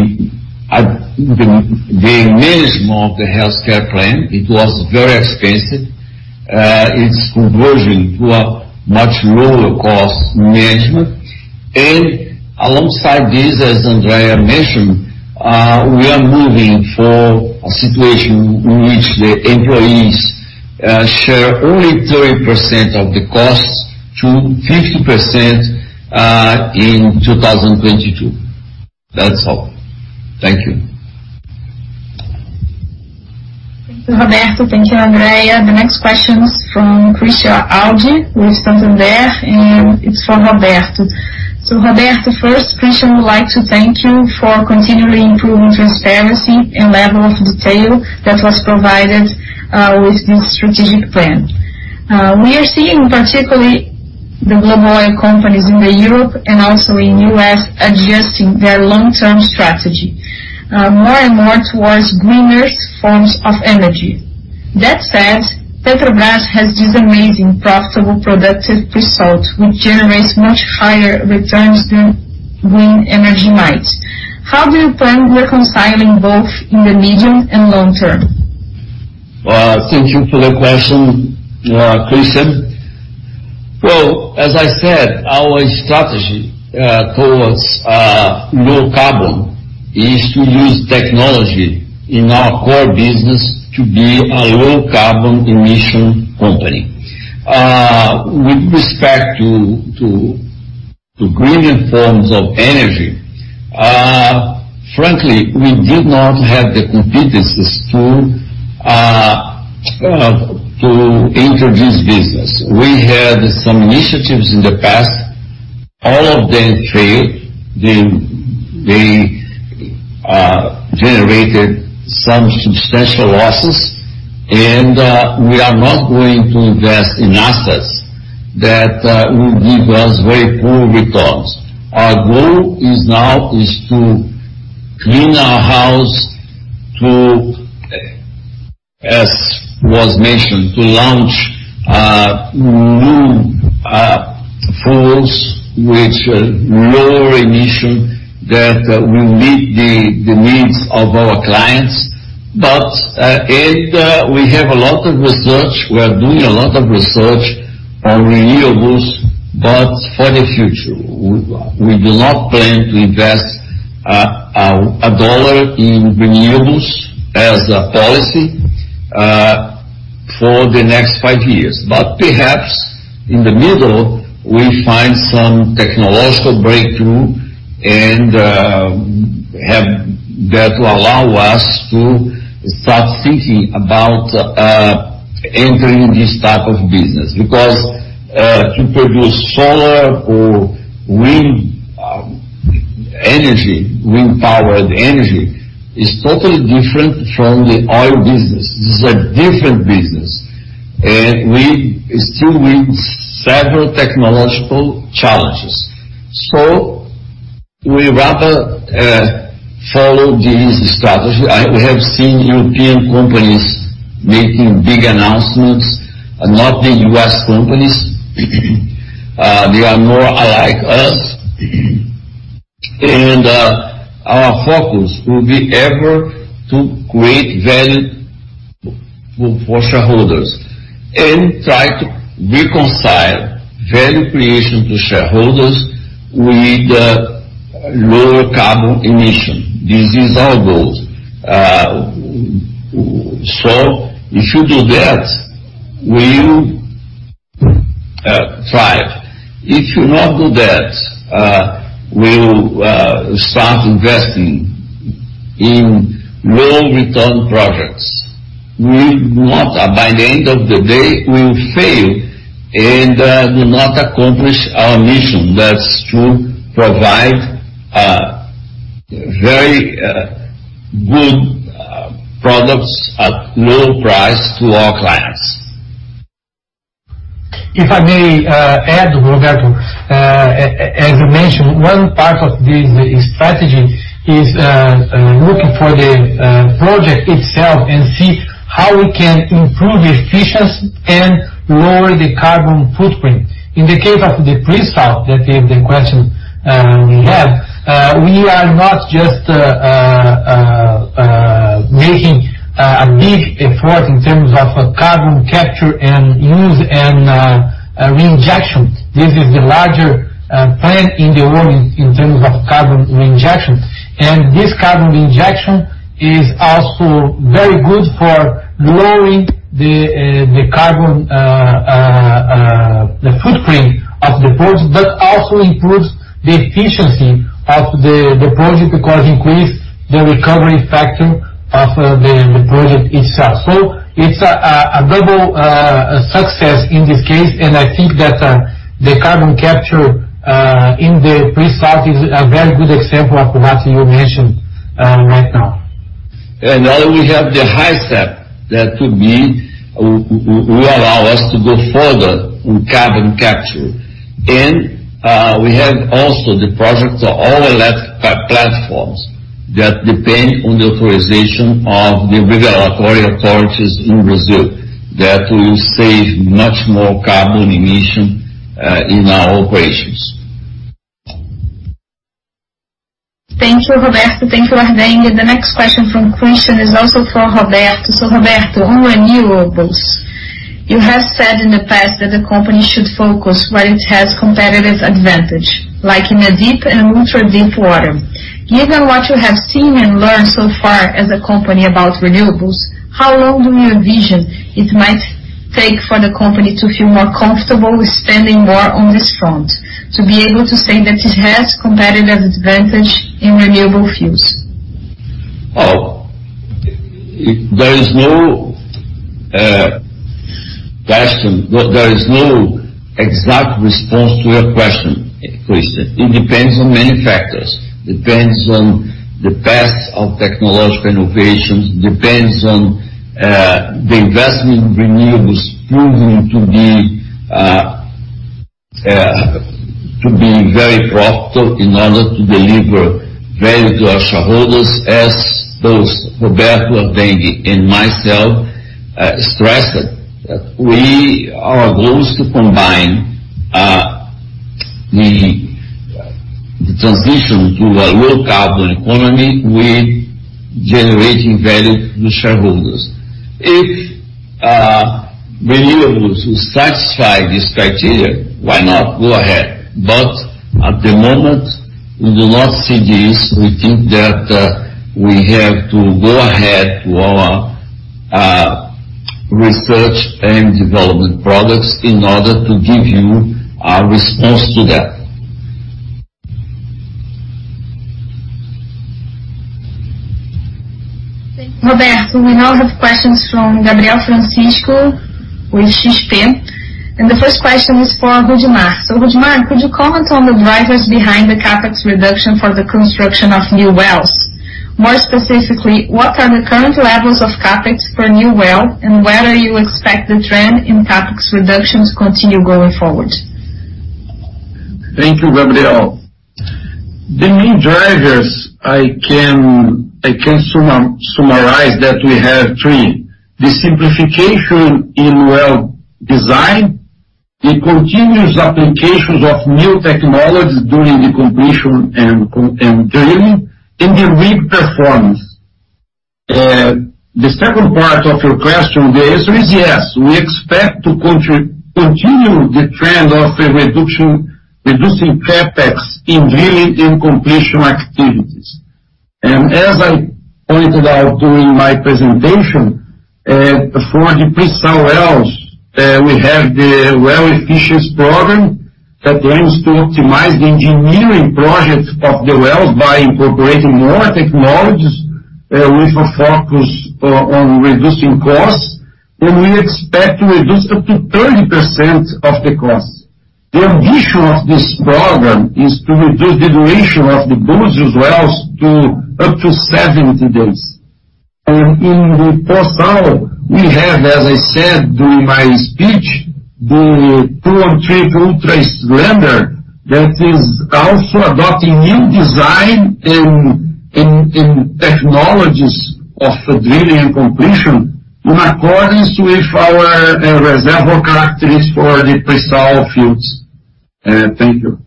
management of the healthcare plan. It was very expensive. It's converging to a much lower cost management. Alongside this, as Andrea mentioned, we are moving for a situation in which the employees share only 30% of the cost to 50% in 2022. That's all. Thank you. Thank you, Roberto. Thank you, Andrea. The next question is from Christian Audi with Santander. It's for Roberto. Roberto, first, Christian would like to thank you for continually improving transparency and level of detail that was provided with this strategic plan. We are seeing, particularly the global oil companies in the Europe and also in U.S., adjusting their long-term strategy more and more towards greener forms of energy. That said, Petrobras has this amazing profitable productive pre-salt, which generates much higher returns than green energy might. How do you plan reconciling both in the medium and long term? Thank you for the question, Christian. Well, as I said, our strategy towards low carbon is to use technology in our core business to be a low carbon emission company. With respect to green forms of energy, frankly, we did not have the competencies to introduce business. We had some initiatives in the past. All of them failed. They generated some substantial losses, and we are not going to invest in assets that will give us very poor returns. Our goal now is to clean our house, as was mentioned, to launch new fuels with lower emission that will meet the needs of our clients. We have a lot of research. We are doing a lot of research on renewables, but for the future. We do not plan to invest $1 in renewables as a policy for the next five years. Perhaps in the middle, we find some technological breakthrough, and that will allow us to start thinking about entering this type of business. To produce solar or wind energy, wind powered energy, is totally different from the oil business. This is a different business, and we still meet several technological challenges. We'd rather follow this strategy. We have seen European companies making big announcements, not the U.S. companies. They are more like us. Our focus will be ever to create value for shareholders and try to reconcile value creation to shareholders with lower carbon emission. This is our goal. If you do that, we will thrive. If you not do that, we'll start investing in low return projects. By the end of the day, we will fail and do not accomplish our mission. That's to provide very good products at low price to our clients. If I may add, Roberto, as you mentioned, one part of this strategy is looking for the project itself and see how we can improve efficiency and lower the carbon footprint. In the case of the pre-salt, that is the question we have, we are not just making a big effort in terms of carbon capture and use and reinjection. This is the larger plant in the world in terms of carbon reinjection. This carbon reinjection is also very good for lowering the carbon footprint of the project, but also improves the efficiency of the project because it increase the recovery factor of the project itself. It's a double success in this case, and I think that the carbon capture in the pre-salt is a very good example of what you mentioned right now. Now we have the Hisep that will allow us to go further on carbon capture. We have also the projects of all electric platforms that depend on the authorization of the regulatory authorities in Brazil. That will save much more carbon emission in our operations. Thank you, Roberto. Thank you, Roberto Ardenghy. The next question from Christian Audi is also for Roberto. Roberto, on renewables, you have said in the past that the company should focus where it has competitive advantage, like in a deep and ultra-deep water. Given what you have seen and learned so far as a company about renewables, how long do you envision it might take for the company to feel more comfortable with spending more on this front, to be able to say that it has competitive advantage in renewable fuels? There is no exact response to your question, Christian. It depends on many factors. Depends on the path of technological innovations, depends on the investment in renewables proving to be very profitable in order to deliver value to our shareholders, as both Roberto, Ardenghy and myself stressed. Our goal is to combine the transition to a low carbon economy with generating value for the shareholders. If renewables will satisfy this criteria, why not? Go ahead. At the moment, we do not see this. We think that we have to go ahead with our research and development products in order to give you our response to that. Thank you, Roberto. We now have questions from Gabriel Francisco with XP. The first question is for Rudimar. Rudimar, could you comment on the drivers behind the CapEx reduction for the construction of new wells? More specifically, what are the current levels of CapEx per new well, whether you expect the trend in CapEx reduction to continue going forward? Thank you, Gabriel. The main drivers I can summarize that we have three. The simplification in well design, the continuous applications of new technologies during the completion and drilling, and the rig performance. The second part of your question, the answer is yes. We expect to continue the trend of reducing CapEx in drilling and completion activities. As I pointed out during my presentation, for the pre-salt wells, we have the Well Efficiency Program that aims to optimize the engineering projects of the wells by incorporating more technologies, with a focus on reducing costs, and we expect to reduce up to 30% of the cost. The ambition of this program is to reduce the duration of the wells to up to 70 days. In the post-salt, we have, as I said during my speech, the True One Trip Ultra Slender, that is also adopting new design and technologies of drilling and completion in accordance with our reservoir characteristics for the pre-salt fields. Thank you.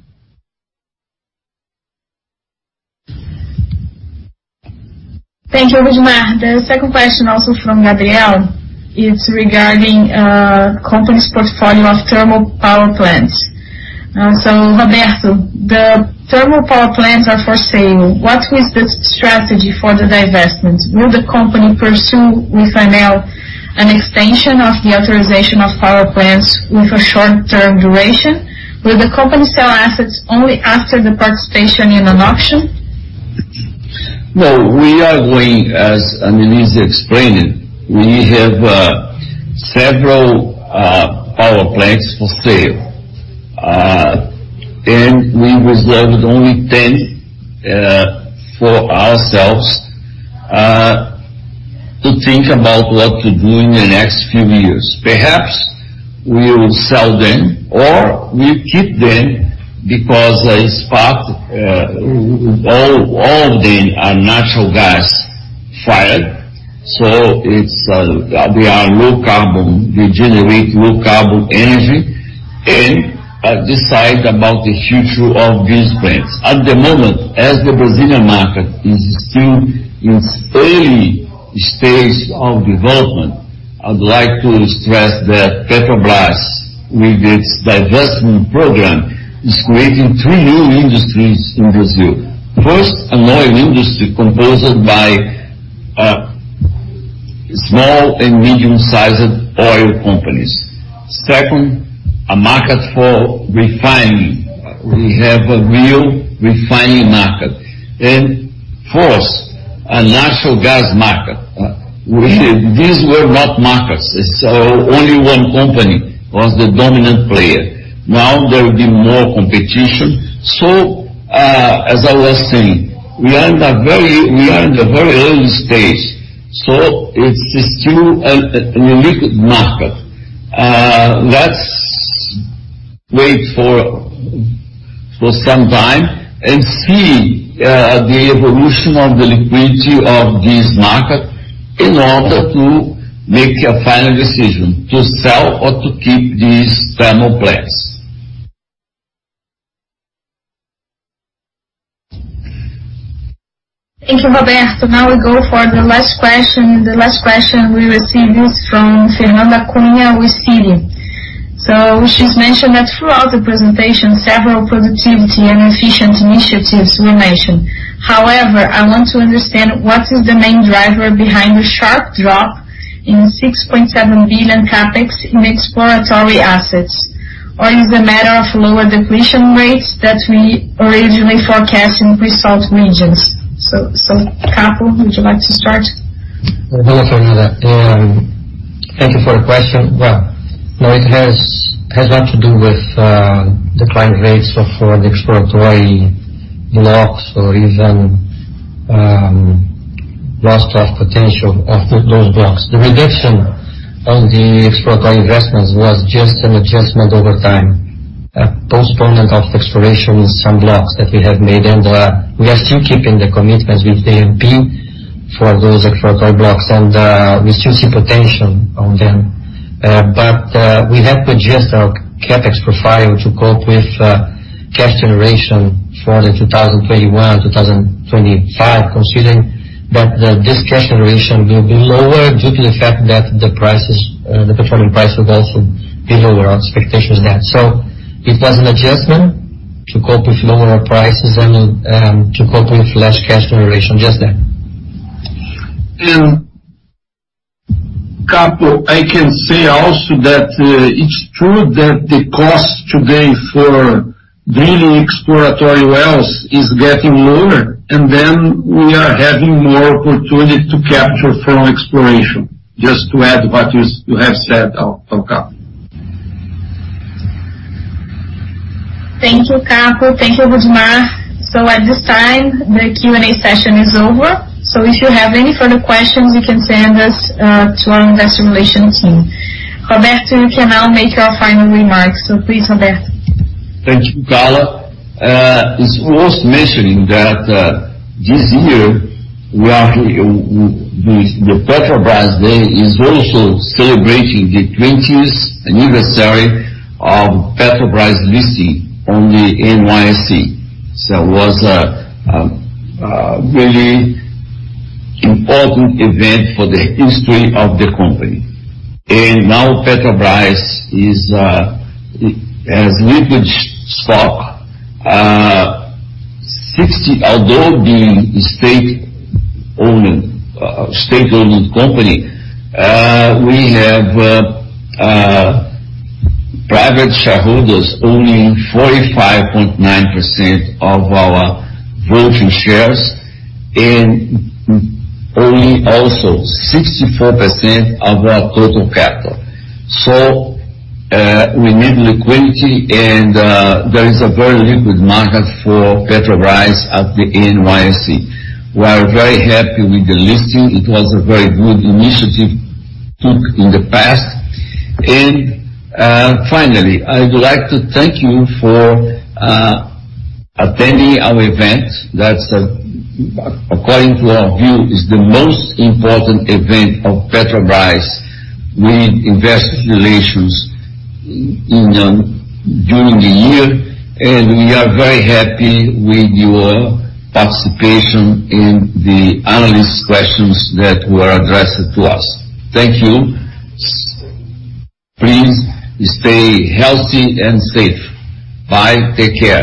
Thank you, Rudimar. The second question, also from Gabriel, is regarding company's portfolio of thermal power plants. Roberto, the thermal power plants are for sale. What is the strategy for the divestment? Will the company pursue with ANEEL an extension of the authorization of power plants with a short-term duration? Will the company sell assets only after the participation in an auction? As Anelise explained, we have several power plants for sale. We reserved only 10 for ourselves to think about what to do in the next few years. Perhaps we will sell them, or we keep them because all of them are natural gas fired, so they generate low carbon energy, and decide about the future of these plants. At the moment, as the Brazilian market is still in its early stage of development, I'd like to stress that Petrobras, with its divesting program, is creating three new industries in Brazil. First, an oil industry composed of small and medium-sized oil companies. Second, a market for refining. We have a real refining market. Fourth, a natural gas market. These were not markets. Only one company was the dominant player. Now there will be more competition. As I was saying, we are in a very early stage, so it's still an illiquid market. Let's wait for some time and see the evolution of the liquidity of this market in order to make a final decision, to sell or to keep these thermal plants. Thank you, Roberto. Now we go for the last question. The last question we received is from Fernando Cunha with [Sealy]. She's mentioned that throughout the presentation, several productivity and efficient initiatives were mentioned. However, I want to understand what is the main driver behind the sharp drop in 6.7 billion CapEx in exploratory assets. Or is it a matter of lower depletion rates that we originally forecast in pre-salt regions? Caio, would you like to start? I'm going to do that. Thank you for your question. Well, no, it has not to do with decline rates for the exploratory blocks or even lost potential of those blocks. The reduction of the exploratory investments was just an adjustment over time, a postponement of exploration in some blocks that we have made, and we are still keeping the commitments with ANP for those exploratory blocks, and we still see potential on them. We had to adjust our CapEx profile to cope with cash generation for the 2021/2025, considering that this cash generation will be lower due to the fact that the performing price will also be lower on expectations there. It was an adjustment to cope with lower prices and to cope with less cash generation, just that. Capo, I can say also that it's true that the cost today for drilling exploratory wells is getting lower, and then we are having more opportunity to capture from exploration. Just to add what you have said, Capo. Thank you, Capo. Thank you, Rudimar. At this time, the Q&A session is over. If you have any further questions, you can send this to our investor relations team. Roberto, you can now make your final remarks. Please, Roberto. Thank you, Carla. It's worth mentioning that this year, the Petrobras Day is also celebrating the 20th anniversary of Petrobras listing on the NYSE. It was a really important event for the history of the company. Now Petrobras has liquid stock. Although being a state-owned company, we have private shareholders owning 45.9% of our voting shares, and owning also 64% of our total capital. We need liquidity, and there is a very liquid market for Petrobras at the NYSE. We are very happy with the listing. It was a very good initiative took in the past. Finally, I would like to thank you for attending our event. That, according to our view, is the most important event of Petrobras with investor relations during the year. We are very happy with your participation and the analyst questions that were addressed to us. Thank you. Please stay healthy and safe. Bye. Take care.